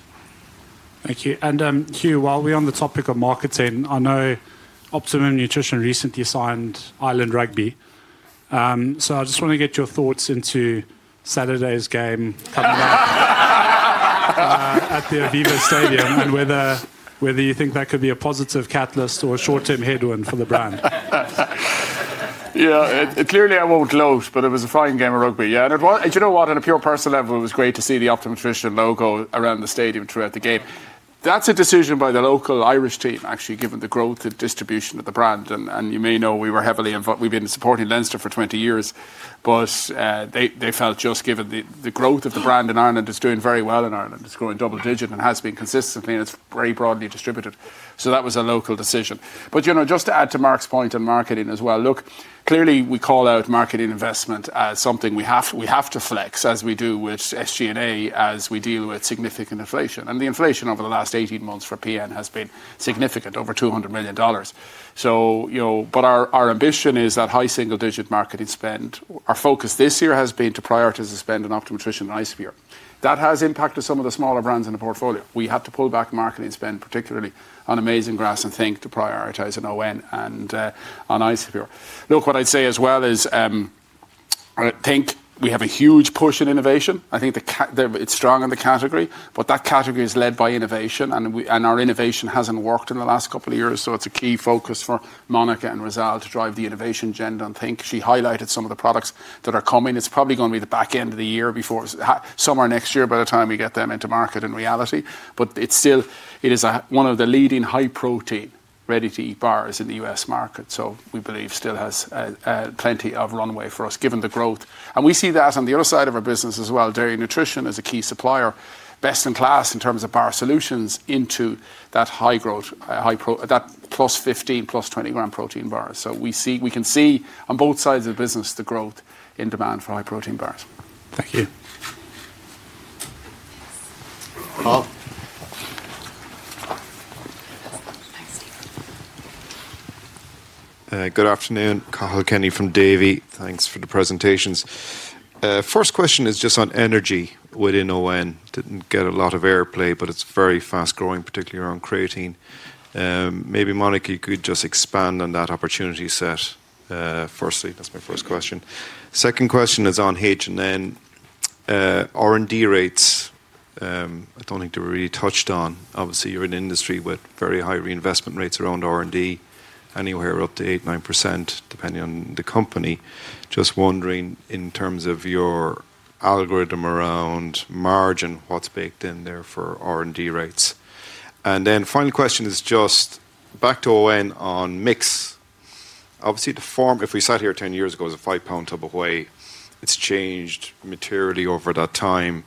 Thank you. Hugh, while we're on the topic of marketing, I know Optimum Nutrition recently signed Ireland Rugby. I just want to get your thoughts into Saturday's game coming up at the Aviva Stadium and whether you think that could be a positive catalyst or a short-term headwind for the brand. Yeah, clearly I won't close, but it was a fine game of rugby. Yeah, and it was, and you know what, on a pure personal level, it was great to see the Optimum Nutrition logo around the stadium throughout the game. That's a decision by the local Irish team, actually, given the growth and distribution of the brand. You may know we were heavily involved, we've been supporting Leinster for 20 years, but they felt just given the growth of the brand in Ireland, it's doing very well in Ireland. It's growing double digit and has been consistently, and it's very broadly distributed. That was a local decision. Just to add to Mark's point on marketing as well, look, clearly we call out marketing investment as something we have to flex, as we do with SG&A as we deal with significant inflation. The inflation over the last 18 months for PN has been significant, over $200 million. Our ambition is that high single-digit marketing spend, our focus this year has been to prioritize the spend on Optimum Nutrition and Isopure. That has impacted some of the smaller brands in the portfolio. We have to pull back marketing spend, particularly on Amazing Grass and Think to prioritize on ON and on Isopure. Look, what I'd say as well is Think, we have a huge push in innovation. I think it's strong in the category, but that category is led by innovation, and our innovation hasn't worked in the last couple of years. It is a key focus for Monica and Rizal to drive the innovation agenda on Think. She highlighted some of the products that are coming. It's probably going to be the back end of the year or somewhere next year by the time we get them into market in reality. It is still one of the leading high protein ready-to-eat bars in the U.S. market. We believe still has plenty of runway for us given the growth. We see that on the other side of our business as well. Dairy Nutrition is a key supplier, best in class in terms of bar solutions into that high growth, that +15, +20 gram protein bars. We can see on both sides of the business the growth in demand for high protein bars. Thank you. Good afternoon, Cathal Kenny from Davy. Thanks for the presentations. First question is just on energy within ON. Did not get a lot of airplay, but it is very fast growing, particularly around creatine. Maybe Monica, you could just expand on that opportunity set. Firstly, that is my first question. Second question is on H&N. R&D rates, I do not think they were really touched on. Obviously, you're in an industry with very high reinvestment rates around R&D, anywhere up to 8-9%, depending on the company. Just wondering in terms of your algorithm around margin, what's baked in there for R&D rates. Final question is just back to ON on mix. Obviously, the form, if we sat here 10 years ago, it was a £5 whey. It's changed materially over that time.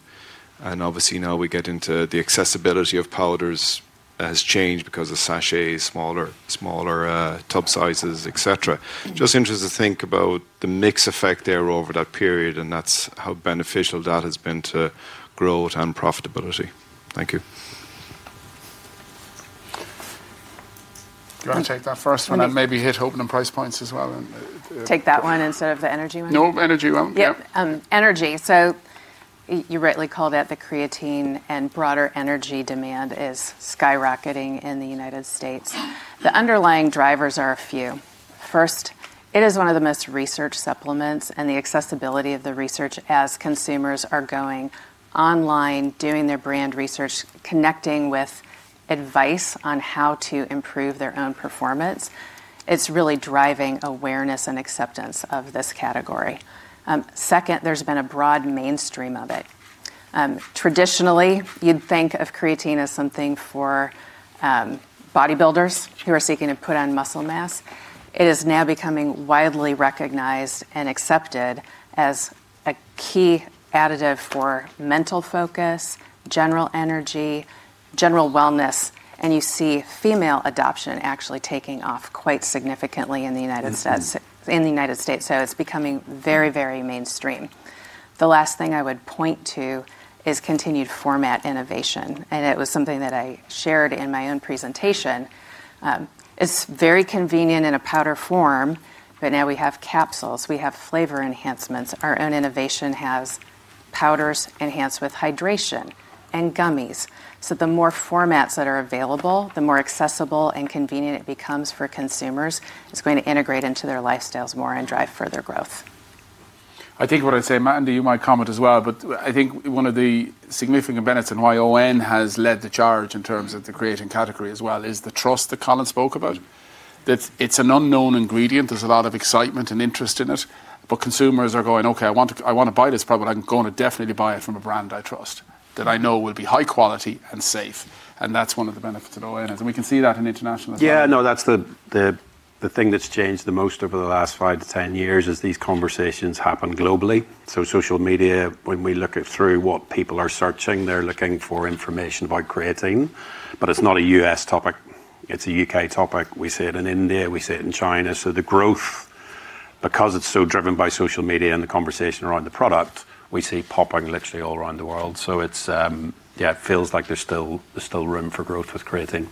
Obviously now we get into the accessibility of powders has changed because of sachets, smaller tub sizes, etc. Just interested to think about the mix effect there over that period and how beneficial that has been to growth and profitability. Thank you. Can I take that first one and maybe hit opening price points as well? Take that one instead of the energy one. No energy one. Yep. Energy. You rightly called it the creatine and broader energy demand is skyrocketing in the United States. The underlying drivers are a few. First, it is one of the most researched supplements, and the accessibility of the research as consumers are going online, doing their brand research, connecting with advice on how to improve their own performance, is really driving awareness and acceptance of this category. Second, there has been a broad mainstream of it. Traditionally, you would think of creatine as something for bodybuilders who are seeking to put on muscle mass. It is now becoming widely recognized and accepted as a key additive for mental focus, general energy, general wellness, and you see female adoption actually taking off quite significantly in the United States. It is becoming very, very mainstream. The last thing I would point to is continued format innovation. It was something that I shared in my own presentation. It's very convenient in a powder form, but now we have capsules, we have flavor enhancements. Our own innovation has powders enhanced with hydration and gummies. The more formats that are available, the more accessible and convenient it becomes for consumers. It's going to integrate into their lifestyles more and drive further growth. I think what I'd say, Matt, and you might comment as well, I think one of the significant benefits and why ON has led the charge in terms of the creating category as well is the trust that Colin spoke about. It's an unknown ingredient. There's a lot of excitement and interest in it, but consumers are going, "Okay, I want to buy this product, but I'm going to definitely buy it from a brand I trust, that I know will be high quality and safe." That's one of the benefits of ON. We can see that in international as well. Yeah, that's the thing that's changed the most over the last 5 to 10 years is these conversations happen globally. Social media, when we look at through what people are searching, they're looking for information about creatine, but it's not a U.S. topic. It's a U.K. topic. We see it in India, we see it in China. The growth, because it's so driven by social media and the conversation around the product, we see popping literally all around the world. It feels like there's still room for growth with creatine.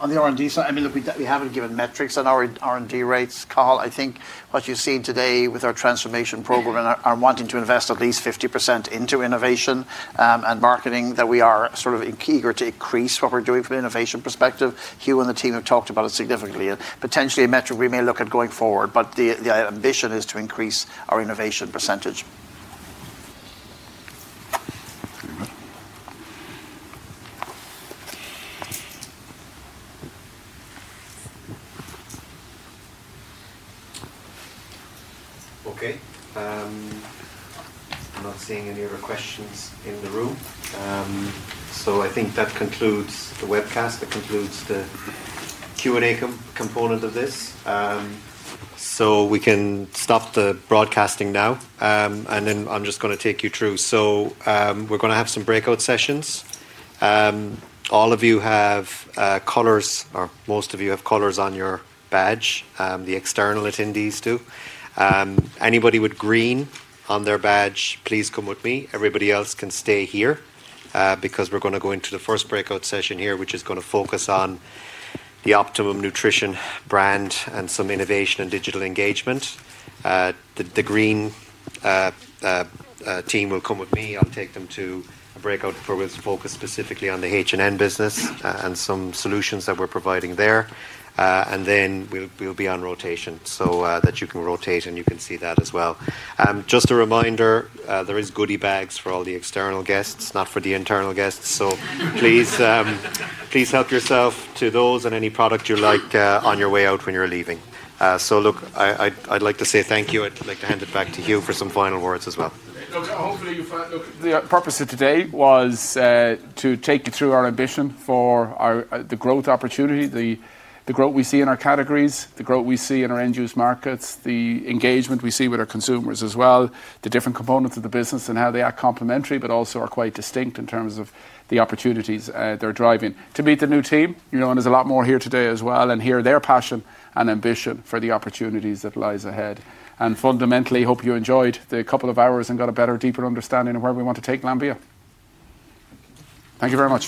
On the R&D side, I mean, look, we haven't given metrics on our R&D rates. Cathal, I think what you've seen today with our transformation program and our wanting to invest at least 50% into innovation and marketing, that we are sort of eager to increase what we're doing from an innovation perspective. Hugh and the team have talked about it significantly. Potentially a metric we may look at going forward, but the ambition is to increase our innovation percentage. Okay. I'm not seeing any other questions in the room. I think that concludes the webcast, that concludes the Q&A component of this. We can stop the broadcasting now. I'm just going to take you through. We're going to have some breakout sessions. All of you have colors, or most of you have colors on your badge. The external attendees do. Anybody with green on their badge, please come with me. Everybody else can stay here because we're going to go into the first breakout session here, which is going to focus on the Optimum Nutrition brand and some innovation and digital engagement. The green team will come with me. I'll take them to a breakout program to focus specifically on the H&N business and some solutions that we're providing there. We will be on rotation so that you can rotate and you can see that as well. Just a reminder, there are goodie bags for all the external guests, not for the internal guests. Please help yourself to those and any product you like on your way out when you're leaving. I'd like to say thank you. I'd like to hand it back to Hugh for some final words as well. Hopefully, you find the purpose of today was to take you through our ambition for the growth opportunity, the growth we see in our categories, the growth we see in our end-use markets, the engagement we see with our consumers as well, the different components of the business and how they are complementary, but also are quite distinct in terms of the opportunities they're driving. To meet the new team, there's a lot more here today as well and hear their passion and ambition for the opportunities that lie ahead. Fundamentally, hope you enjoyed the couple of hours and got a better, deeper understanding of where we want to take Glanbia. Thank you very much.